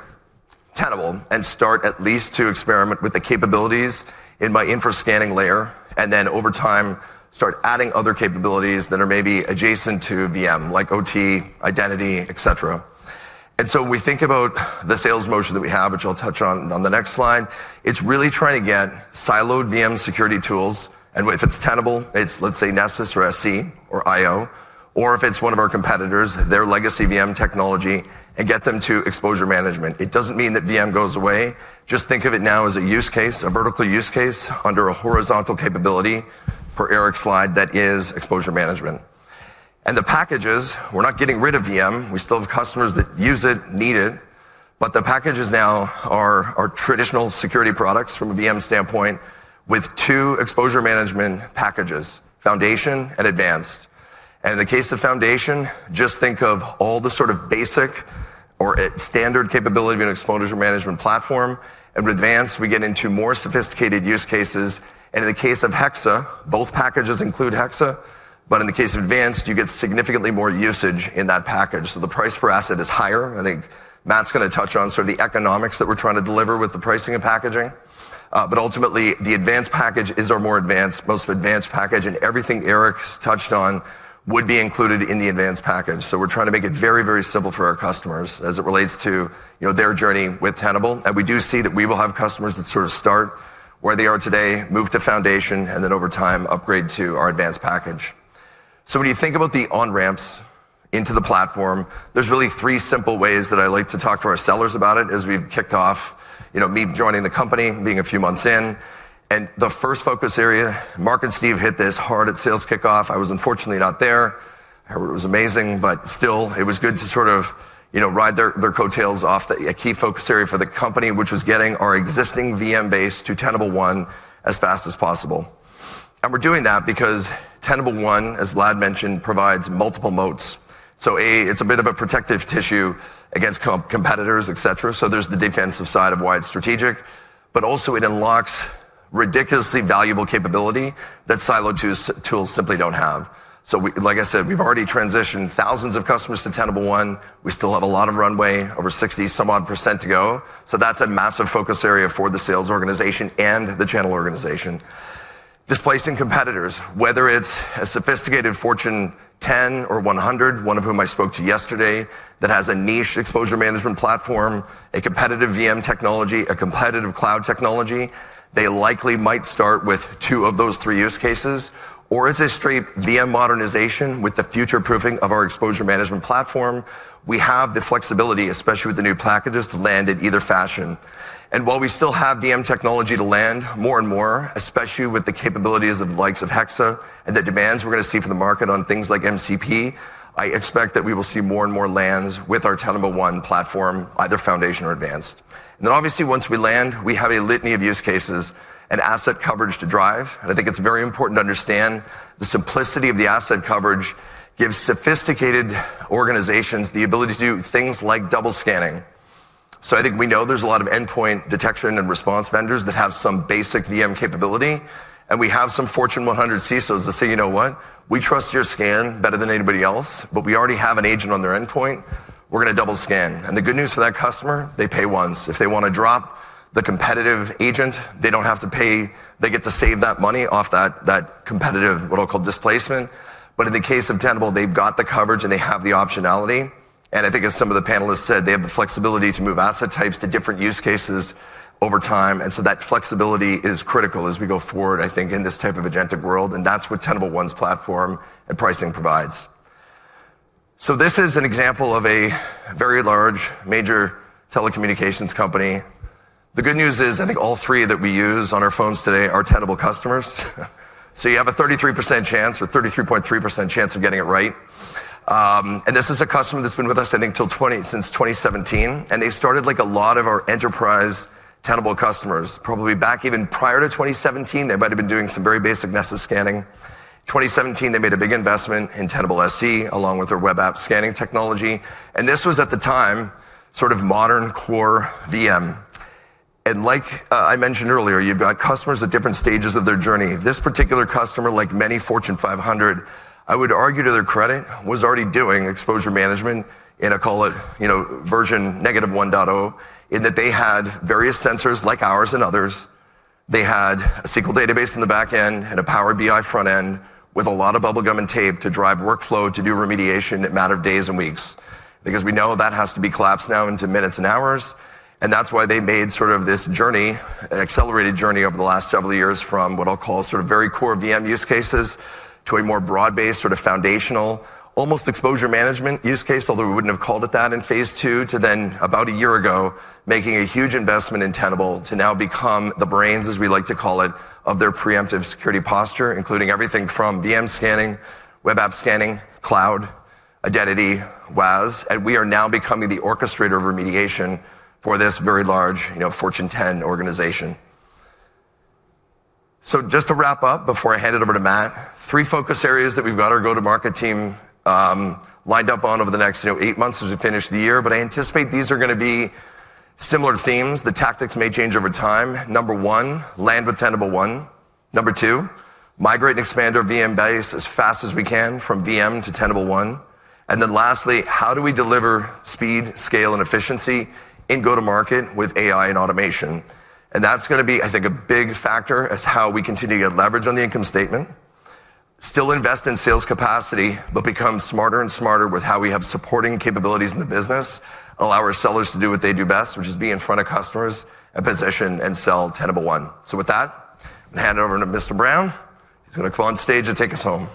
Tenable, and start at least to experiment with the capabilities in my infra scanning layer, and then over time, start adding other capabilities that are maybe adjacent to VM, like OT, identity, et cetera." When we think about the sales motion that we have, which I'll touch on on the next slide, it's really trying to get siloed VM security tools. If it's Tenable, it's, let's say, Nessus or Tenable.sc or Tenable.io, or if it's one of our competitors, their legacy VM technology and get them to exposure management. It doesn't mean that VM goes away. Just think of it now as a use case, a vertical use case under a horizontal capability per Eric's slide that is exposure management. The packages, we're not getting rid of VM. We still have customers that use it, need it. The packages now are traditional security products from a VM standpoint with two exposure management packages, Foundation and Advanced. In the case of Foundation, just think of all the sort of basic or standard capability of an exposure management platform. In Advanced, we get into more sophisticated use cases. In the case of Hexa, both packages include Hexa. In the case of Advanced, you get significantly more usage in that package. The price per asset is higher. I think Matt's going to touch on sort of the economics that we're trying to deliver with the pricing and packaging. Ultimately, the Advanced package is our more advanced, most advanced package, and everything Eric's touched on would be included in the Advanced package. We're trying to make it very, very simple for our customers as it relates to their journey with Tenable. We do see that we will have customers that sort of start where they are today, move to Foundation, and then over time, upgrade to our Advanced package. When you think about the on-ramps into the platform, there's really three simple ways that I like to talk to our sellers about it as we've kicked off, me joining the company, being a few months in, and the first focus area, Mark and Steve hit this hard at sales kickoff. I was unfortunately not there. I heard it was amazing, but still, it was good to sort of ride their coattails off a key focus area for the company, which was getting our existing VM base to Tenable One as fast as possible. We're doing that because Tenable One, as Vlad mentioned, provides multiple moats. A, it's a bit of a protective tissue against competitors, et cetera. There's the defensive side of why it's strategic, but also it unlocks ridiculously valuable capability that siloed tools simply don't have. Like I said, we've already transitioned thousands of customers to Tenable One. We still have a lot of runway, over 60% some odd to go. That's a massive focus area for the sales organization and the channel organization. Displacing competitors, whether it's a sophisticated Fortune 10 or 100, one of whom I spoke to yesterday, that has a niche exposure management platform, a competitive VM technology, a competitive cloud technology, they likely might start with two of those three use cases. It's a straight VM modernization with the future-proofing of our exposure management platform. We have the flexibility, especially with the new packages, to land in either fashion. While we still have VM technology to land more and more, especially with the capabilities of the likes of Hexa and the demands we're going to see from the market on things like MCP, I expect that we will see more and more lands with our Tenable One platform, either Foundation or Advanced. Obviously, once we land, we have a litany of use cases and asset coverage to drive. I think it's very important to understand the simplicity of the asset coverage gives sophisticated organizations the ability to do things like double scanning. I think we know there's a lot of endpoint detection and response vendors that have some basic VM capability, and we have some Fortune 100 CISOs that say, "You know what? We trust your scan better than anybody else, but we already have an agent on their endpoint. We're going to double scan." The good news for that customer, they pay once. If they want to drop the competitive agent, they don't have to pay. They get to save that money off that competitive, what I'll call displacement. In the case of Tenable, they've got the coverage and they have the optionality. I think as some of the panelists said, they have the flexibility to move asset types to different use cases over time. That flexibility is critical as we go forward, I think, in this type of agentic world, and that's what Tenable One's platform and pricing provides. This is an example of a very large, major telecommunications company. The good news is I think all three that we use on our phones today are Tenable customers. You have a 33% chance, or 33.3% chance of getting it right. This is a customer that's been with us, I think, since 2017, and they started, like a lot of our enterprise Tenable customers, probably back even prior to 2017. They might've been doing some very basic Nessus scanning. 2017, they made a big investment in Tenable.sc, along with our web app scanning technology. This was at the time, sort of modern core VM. Like I mentioned earlier, you've got customers at different stages of their journey. This particular customer, like many Fortune 500, I would argue to their credit, was already doing exposure management in, I call it, version -1.0, in that they had various sensors like ours and others. They had a SQL database in the back end and a Power BI front end with a lot of bubblegum and tape to drive workflow to do remediation in a matter of days and weeks. Because we know that has to be collapsed now into minutes and hours, and that's why they made this accelerated journey over the last several years from what I'll call very core VM use cases to a more broad-based, foundational, almost exposure management use case, although we wouldn't have called it that in phase two, to then about a year ago, making a huge investment in Tenable to now become the brains, as we like to call it, of their preemptive security posture, including everything from VM scanning, web app scanning, cloud, identity, WAS. We are now becoming the orchestrator of remediation for this very large Fortune 10 organization. Just to wrap up before I hand it over to Matt, three focus areas that we've got our go-to-market team lined up on over the next eight months as we finish the year, but I anticipate these are going to be similar themes. The tactics may change over time. Number one, land with Tenable One. Number two, migrate and expand our VM base as fast as we can from VM to Tenable One. Lastly, how do we deliver speed, scale, and efficiency in go-to-market with AI and automation? That's going to be, I think, a big factor as how we continue to get leverage on the income statement, still invest in sales capacity, but become smarter and smarter with how we have supporting capabilities in the business, allow our sellers to do what they do best, which is be in front of customers and position and sell Tenable One. With that, I'm going to hand it over to Mr. Brown, who's going to come on stage and take us home.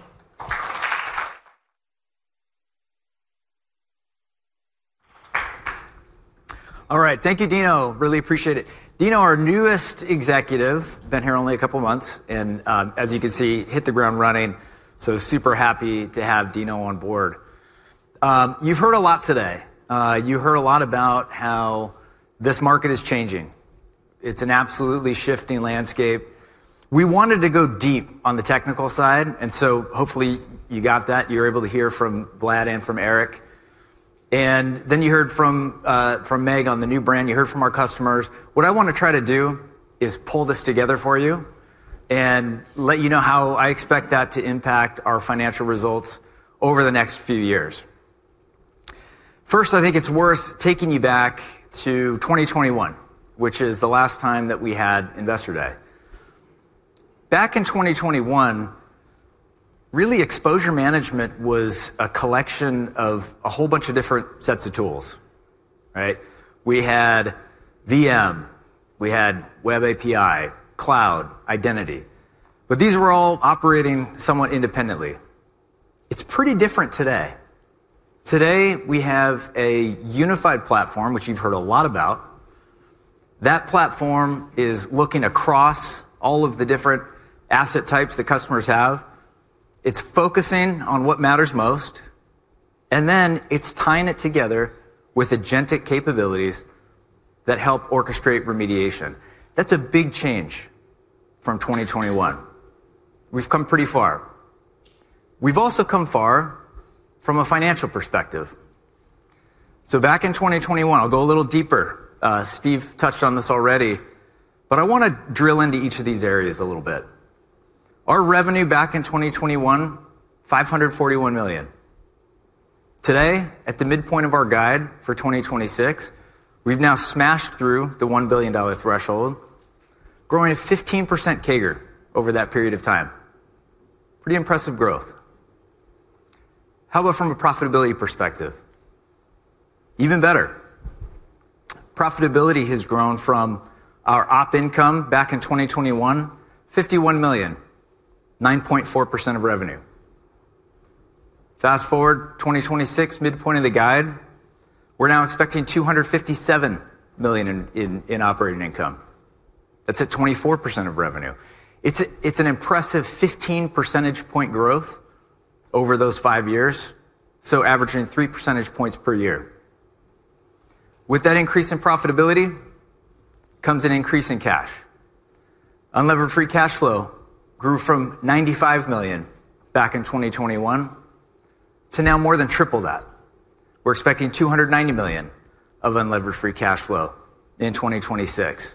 All right. Thank you, Dino. Really appreciate it. Dino, our newest executive, been here only a couple of months, and, as you can see, hit the ground running. Super happy to have Dino on board. You've heard a lot today. You heard a lot about how this market is changing. It's an absolutely shifting landscape. We wanted to go deep on the technical side, and so hopefully, you got that. You were able to hear from Vlad and from Eric. You heard from Meg on the new brand. You heard from our customers. What I want to try to do is pull this together for you and let you know how I expect that to impact our financial results over the next few years. First, I think it's worth taking you back to 2021, which is the last time that we had Investor Day. Back in 2021, really, exposure management was a collection of a whole bunch of different sets of tools, right? We had VM, we had web API, cloud, identity. These were all operating somewhat independently. It's pretty different today. Today, we have a unified platform, which you've heard a lot about. That platform is looking across all of the different asset types that customers have. It's focusing on what matters most, and then it's tying it together with agentic capabilities that help orchestrate remediation. That's a big change from 2021. We've come pretty far. We've also come far from a financial perspective. Back in 2021, I'll go a little deeper. Steve touched on this already, but I want to drill into each of these areas a little bit. Our revenue back in 2021, $541 million. Today, at the midpoint of our guide for 2026, we've now smashed through the $1 billion threshold, growing at 15% CAGR over that period of time. Pretty impressive growth. How about from a profitability perspective? Even better. Profitability has grown from our op income back in 2021, $51 million, 9.4% of revenue. Fast-forward 2026, midpoint of the guide, we're now expecting $257 million in operating income. That's at 24% of revenue. It's an impressive 15 percentage point growth over those five years, so averaging three percentage points per year. With that increase in profitability comes an increase in cash. Unlevered free cash flow grew from $95 million back in 2021 to now more than triple that. We're expecting $290 million of unlevered free cash flow in 2026.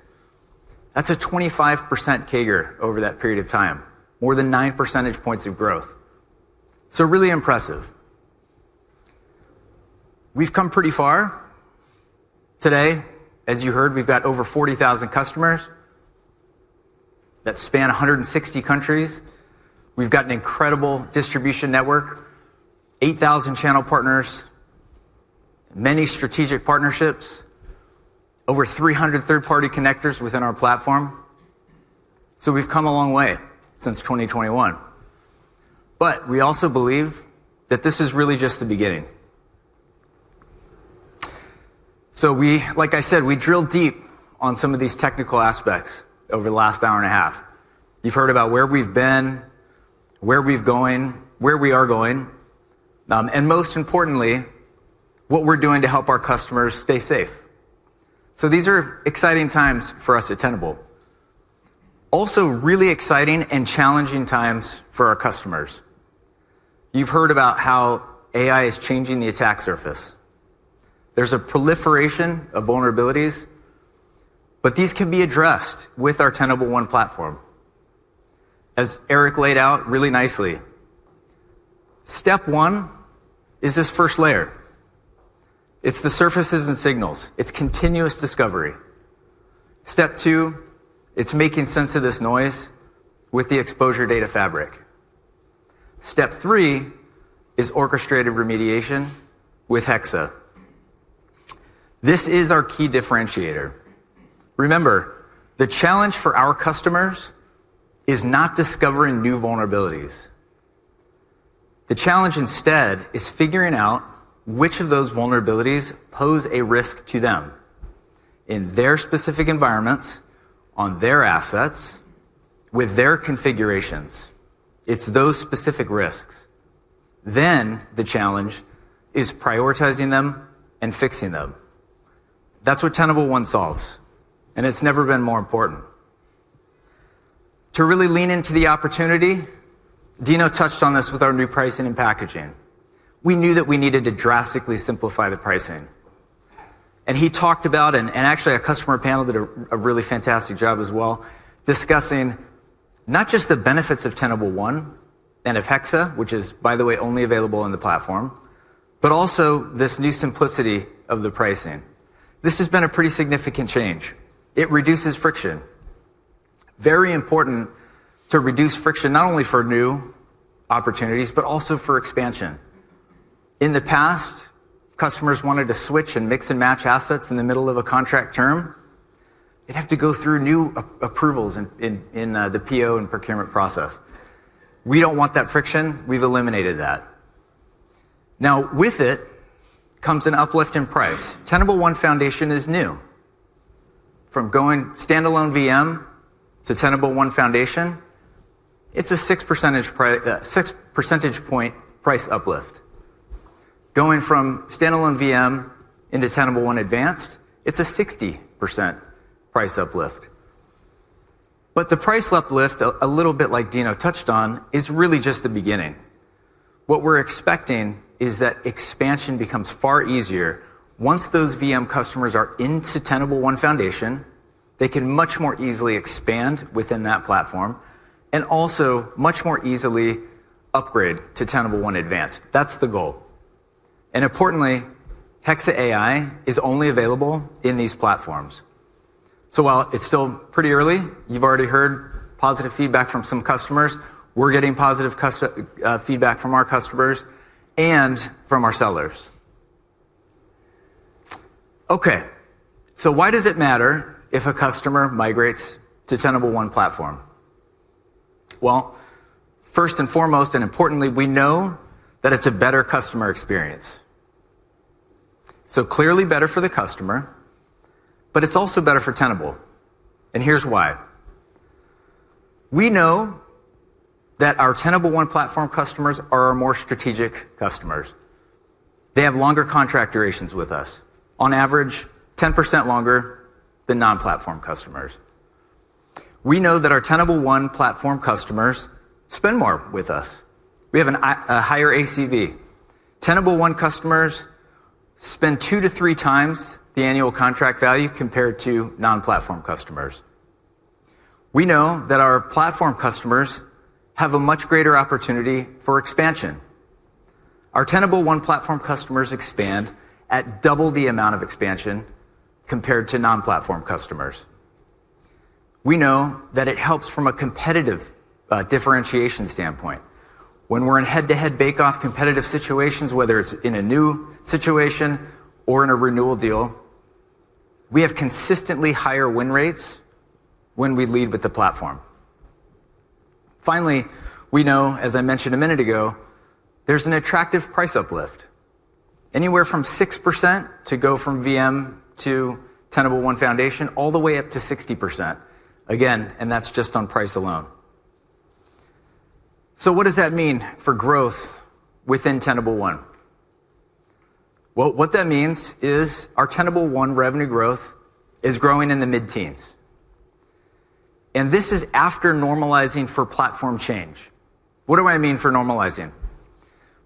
That's a 25% CAGR over that period of time, more than nine percentage points of growth. Really impressive. We've come pretty far. Today, as you heard, we've got over 40,000 customers that span 160 countries. We've got an incredible distribution network, 8,000 channel partners, many strategic partnerships, over 300 third-party connectors within our platform. We've come a long way since 2021. We also believe that this is really just the beginning. Like I said, we drilled deep on some of these technical aspects over the last hour and a half. You've heard about where we've been, where we're going, and most importantly, what we're doing to help our customers stay safe. These are exciting times for us at Tenable. Also really exciting and challenging times for our customers. You've heard about how AI is changing the attack surface. There's a proliferation of vulnerabilities, but these can be addressed with our Tenable One platform. As Eric laid out really nicely, step one is this first layer. It's the surfaces and signals. It's continuous discovery. Step two, it's making sense of this noise with the Exposure Data Fabric. Step three is orchestrated remediation with Hexa. This is our key differentiator. Remember, the challenge for our customers is not discovering new vulnerabilities. The challenge instead is figuring out which of those vulnerabilities pose a risk to them in their specific environments, on their assets, with their configurations. It's those specific risks. The challenge is prioritizing them and fixing them. That's what Tenable One solves, and it's never been more important. To really lean into the opportunity, Dino touched on this with our new pricing and packaging. We knew that we needed to drastically simplify the pricing. He talked about, actually our customer panel did a really fantastic job as well, discussing not just the benefits of Tenable One and of Hexa, which is by the way, only available on the platform, but also this new simplicity of the pricing. This has been a pretty significant change. It reduces friction. Very important to reduce friction, not only for new opportunities, but also for expansion. In the past, customers wanted to switch and mix and match assets in the middle of a contract term, they'd have to go through new approvals in the PO and procurement process. We don't want that friction. We've eliminated that. With it comes an uplift in price. Tenable One Foundation is new. From going standalone VM to Tenable One Foundation, it's a 6 percentage point price uplift. Going from standalone VM into Tenable One Advanced, it's a 60% price uplift. The price uplift, a little bit like Dino touched on, is really just the beginning. What we're expecting is that expansion becomes far easier. Once those VM customers are into Tenable One Foundation, they can much more easily expand within that platform and also much more easily upgrade to Tenable One Advanced. That's the goal. Importantly, Hexa AI is only available in these platforms. While it's still pretty early, you've already heard positive feedback from some customers. We're getting positive feedback from our customers and from our sellers. Why does it matter if a customer migrates to Tenable One platform? Well, first and foremost, and importantly, we know that it's a better customer experience. Clearly better for the customer, but it's also better for Tenable, and here's why. We know that our Tenable One platform customers are our more strategic customers. They have longer contract durations with us, on average, 10% longer than non-platform customers. We know that our Tenable One platform customers spend more with us. We have a higher ACV. Tenable One customers spend 2x-3x the annual contract value compared to non-platform customers. We know that our platform customers have a much greater opportunity for expansion. Our Tenable One platform customers expand at double the amount of expansion compared to non-platform customers. We know that it helps from a competitive differentiation standpoint. When we're in head-to-head bake-off competitive situations, whether it's in a new situation or in a renewal deal, we have consistently higher win rates when we lead with the platform. Finally, we know, as I mentioned a minute ago, there's an attractive price uplift, anywhere from 6% to go from VM to Tenable One Foundation, all the way up to 60%. Again, that's just on price alone. What does that mean for growth within Tenable One? What that means is our Tenable One revenue growth is growing in the mid-teens, and this is after normalizing for platform change. What do I mean for normalizing?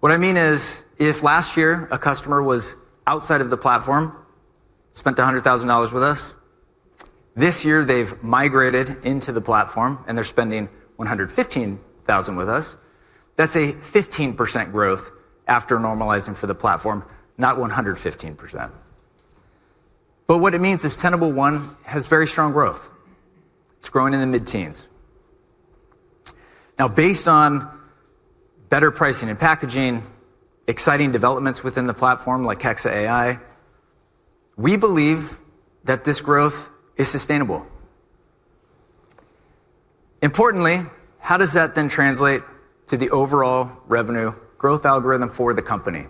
What I mean is, if last year a customer was outside of the platform, spent $100,000 with us, this year they've migrated into the platform and they're spending $115,000 with us, that's a 15% growth after normalizing for the platform, not 115%. What it means is Tenable One has very strong growth. It's growing in the mid-teens. Based on better pricing and packaging, exciting developments within the platform like Hexa AI, we believe that this growth is sustainable. How does that then translate to the overall revenue growth algorithm for the company?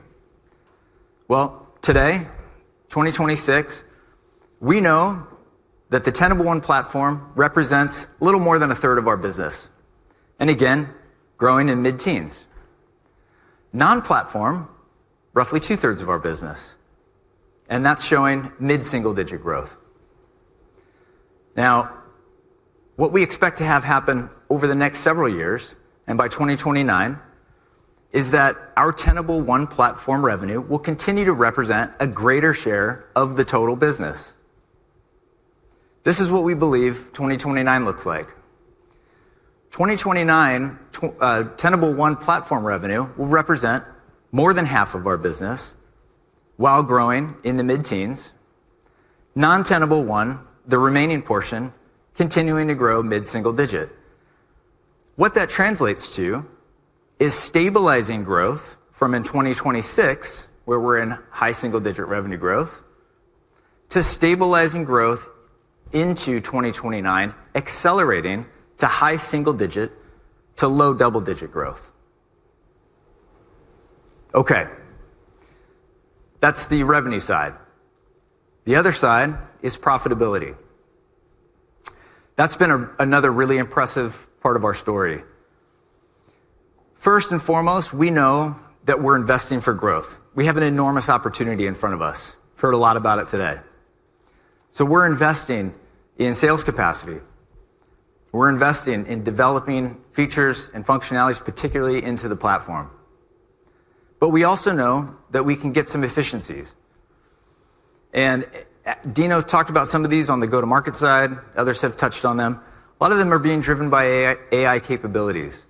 Well, today, 2026, we know that the Tenable One platform represents a little more than 1/3 of our business, and again, growing in mid-teens. Non-platform, roughly 2/3 of our business, and that's showing mid-single-digit growth. What we expect to have happen over the next several years, and by 2029, is that our Tenable One platform revenue will continue to represent a greater share of the total business. This is what we believe 2029 looks like. 2029 Tenable One platform revenue will represent more than half of our business while growing in the mid-teens. Non-Tenable One, the remaining portion, continuing to grow mid-single digit. What that translates to is stabilizing growth from in 2026, where we're in high single-digit revenue growth, to stabilizing growth into 2029, accelerating to high single-digit to low double-digit growth. Okay. That's the revenue side. The other side is profitability. That's been another really impressive part of our story. First and foremost, we know that we're investing for growth. We have an enormous opportunity in front of us. Heard a lot about it today. We're investing in sales capacity. We're investing in developing features and functionalities, particularly into the platform. We also know that we can get some efficiencies. Dino talked about some of these on the go-to-market side. Others have touched on them. A lot of them are being driven by AI capabilities.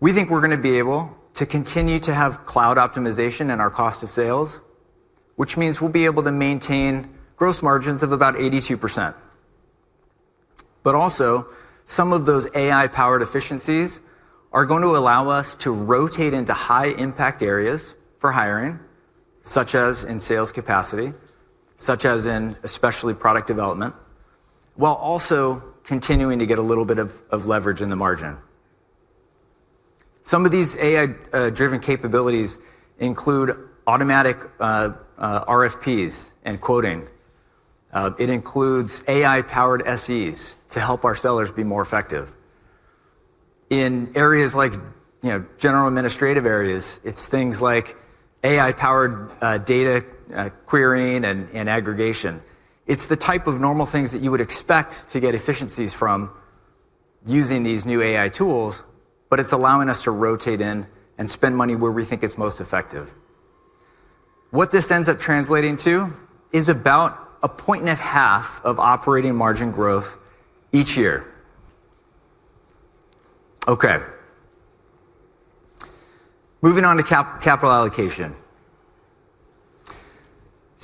We think we're going to be able to continue to have cloud optimization in our cost of sales, which means we'll be able to maintain gross margins of about 82%. Also, some of those AI-powered efficiencies are going to allow us to rotate into high-impact areas for hiring, such as in sales capacity, such as in especially product development, while also continuing to get a little bit of leverage in the margin. Some of these AI-driven capabilities include automatic RFPs and quoting. It includes AI-powered SEs to help our sellers be more effective. In areas like general administrative areas, it's things like AI-powered data querying and aggregation. It's the type of normal things that you would expect to get efficiencies from using these new AI tools. It's allowing us to rotate in and spend money where we think it's most effective. What this ends up translating to is about 1.5 points of operating margin growth each year. Okay. Moving on to capital allocation.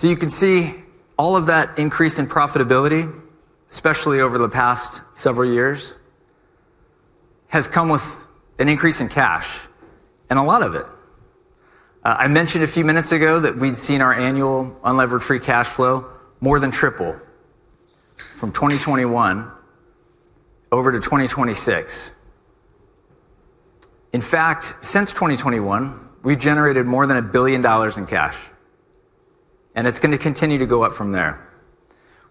You can see all of that increase in profitability, especially over the past several years, has come with an increase in cash and a lot of it. I mentioned a few minutes ago that we'd seen our annual unlevered free cash flow more than triple from 2021 over to 2026. In fact, since 2021, we've generated more than $1 billion in cash, and it's going to continue to go up from there.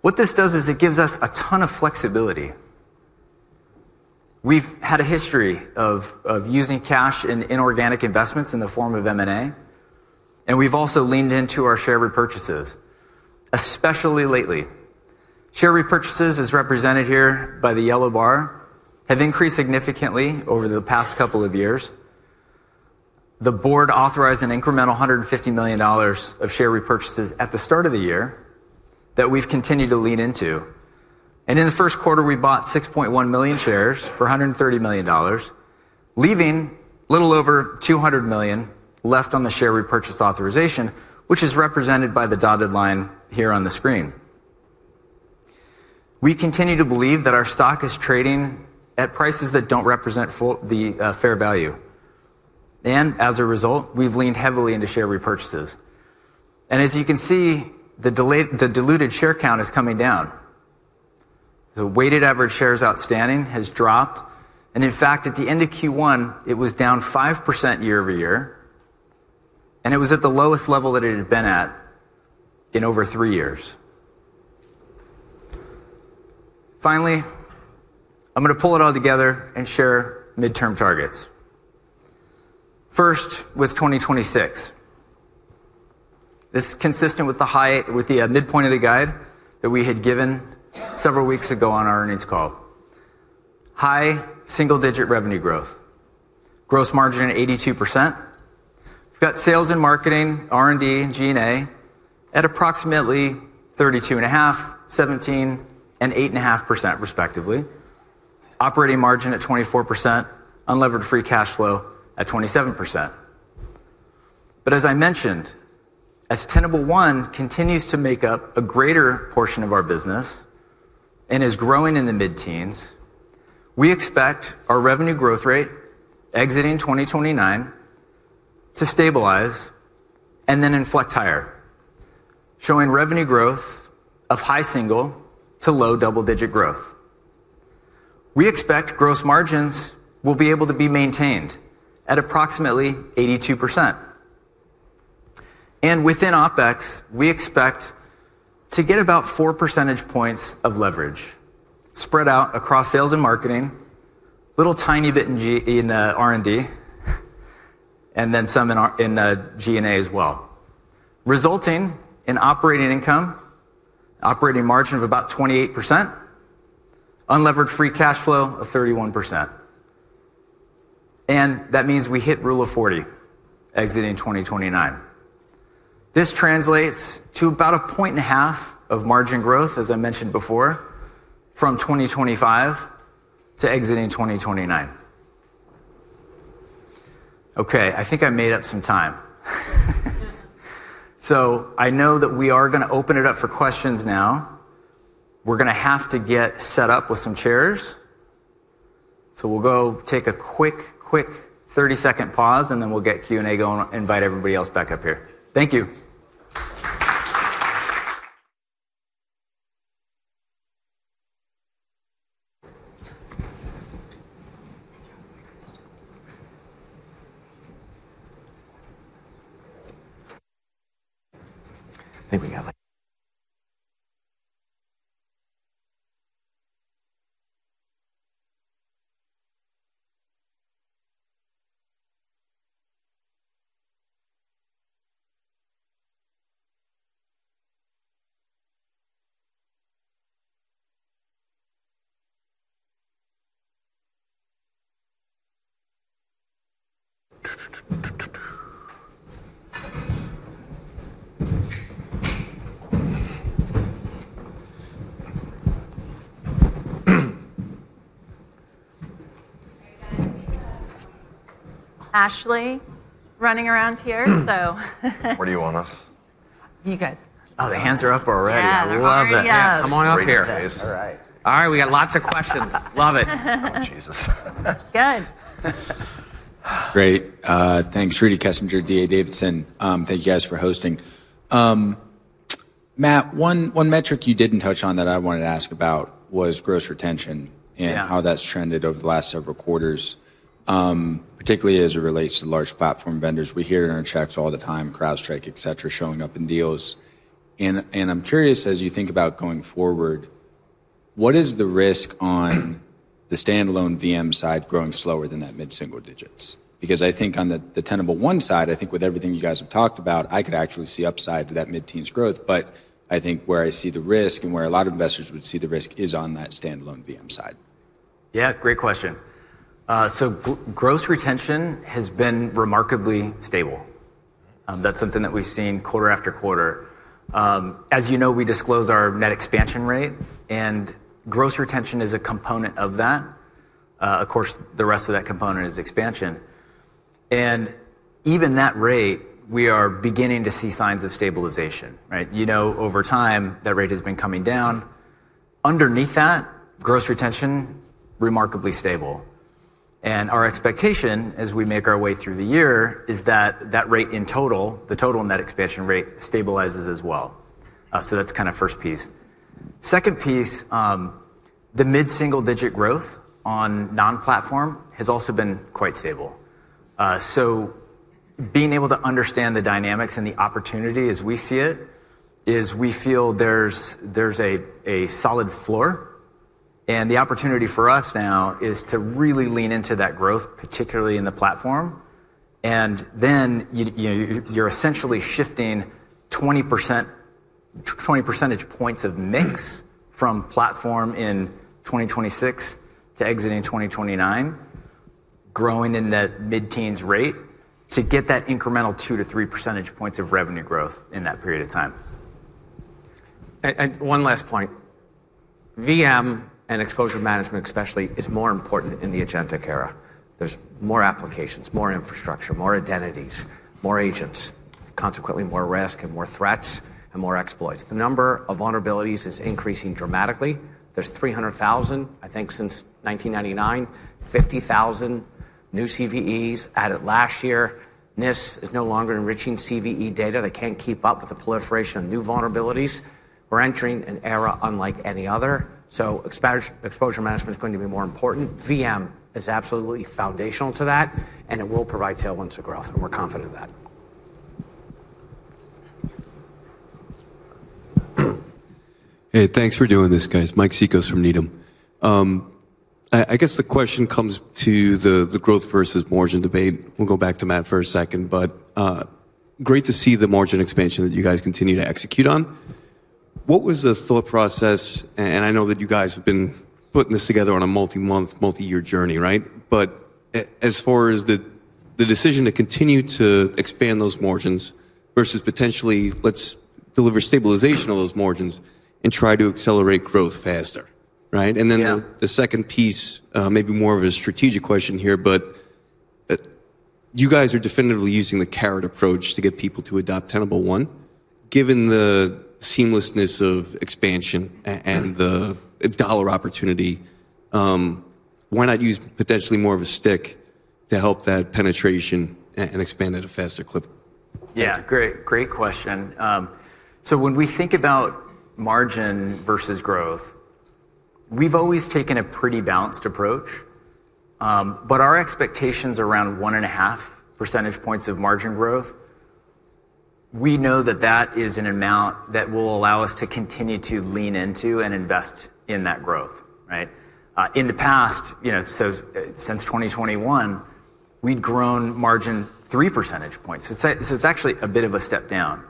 What this does is it gives us a ton of flexibility. We've had a history of using cash in inorganic investments in the form of M&A, and we've also leaned into our share repurchases, especially lately. Share repurchases, as represented here by the yellow bar, have increased significantly over the past couple of years. The board authorized an incremental $150 million of share repurchases at the start of the year that we've continued to lean into. In the first quarter, we bought 6.1 million shares for $130 million, leaving a little over $200 million left on the share repurchase authorization, which is represented by the dotted line here on the screen. We continue to believe that our stock is trading at prices that don't represent the fair value. As a result, we've leaned heavily into share repurchases. As you can see, the diluted share count is coming down. The weighted average shares outstanding has dropped, and in fact, at the end of Q1, it was down 5% year-over-year, and it was at the lowest level that it had been at in over three years. Finally, I'm going to pull it all together and share midterm targets. First, with 2026. This is consistent with the midpoint of the guide that we had given several weeks ago on our earnings call. High single-digit revenue growth. Gross margin at 82%. We've got sales and marketing, R&D, and G&A at approximately 32.5%, 17%, and 8.5% respectively. Operating margin at 24%. Unlevered free cash flow at 27%. As I mentioned, as Tenable One continues to make up a greater portion of our business and is growing in the mid-teens, we expect our revenue growth rate exiting 2029 to stabilize and then inflect higher, showing revenue growth of high single to low double-digit growth. We expect gross margins will be able to be maintained at approximately 82%. Within OpEx, we expect to get about 4 percentage points of leverage spread out across sales and marketing, little tiny bit in R&D, and then some in G&A as well, resulting in operating income, operating margin of about 28%, unlevered free cash flow of 31%. That means we hit rule of 40 exiting 2029. This translates to about 1.5 points of margin growth, as I mentioned before, from 2025 to exiting 2029. Okay, I think I made up some time. I know that we are going to open it up for questions now. We're going to have to get set up with some chairs. We'll go take a quick 30-second pause, and then we'll get Q&A going, invite everybody else back up here. Thank you. I think we got like- We have Ashley running around here, so- Where do you want us? You guys. Oh, the hands are up already. Yeah. I love it. Yeah, come on up here. All right, we got lots of questions. Love it. Oh, Jesus. It's good. Great. Thanks. Rudy Kessinger, D.A. Davidson. Thank you guys for hosting. Matt, one metric you didn't touch on that I wanted to ask about was gross retention. Yeah. How that's trended over the last several quarters, particularly as it relates to large platform vendors. We hear it in checks all the time, CrowdStrike, et cetera, showing up in deals. I'm curious, as you think about going forward, what is the risk on the standalone VM side growing slower than that mid-single digits? I think on the Tenable One side, I think with everything you guys have talked about, I could actually see upside to that mid-teens growth. I think where I see the risk and where a lot of investors would see the risk is on that standalone VM side. Yeah, great question. Gross retention has been remarkably stable. That's something that we've seen quarter after quarter. As you know, we disclose our net expansion rate, and gross retention is a component of that. Of course, the rest of that component is expansion. Even that rate, we are beginning to see signs of stabilization, right? Over time, that rate has been coming down. Underneath that, gross retention, remarkably stable. Our expectation as we make our way through the year is that rate in total, the total net expansion rate stabilizes as well. That's kind of first piece. Second piece, the mid-single-digit growth on non-platform has also been quite stable. Being able to understand the dynamics and the opportunity as we see it is we feel there's a solid floor, and the opportunity for us now is to really lean into that growth, particularly in the platform. Then you're essentially shifting 20 percentage points of mix from platform in 2026 to exiting 2029, growing in that mid-teens rate to get that incremental 2-3 percentage points of revenue growth in that period of time. One last point, VM and exposure management especially, is more important in the agentic era. There's more applications, more infrastructure, more identities, more agents, consequently, more risk and more threats and more exploits. The number of vulnerabilities is increasing dramatically. There's 300,000, I think since 1999, 50,000 new CVEs added last year. NIST is no longer enriching CVE data. They can't keep up with the proliferation of new vulnerabilities. We're entering an era unlike any other. Exposure management is going to be more important. VM is absolutely foundational to that, and it will provide tailwinds to growth, and we're confident of that. Hey, thanks for doing this, guys. Mike Cikos from Needham. I guess the question comes to the growth versus margin debate. We'll go back to Matt for a second, but great to see the margin expansion that you guys continue to execute on. What was the thought process, and I know that you guys have been putting this together on a multi-month, multi-year journey, right? As far as the decision to continue to expand those margins versus potentially, let's deliver stabilization of those margins and try to accelerate growth faster. Right? Yeah. The second piece, maybe more of a strategic question here, you guys are definitively using the carrot approach to get people to adopt Tenable One. Given the seamlessness of expansion and the dollar opportunity, why not use potentially more of a stick to help that penetration and expand at a faster clip? Yeah. Great question. When we think about margin versus growth, we've always taken a pretty balanced approach, but our expectation's around 1.5 percentage points of margin growth. We know that that is an amount that will allow us to continue to lean into and invest in that growth. Right? In the past, since 2021, we'd grown margin 3 percentage points. It's actually a bit of a step down.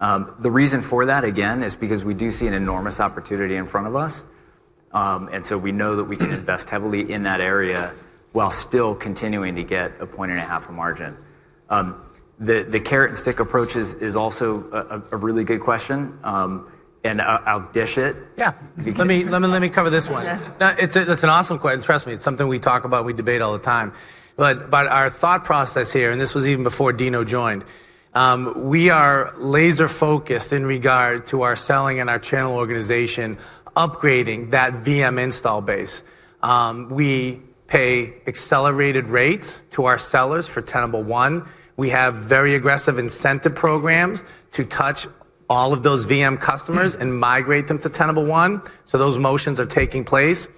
The reason for that, again, is because we do see an enormous opportunity in front of us. We know that we can invest heavily in that area while still continuing to get 1.5 of margin. The carrot-and-stick approach is also a really good question, and I'll dish it. Yeah. Let me cover this one. Yeah. That's an awesome question. Trust me, it's something we talk about, we debate all the time. Our thought process here, and this was even before Dino joined, we are laser-focused in regard to our selling and our channel organization upgrading that VM install base. We pay accelerated rates to our sellers for Tenable One. We have very aggressive incentive programs to touch all of those VM customers and migrate them to Tenable One. Those motions are taking place.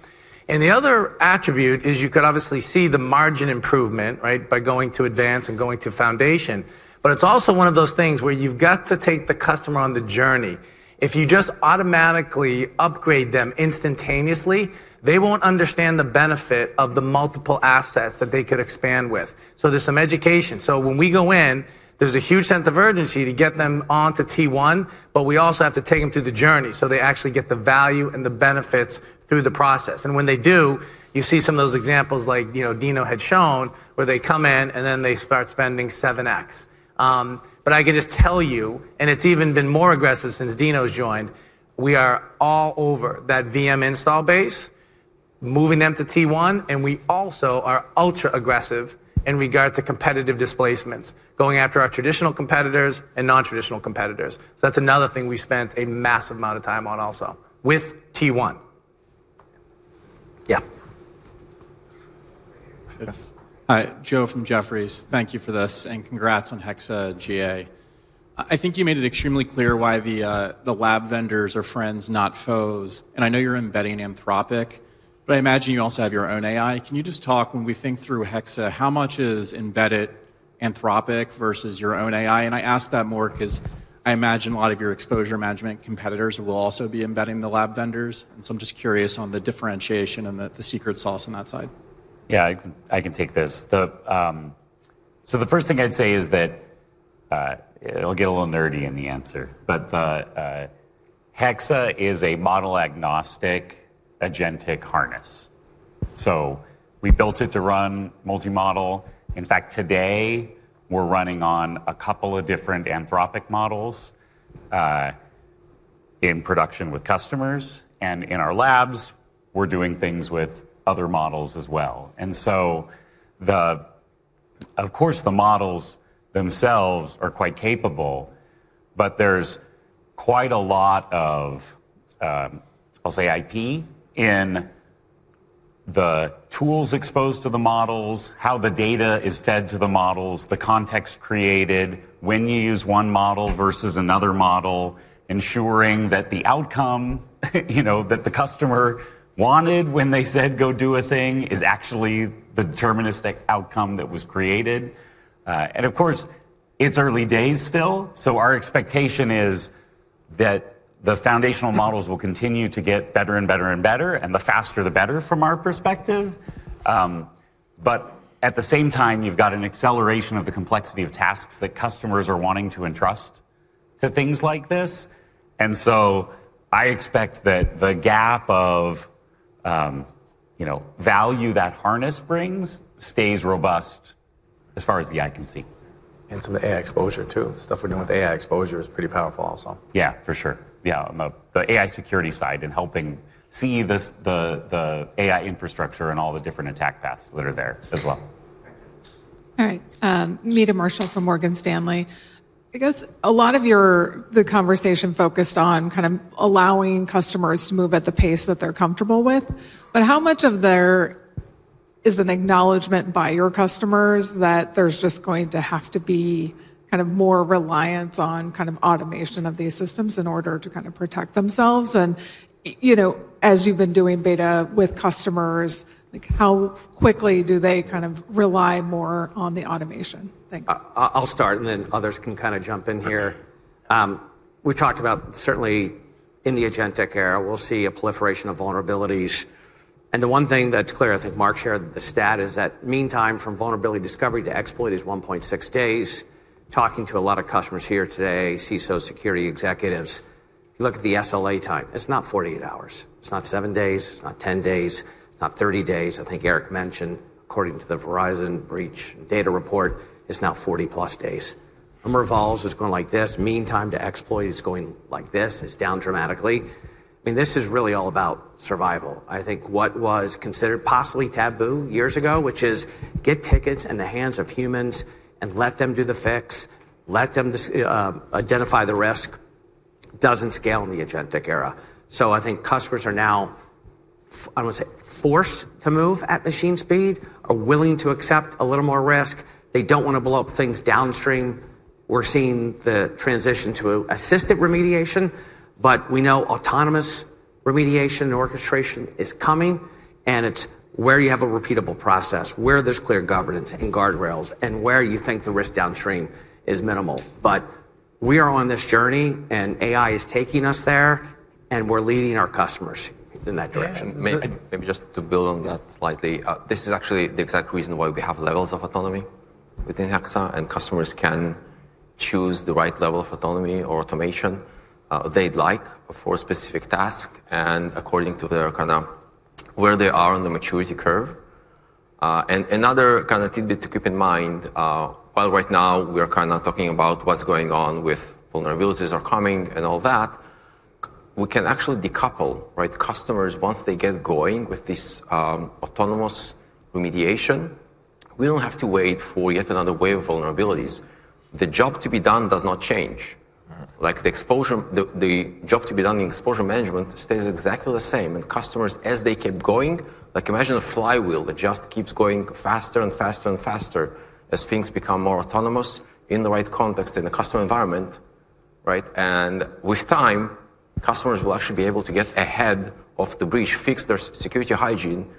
The other attribute is you could obviously see the margin improvement, right, by going to Advanced and going to Foundation. It's also one of those things where you've got to take the customer on the journey. If you just automatically upgrade them instantaneously, they won't understand the benefit of the multiple assets that they could expand with. There's some education. When we go in, there's a huge sense of urgency to get them onto T1, but we also have to take them through the journey so they actually get the value and the benefits through the process. When they do, you see some of those examples like Dino had shown, where they come in and then they start spending 7x. I can just tell you, and it's even been more aggressive since Dino's joined, we are all over that VM install base, moving them to T1, and we also are ultra aggressive in regard to competitive displacements, going after our traditional competitors and non-traditional competitors. That's another thing we spent a massive amount of time on also with T1. Yeah. Yeah. Hi, Joe from Jefferies. Thank you for this. Congrats on Hexa GA. I think you made it extremely clear why the lab vendors are friends, not foes, and I know you're embedding Anthropic, but I imagine you also have your own AI. Can you just talk, when we think through Hexa, how much is embedded Anthropic versus your own AI? I ask that more because I imagine a lot of your exposure management competitors will also be embedding the lab vendors, and so I'm just curious on the differentiation and the secret sauce on that side. Yeah, I can take this. The first thing I'd say is that it'll get a little nerdy in the answer, but Hexa is a model-agnostic agentic harness. We built it to run multi-model. In fact, today, we're running on a couple of different Anthropic models, in production with customers. In our labs, we're doing things with other models as well. Of course, the models themselves are quite capable, but there's quite a lot of, I'll say, IP in the tools exposed to the models, how the data is fed to the models, the context created when you use one model versus another model, ensuring that the outcome that the customer wanted when they said, "Go do a thing," is actually the deterministic outcome that was created. Of course, it's early days still, so our expectation is that the foundational models will continue to get better and better and better, and the faster, the better from our perspective. At the same time, you've got an acceleration of the complexity of tasks that customers are wanting to entrust to things like this. I expect that the gap of value that harness brings stays robust as far as the eye can see. Some AI exposure, too. Stuff we're doing with AI exposure is pretty powerful also. Yeah, for sure. Yeah. On the AI security side and helping see the AI infrastructure and all the different attack paths that are there as well. All right. Meta Marshall from Morgan Stanley. I guess a lot of the conversation focused on allowing customers to move at the pace that they're comfortable with, but how much of there is an acknowledgment by your customers that there's just going to have to be more reliance on automation of these systems in order to protect themselves? As you've been doing beta with customers, how quickly do they rely more on the automation? Thanks. I'll start, and then others can jump in here. We talked about, certainly in the agentic era, we'll see a proliferation of vulnerabilities. The one thing that's clear, I think Mark shared the stat, is that meantime from vulnerability discovery to exploit is 1.6 days. Talking to a lot of customers here today, CISO security executives, you look at the SLA time, it's not 48 hours. It's not seven days. It's not 10 days. It's not 30 days. I think Eric mentioned, according to the Verizon breach data report, it's now 40+ days. Time revolves, it's going like this. Mean time to exploit is going like this, it's down dramatically. This is really all about survival. I think what was considered possibly taboo years ago, which is get tickets in the hands of humans and let them do the fix, let them identify the risk, doesn't scale in the agentic era. I think customers are now, I would say, forced to move at machine speed, are willing to accept a little more risk. They don't want to blow up things downstream. We're seeing the transition to assisted remediation, we know autonomous remediation orchestration is coming, and it's where you have a repeatable process, where there's clear governance and guardrails, and where you think the risk downstream is minimal. We are on this journey, and AI is taking us there, and we're leading our customers in that direction. Maybe just to build on that slightly. This is actually the exact reason why we have levels of autonomy within Hexa, and customers can choose the right level of autonomy or automation they'd like for a specific task, and according to where they are on the maturity curve. Another tidbit to keep in mind, while right now we are talking about what's going on with vulnerabilities are coming and all that, we can actually decouple, right? Customers, once they get going with this autonomous remediation, we don't have to wait for yet another wave of vulnerabilities. The job to be done does not change. The job to be done in exposure management stays exactly the same. Customers, as they keep going, imagine a flywheel that just keeps going faster and faster and faster as things become more autonomous in the right context in the customer environment, right. With time, customers will actually be able to get ahead of the breach, fix their security hygiene,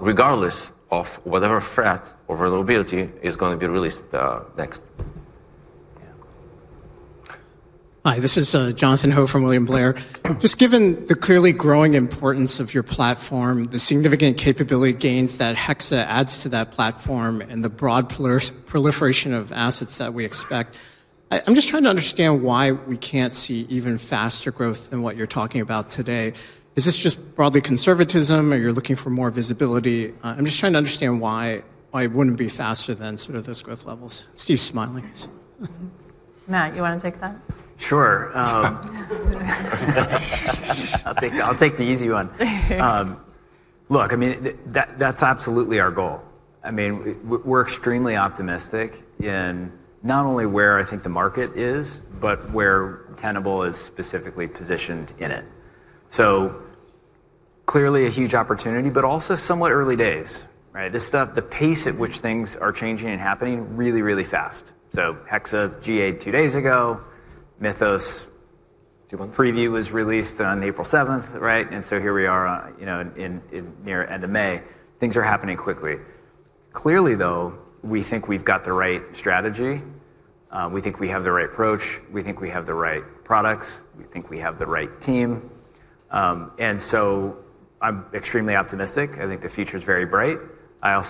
regardless of whatever threat or vulnerability is going to be released next. Yeah. Hi, this is Jonathan Ho from William Blair. Given the clearly growing importance of your platform, the significant capability gains that Hexa adds to that platform, and the broad proliferation of assets that we expect, I'm just trying to understand why we can't see even faster growth than what you're talking about today. Is this just broadly conservatism? Are you looking for more visibility? I'm just trying to understand why it wouldn't be faster than those growth levels. Steve's smiling. Matt, you want to take that? Sure. I'll take the easy one. Look, that's absolutely our goal. We're extremely optimistic in not only where I think the market is, but where Tenable is specifically positioned in it. Clearly a huge opportunity, but also somewhat early days, right? The pace at which things are changing and happening really, really fast. Hexa GA'd two days ago, Mythos- Two months?... preview was released on April 7th, right? Here we are, near end of May. Things are happening quickly. Clearly, though, we think we've got the right strategy. We think we have the right approach. We think we have the right products. We think we have the right team. I'm extremely optimistic. I think the future is very bright. I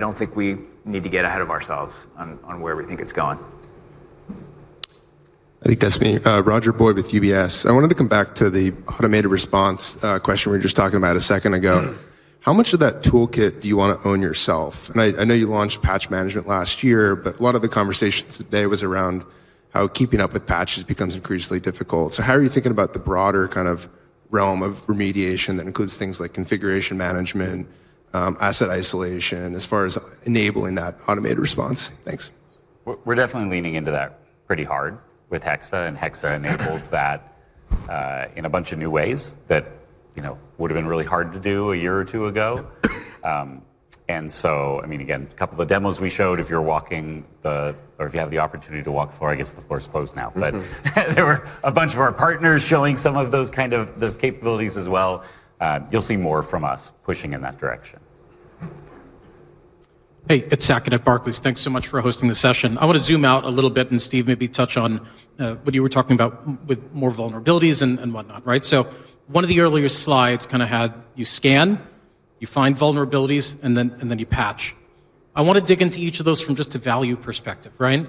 don't think we need to get ahead of ourselves on where we think it's going. I think that's me. Roger Boyd with UBS. I wanted to come back to the automated response question we were just talking about a second ago. How much of that toolkit do you want to own yourself? I know you launched patch management last year. A lot of the conversation today was around how keeping up with patches becomes increasingly difficult. How are you thinking about the broader realm of remediation that includes things like configuration management, asset isolation, as far as enabling that automated response? Thanks. We're definitely leaning into that pretty hard with Hexa. Hexa enables that in a bunch of new ways that would've been really hard to do a year or two ago. Again, a couple of demos we showed, if you have the opportunity to walk the floor. I guess the floor is closed now. There were a bunch of our partners showing some of those kind of capabilities as well. You'll see more from us pushing in that direction. Hey, it's Saket at Barclays. Thanks so much for hosting this session. I want to zoom out a little bit, and Steve, maybe touch on what you were talking about with more vulnerabilities and whatnot, right? One of the earlier slides kind of had you scan, you find vulnerabilities, and then you patch. I want to dig into each of those from just a value perspective, right?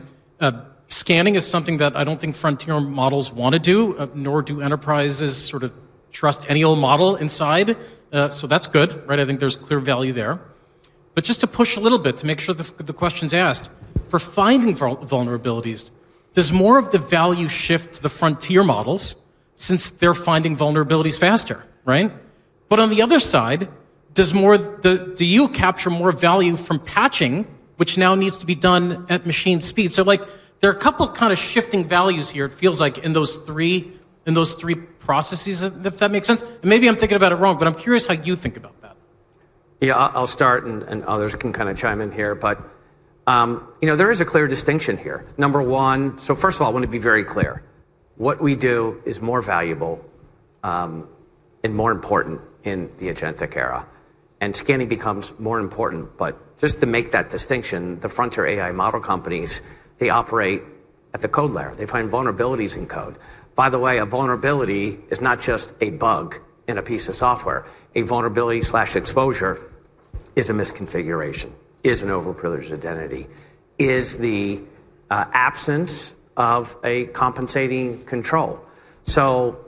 Scanning is something that I don't think frontier models want to do, nor do enterprises sort of trust any old model inside. That's good, right? I think there's clear value there. Just to push a little bit to make sure the question's asked. For finding vulnerabilities, does more of the value shift to the frontier models since they're finding vulnerabilities faster, right? On the other side, do you capture more value from patching, which now needs to be done at machine speed? There are a couple kind of shifting values here, it feels like, in those three processes, if that makes sense. Maybe I'm thinking about it wrong, but I'm curious how you think about that. Yeah, I'll start and others can chime in here. There is a clear distinction here. Number one, first of all, I want to be very clear. What we do is more valuable and more important in the agentic era, scanning becomes more important. Just to make that distinction, the frontier AI model companies, they operate at the code layer. They find vulnerabilities in code. By the way, a vulnerability is not just a bug in a piece of software. A vulnerability/exposure is a misconfiguration, is an overprivileged identity, is the absence of a compensating control.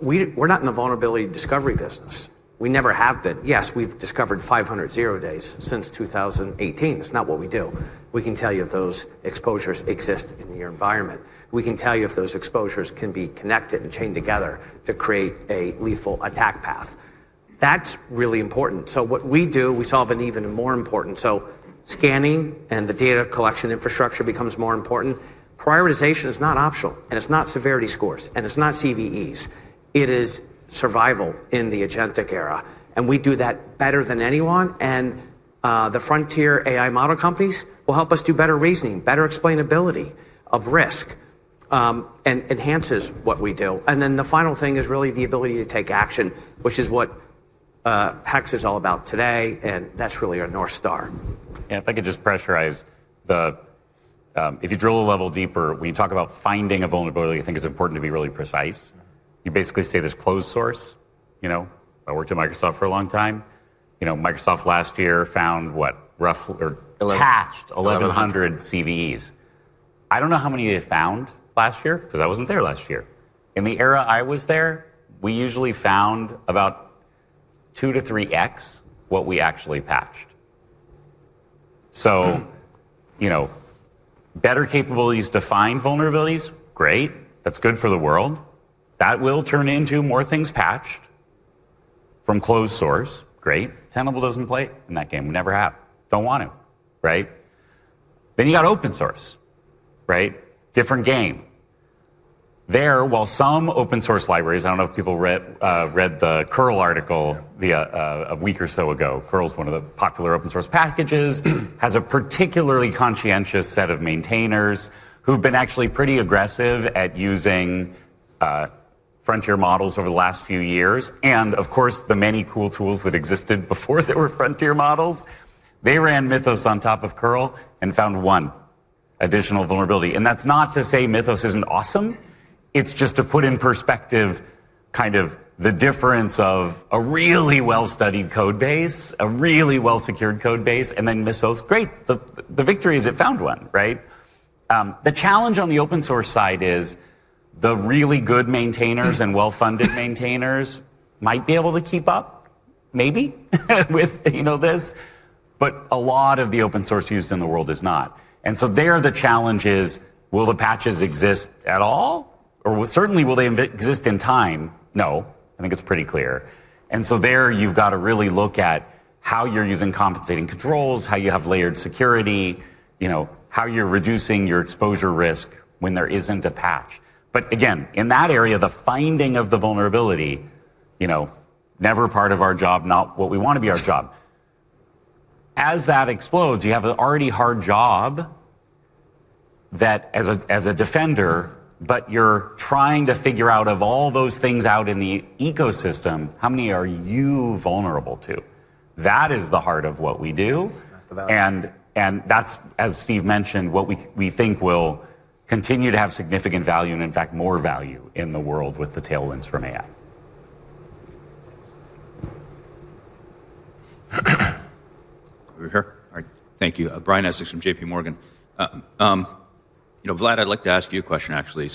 We're not in the vulnerability discovery business. We never have been. Yes, we've discovered 500 zero days since 2018. It's not what we do. We can tell you if those exposures exist in your environment. We can tell you if those exposures can be connected and chained together to create a lethal attack path. That's really important. So what we do, we solve an even more important- Scanning and the data collection infrastructure becomes more important. Prioritization is not optional, it's not severity scores, and it's not CVEs. It is survival in the agentic era, we do that better than anyone. The frontier AI model companies will help us do better reasoning, better explainability of risk, and enhances what we do. Then the final thing is really the ability to take action, which is what Hexa is all about today, and that's really our North Star. Yeah. If you drill a level deeper, when you talk about finding a vulnerability, I think it's important to be really precise. You basically say there's closed source. I worked at Microsoft for a long time. Microsoft last year found what? Patched 1,100 CVEs. I don't know how many they found last year because I wasn't there last year. In the era I was there, we usually found about 2x-3x what we actually patched. Better capabilities to find vulnerabilities, great. That's good for the world. That will turn into more things patched from closed source. Great. Tenable doesn't play in that game. We never have. Don't want to. Right? You got open source, right? Different game. There, while some open source libraries, I don't know if people read the curl article a week or so ago. curl's one of the popular open source packages, has a particularly conscientious set of maintainers who've been actually pretty aggressive at using frontier models over the last few years. Of course, the many cool tools that existed before there were frontier models. They ran Mythos on top of curl and found one additional vulnerability. That's not to say Mythos isn't awesome. It's just to put in perspective kind of the difference of a really well studied code base, a really well-secured code base, and then Mythos, great. The victory is it found one, right? The challenge on the open source side is the really good maintainers and well-funded maintainers might be able to keep up, maybe with this, but a lot of the open source used in the world is not. There the challenge is will the patches exist at all? Certainly will they exist in time? No, I think it's pretty clear. There you've got to really look at how you're using compensating controls, how you have layered security, how you're reducing your exposure risk when there isn't a patch. Again, in that area, the finding of the vulnerability, never part of our job, not what we want to be our job. As that explodes, you have an already hard job that as a defender, but you're trying to figure out of all those things out in the ecosystem, how many are you vulnerable to? That is the heart of what we do. That's the value. That's, as Steve mentioned, what we think will continue to have significant value and in fact more value in the world with the tailwinds from AI. Are we here? All right. Thank you. Brian Essex from JPMorgan. Vlad, I'd like to ask you a question, actually.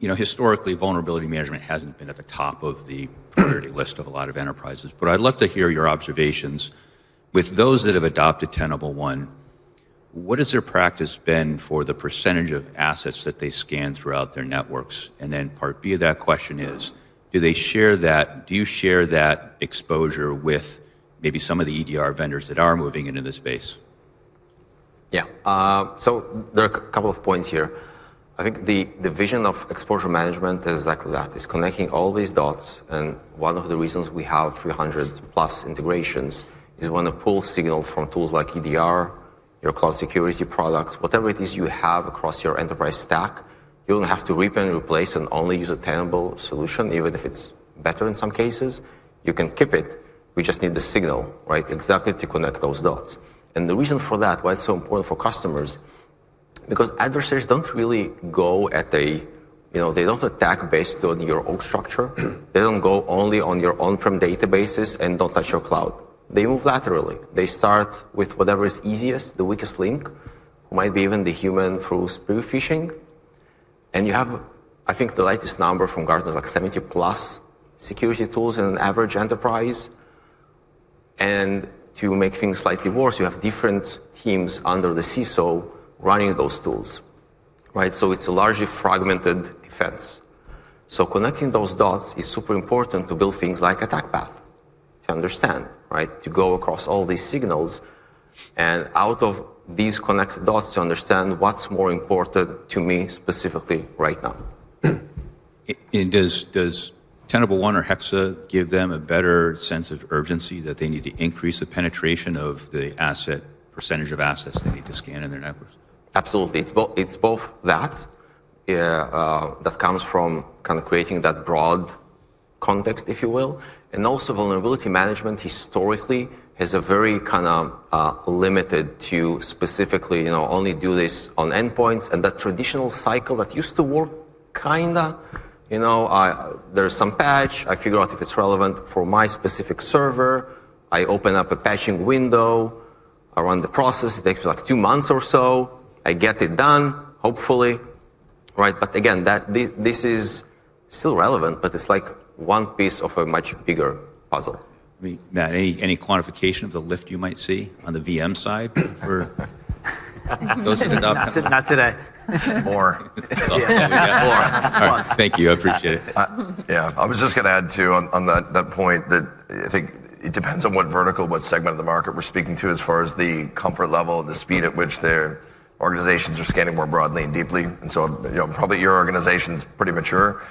Historically, vulnerability management hasn't been at the top of the priority list of a lot of enterprises, but I'd love to hear your observations with those that have adopted Tenable One, what has their practice been for the percentage of assets that they scan throughout their networks? Then part B of that question is, do you share that exposure with maybe some of the EDR vendors that are moving into the space? Yeah. There are a couple of points here. I think the vision of exposure management is exactly that. It's connecting all these dots, and one of the reasons we have 300+ integrations is we want to pull signal from tools like EDR, your cloud security products, whatever it is you have across your enterprise stack. You don't have to rip and replace and only use a Tenable solution, even if it's better in some cases. You can keep it. We just need the signal, right, exactly to connect those dots. The reason for that, why it's so important for customers, because adversaries don't really go. They don't attack based on your org structure. They don't go only on your on-prem databases and don't touch your cloud. They move laterally. They start with whatever is easiest, the weakest link. Might be even the human through spear phishing. You have, I think the latest number from Gartner is like 70+ security tools in an average enterprise. To make things slightly worse, you have different teams under the CISO running those tools. Right? It's a largely fragmented defense. Connecting those dots is super important to build things like attack path, to understand, right? To go across all these signals and out of these connected dots, to understand what's more important to me specifically right now. Does Tenable One or Hexa give them a better sense of urgency that they need to increase the penetration of the percentage of assets they need to scan in their networks? Absolutely. It's both that comes from kind of creating that broad context, if you will, and also vulnerability management historically is a very kind of, limited to specifically, only do this on endpoints. That traditional cycle that used to work, kinda. There's some patch. I figure out if it's relevant for my specific server. I open up a patching window. I run the process. It takes two months or so. I get it done, hopefully. Again, this is still relevant, but it's one piece of a much bigger puzzle. Matt, any quantification of the lift you might see on the VM side for those who adopt- Not today. More. All right. Thank you. I appreciate it. Yeah. I was just going to add, too, on that point that I think it depends on what vertical, what segment of the market we're speaking to as far as the comfort level and the speed at which their organizations are scanning more broadly and deeply. Probably your organization's pretty mature.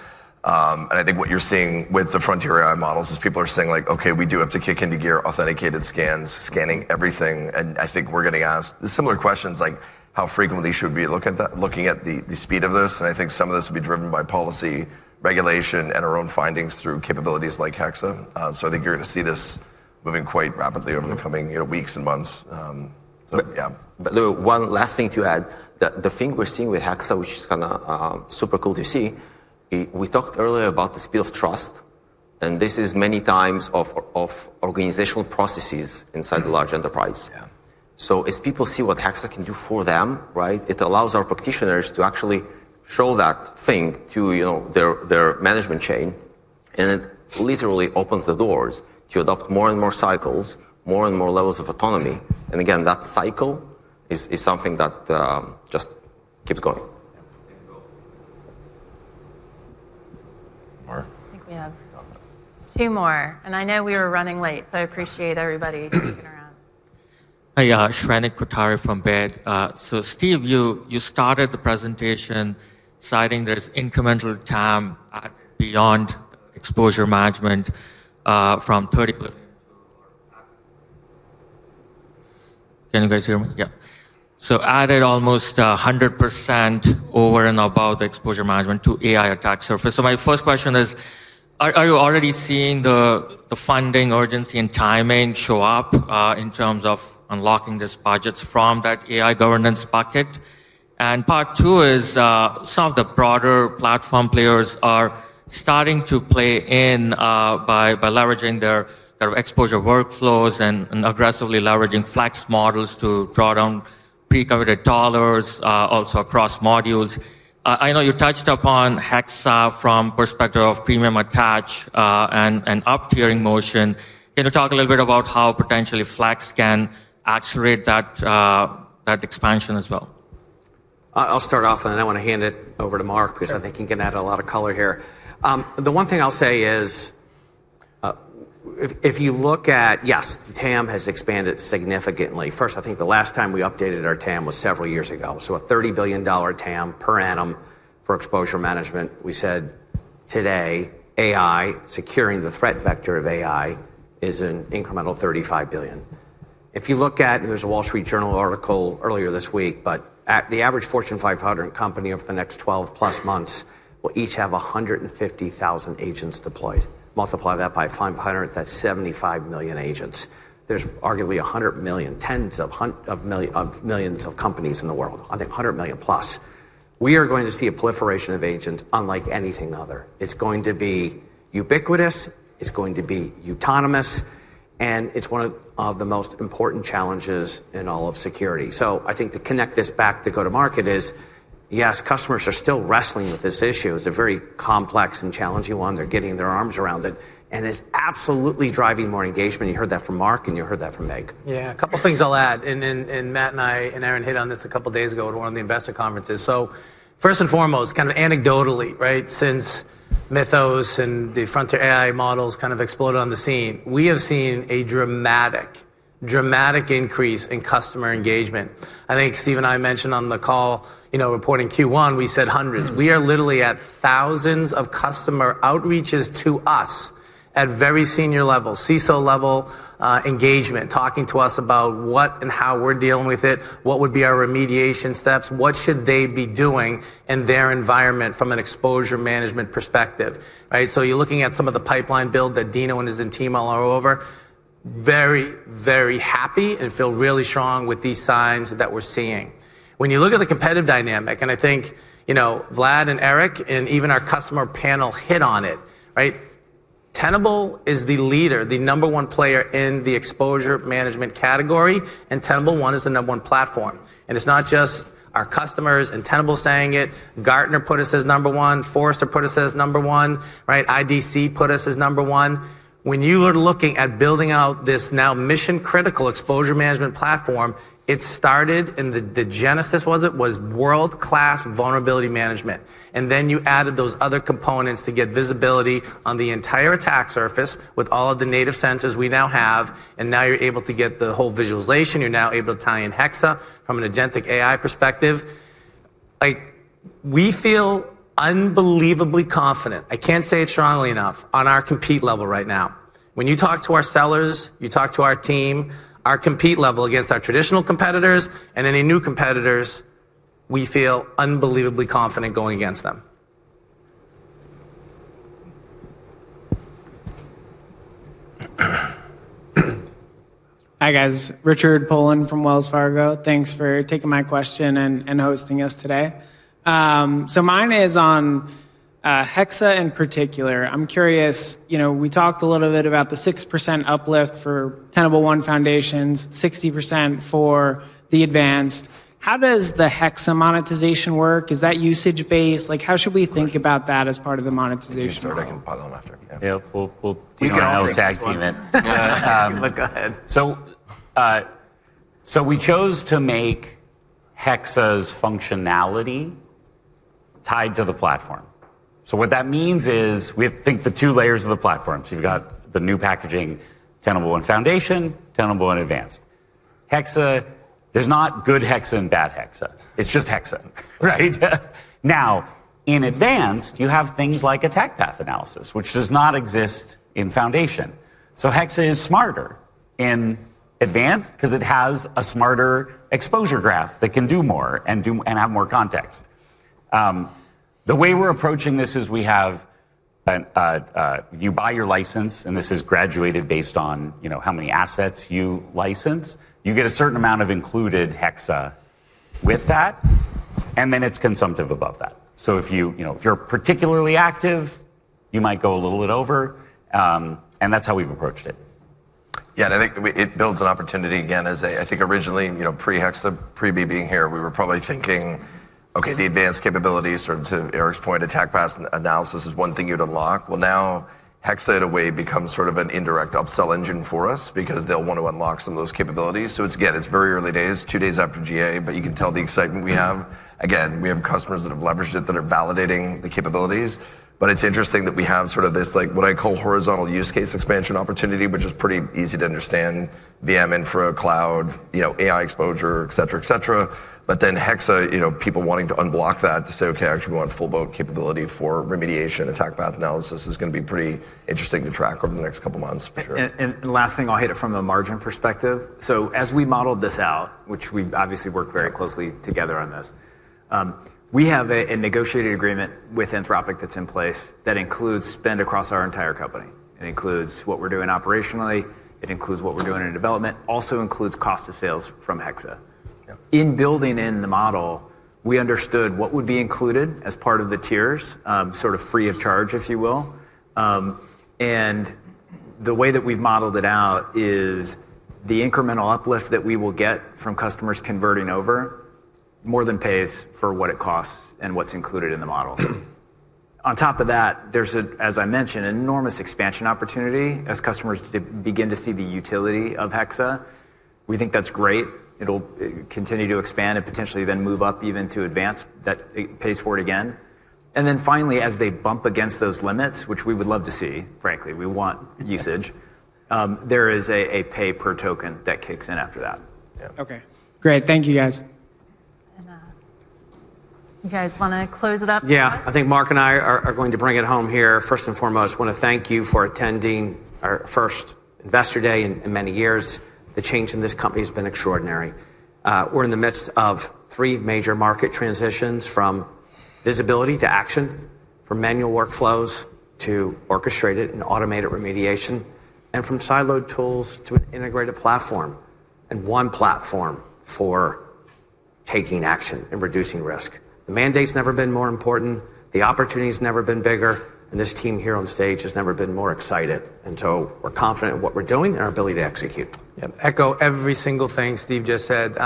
I think what you're seeing with the frontier AI models is people are saying, "Okay, we do have to kick into gear authenticated scans, scanning everything." I think we're going to ask the similar questions, like how frequently should we be looking at the speed of this? I think some of this will be driven by policy, regulation, and our own findings through capabilities like Hexa. I think you're going to see this moving quite rapidly over the coming weeks and months. Yeah. The one last thing to add, the thing we're seeing with Hexa, which is kind of super cool to see, we talked earlier about the speed of trust, and this is many times of organizational processes inside the large enterprise. Yeah. As people see what Hexa can do for them, it allows our practitioners to actually show that thing to their management chain, and it literally opens the doors to adopt more and more cycles, more and more levels of autonomy. Again, that cycle is something that just keeps going. Mark? I think we have two more, and I know we are running late, so I appreciate everybody sticking around. Hi. Shrenik Kothari from Baird. Steve, you started the presentation citing this incremental TAM beyond exposure management, from 30- Can you guys hear me? Yeah. Added almost 100% over and above the exposure management to AI attack surface. My first question is, are you already seeing the funding urgency and timing show up in terms of unlocking these budgets from that AI governance bucket? Part two is, some of the broader platform players are starting to play in by leveraging their exposure workflows and aggressively leveraging flex models to draw down pre-covered dollars, also across modules. I know you touched upon Hexa from perspective of premium attach, and uptiering motion. Can you talk a little bit about how potentially flex can accelerate that expansion as well? I'll start off, and then I want to hand it over to Mark, because I think he can add a lot of color here. The one thing I'll say is, if you look at, yes, the TAM has expanded significantly. First, I think the last time we updated our TAM was several years ago, so a $30 billion TAM per annum for exposure management. We said today, AI, securing the threat vector of AI, is an incremental $35 billion. If you look at, there was a The Wall Street Journal article earlier this week, at the average Fortune 500 company over the next 12+ months, will each have 150,000 agents deployed. Multiply that by 500, that's 75 million agents. There's arguably 100 million, tens of millions of companies in the world. I think 100+ million. We are going to see a proliferation of agent unlike anything other. It's going to be ubiquitous, it's going to be autonomous, and it's one of the most important challenges in all of security. I think to connect this back to go-to market is, yes, customers are still wrestling with this issue. It's a very complex and challenging one. They're getting their arms around it, and it's absolutely driving more engagement. You heard that from Mark, and you heard that from Meg. Yeah. A couple of things I'll add, and Matt and I, and Erin hit on this a couple of days ago at one of the investor conferences. First and foremost, kind of anecdotally, since Mythos and the frontier AI models kind of exploded on the scene, we have seen a dramatic increase in customer engagement. I think Steve and I mentioned on the call, reporting Q1, we said hundreds. We are literally at thousands of customer outreaches to us at very senior level, CISO level, engagement, talking to us about what and how we're dealing with it, what would be our remediation steps, what should they be doing in their environment from an exposure management perspective, right? You're looking at some of the pipeline build that Dino and his team are all over. Very, very happy and feel really strong with these signs that we're seeing. When you look at the competitive dynamic, I think Vlad and Eric, and even our customer panel hit on it. Tenable is the leader, the number one player in the exposure management category, and Tenable One is the number one platform. It's not just our customers and Tenable saying it. Gartner put us as number one, Forrester put us as number one, IDC put us as number one. When you are looking at building out this now mission-critical exposure management platform, it started, and the genesis was it was world-class vulnerability management. Then you added those other components to get visibility on the entire attack surface with all of the native sensors we now have, and now you're able to get the whole visualization. You're now able to tie in Hexa from an agentic AI perspective. We feel unbelievably confident, I can't say it strongly enough, on our compete level right now. When you talk to our sellers, you talk to our team, our compete level against our traditional competitors and any new competitors, we feel unbelievably confident going against them. Hi, guys. Richard Poland from Wells Fargo. Thanks for taking my question and hosting us today. Mine is on Hexa in particular. I'm curious, we talked a little about the 6% uplift for Tenable One Foundation, 60% for the Advanced. How does the Hexa monetization work? Is that usage-based? How should we think about that as part of the monetization model? Sure, I can pile on after. Yeah. Yeah. We'll tag team it. We can all take this one. We chose to make Hexa's functionality tied to the platform. What that means is, think the two layers of the platform. You've got the new packaging, Tenable One Foundation, Tenable One Advanced. Hexa, there's not good Hexa and bad Hexa, it's just Hexa, right? Now, in Advanced, you have things like attack path analysis, which does not exist in Foundation. Hexa is smarter in Advanced because it has a smarter exposure graph that can do more and have more context. The way we're approaching this is you buy your license, and this is graduated based on how many assets you license. You get a certain amount of included Hexa with that, and then it's consumptive above that. If you're particularly active, you might go a little bit over, and that's how we've approached it. Yeah, I think it builds an opportunity again, as I think originally, pre-Hexa, pre- being here, we were probably thinking, okay, the advanced capabilities, to Eric's point, attack path analysis is one thing you'd unlock. Now Hexa, in a way, becomes sort of an indirect upsell engine for us because they'll want to unlock some of those capabilities. It's, again, very early days, two days after GA, you can tell the excitement we have. Again, we have customers that have leveraged it that are validating the capabilities. It's interesting that we have this, what I call horizontal use case expansion opportunity, which is pretty easy to understand, VM, infra, cloud, AI exposure, et cetera. Hexa, people wanting to unblock that to say, "Okay, I actually want full boat capability for remediation, attack path analysis," is going to be pretty interesting to track over the next couple of months, for sure. Last thing, I'll hit it from a margin perspective. As we modeled this out, which we've obviously worked very closely together on this, we have a negotiated agreement with Anthropic that's in place that includes spend across our entire company. It includes what we're doing operationally, it includes what we're doing in development. Also includes cost of sales from Hexa. Yeah. In building in the model, we understood what would be included as part of the tiers, sort of free of charge, if you will. The way that we've modeled it out is the incremental uplift that we will get from customers converting over more than pays for what it costs and what's included in the model. On top of that, there's, as I mentioned, an enormous expansion opportunity as customers begin to see the utility of Hexa. We think that's great. It'll continue to expand and potentially then move up even to Advanced, that pays for it again. Finally, as they bump against those limits, which we would love to see, frankly, we want usage, there is a pay-per-token that kicks in after that. Yeah. Okay. Great. Thank you, guys. You guys want to close it up? I think Mark and I are going to bring it home here. First and foremost, I want to thank you for attending our first Investor Day in many years. The change in this company has been extraordinary. We're in the midst of three major market transitions, from visibility to action, from manual workflows to orchestrated and automated remediation, and from siloed tools to an integrated platform, and one platform for taking action and reducing risk. The mandate's never been more important, the opportunity's never been bigger, and this team here on stage has never been more excited. We're confident in what we're doing and our ability to execute. Yeah. Echo every single thing Steve just said.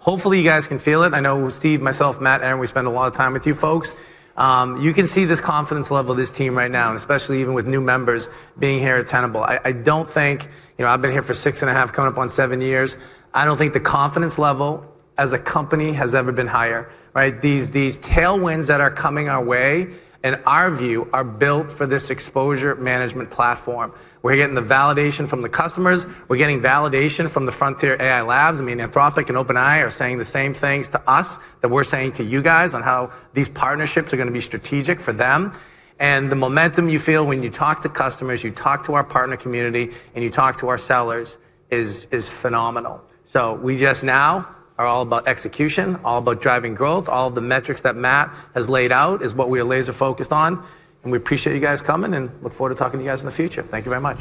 Hopefully, you guys can feel it. I know Steve, myself, Matt, Erin, we spend a lot of time with you folks. You can see this confidence level of this team right now, and especially even with new members being here at Tenable. I've been here for six and a half, coming up on seven years. I don't think the confidence level as a company has ever been higher, right? These tailwinds that are coming our way, in our view, are built for this exposure management platform. We're getting the validation from the customers, we're getting validation from the frontier AI labs. Anthropic and OpenAI are saying the same things to us that we're saying to you guys on how these partnerships are going to be strategic for them. The momentum you feel when you talk to customers, you talk to our partner community, and you talk to our sellers is phenomenal. We just now are all about execution, all about driving growth. All of the metrics that Matt has laid out is what we are laser-focused on. We appreciate you guys coming and look forward to talking to you guys in the future. Thank you very much.